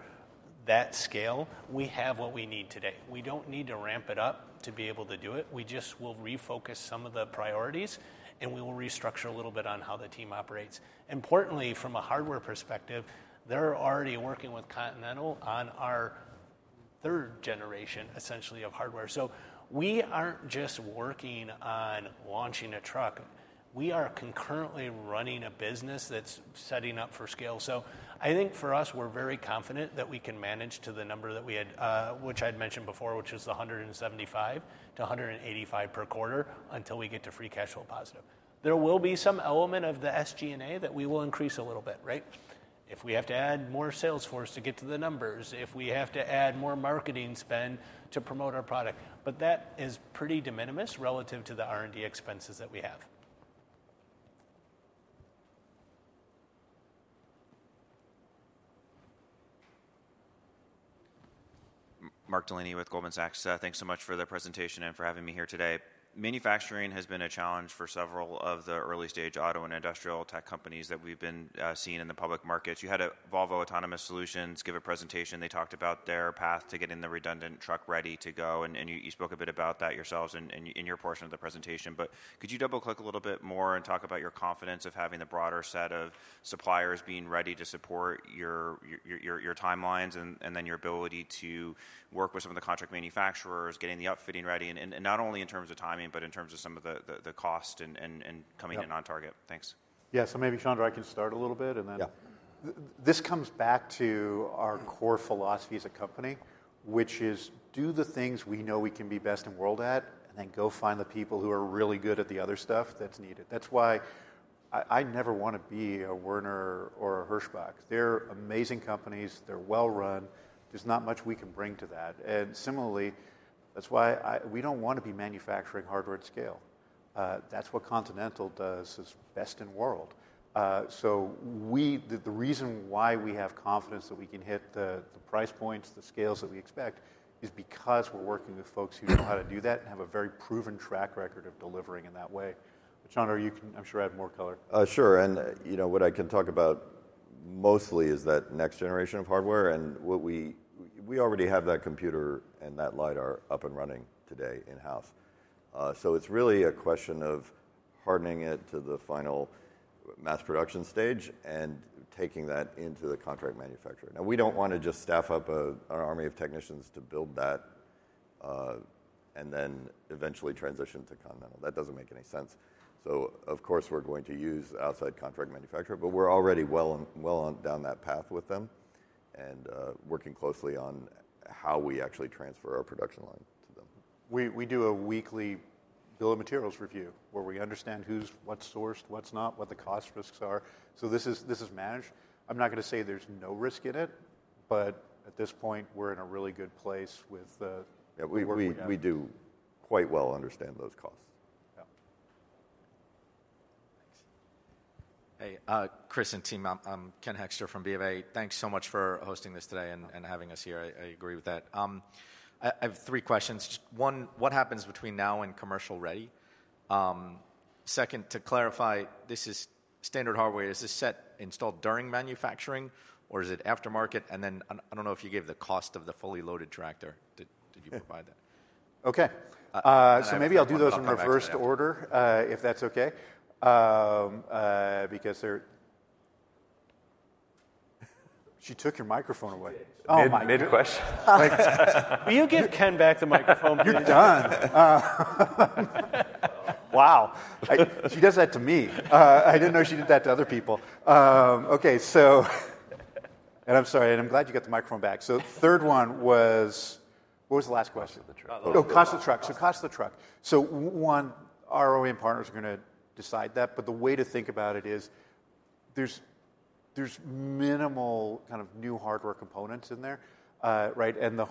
that scale, we have what we need today. We don't need to ramp it up to be able to do it. We just will refocus some of the priorities. And we will restructure a little bit on how the team operates. Importantly, from a hardware perspective, they're already working with Continental on our third generation, essentially, of hardware. So we aren't just working on launching a truck. We are concurrently running a business that's setting up for scale. So I think, for us, we're very confident that we can manage to the number that we had, which I'd mentioned before, which is the 175-185 per quarter until we get to free cash flow positive. There will be some element of the SG&A that we will increase a little bit, right, if we have to add more sales force to get to the numbers, if we have to add more marketing spend to promote our product. But that is pretty de minimis relative to the R&D expenses that we have. Mark Delaney with Goldman Sachs. Thanks so much for the presentation and for having me here today. Manufacturing has been a challenge for several of the early-stage auto and industrial tech companies that we've been seeing in the public markets. You had Volvo Autonomous Solutions give a presentation. They talked about their path to getting the redundant truck ready to go. And you spoke a bit about that yourselves in your portion of the presentation. But could you double-click a little bit more and talk about your confidence of having the broader set of suppliers being ready to support your timelines and then your ability to work with some of the contract manufacturers, getting the upfitting ready, and not only in terms of timing, but in terms of some of the cost and coming in on target? Thanks. Yeah. Maybe, Sandor, I can start a little bit. And then. Yeah. This comes back to our core philosophy as a company, which is do the things we know we can be best in the world at, and then go find the people who are really good at the other stuff that's needed. That's why I never want to be a Werner or a Hirschbach. They're amazing companies. They're well run. There's not much we can bring to that. And similarly, that's why we don't want to be manufacturing hardware at scale. That's what Continental does as best in the world. So the reason why we have confidence that we can hit the price points, the scales that we expect is because we're working with folks who know how to do that and have a very proven track record of delivering in that way. But, Sandor, I'm sure I have more color. Sure. And what I can talk about mostly is that next generation of hardware. And we already have that computer and that Lidar up and running today in-house. So it's really a question of hardening it to the final mass production stage and taking that into the contract manufacturer. Now, we don't want to just staff up an army of technicians to build that and then eventually transition to Continental. That doesn't make any sense. So, of course, we're going to use outside contract manufacturer. But we're already well down that path with them and working closely on how we actually transfer our production line to them. We do a weekly bill of materials review where we understand what's sourced, what's not, what the cost risks are. So this is managed. I'm not going to say there's no risk in it. But at this point, we're in a really good place with the work we're doing. Yeah. We do quite well understand those costs. Yeah. Thanks. Hey. Chris and team, I'm Ken Hoexter from BofA. Thanks so much for hosting this today and having us here. I agree with that. I have three questions. One, what happens between now and commercial ready? Second, to clarify, this is standard hardware. Is this set installed during manufacturing? Or is it aftermarket? And then I don't know if you gave the cost of the fully loaded tractor. Did you provide that? OK. So maybe I'll do those in reversed order, if that's OK, because they're. She took your microphone away. Oh, my God! Mid-question. Will you give Ken back the microphone? You're done. Wow. She does that to me. I didn't know she did that to other people. OK. And I'm sorry. And I'm glad you got the microphone back. So third one was what was the last question? Oh, the truck. Oh, cost of the truck. So, cost of the truck. So, one, OEM and partners are going to decide that. But the way to think about it is, there's minimal kind of new hardware components in there, right? And the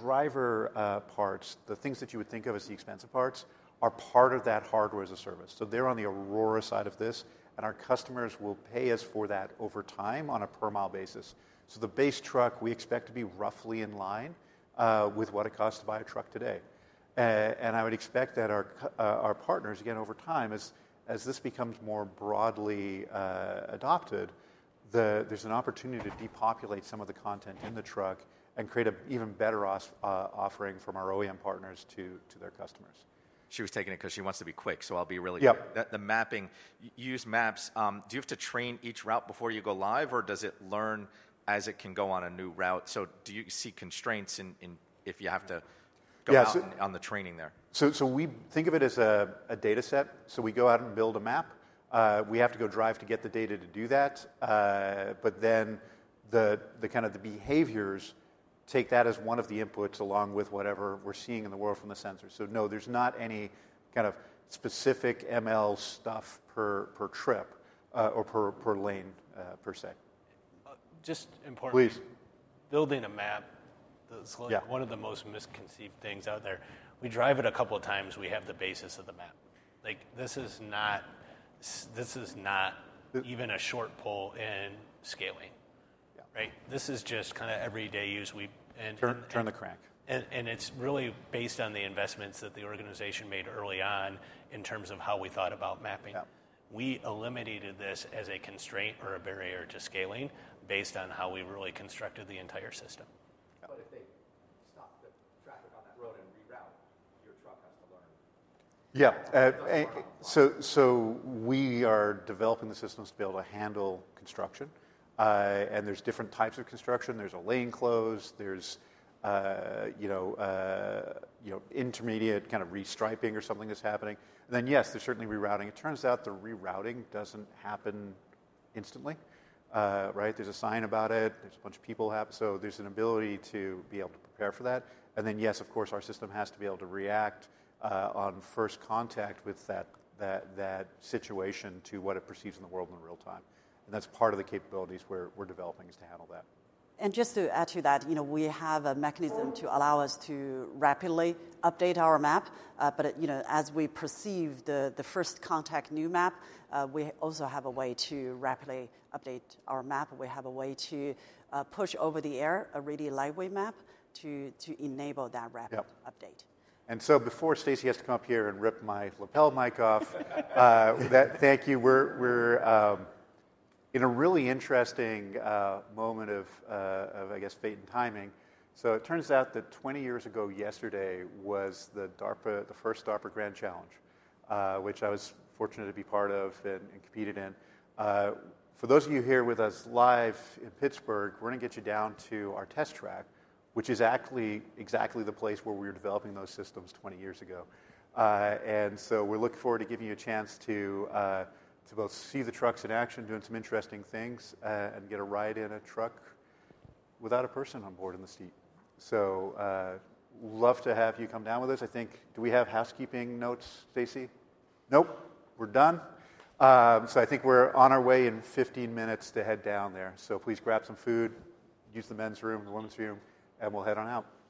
Driver parts, the things that you would think of as the expensive parts, are part of that hardware-as-a-service. So they're on the Aurora side of this. And our customers will pay us for that over time on a per-mile basis. So the base truck, we expect to be roughly in line with what it costs to buy a truck today. And I would expect that our partners, again, over time, as this becomes more broadly adopted, there's an opportunity to depopulate some of the content in the truck and create an even better offering from OEM and partners to their customers. She was taking it because she wants to be quick. So I'll be really quick. Yeah. You use maps. Do you have to train each route before you go live? Or does it learn as it can go on a new route? So do you see constraints if you have to go out on the training there? We think of it as a data set. We go out and build a map. We have to go drive to get the data to do that. But then kind of the behaviors take that as one of the inputs along with whatever we're seeing in the world from the sensors. No, there's not any kind of specific ML stuff per trip or per lane, per se. Just importantly. Please. Building a map, that's one of the most misconceived things out there. We drive it a couple of times. We have the basis of the map. This is not even a short pole in scaling, right? This is just kind of everyday use. And turn the crank. It's really based on the investments that the organization made early on in terms of how we thought about mapping. We eliminated this as a constraint or a barrier to scaling based on how we really constructed the entire system. But if they stop the traffic on that road and reroute, your truck has to learn. Yeah. So we are developing the systems to be able to handle construction. And there's different types of construction. There's a lane close. There's intermediate kind of restriping or something that's happening. And then, yes, there's certainly rerouting. It turns out the rerouting doesn't happen instantly, right? There's a sign about it. There's a bunch of people. So there's an ability to be able to prepare for that. And then, yes, of course, our system has to be able to react on first contact with that situation to what it perceives in the world in real time. And that's part of the capabilities we're developing is to handle that. Just to add to that, we have a mechanism to allow us to rapidly update our map. But as we perceive the first contact new map, we also have a way to rapidly update our map. We have a way to push over the air a really lightweight map to enable that rapid update. And so before Stacy has to come up here and rip my lapel mic off, thank you. We're in a really interesting moment of, I guess, fate and timing. So it turns out that 20 years ago, yesterday, was the first DARPA Grand Challenge, which I was fortunate to be part of and competed in. For those of you here with us live in Pittsburgh, we're going to get you down to our test track, which is actually exactly the place where we were developing those systems 20 years ago. And so we're looking forward to giving you a chance to both see the trucks in action doing some interesting things and get a ride in a truck without a person on board in the seat. So love to have you come down with us. I think do we have housekeeping notes, Stacy? Nope. We're done. I think we're on our way in 15 minutes to head down there. Please grab some food, use the men's room, the women's room, and we'll head on out.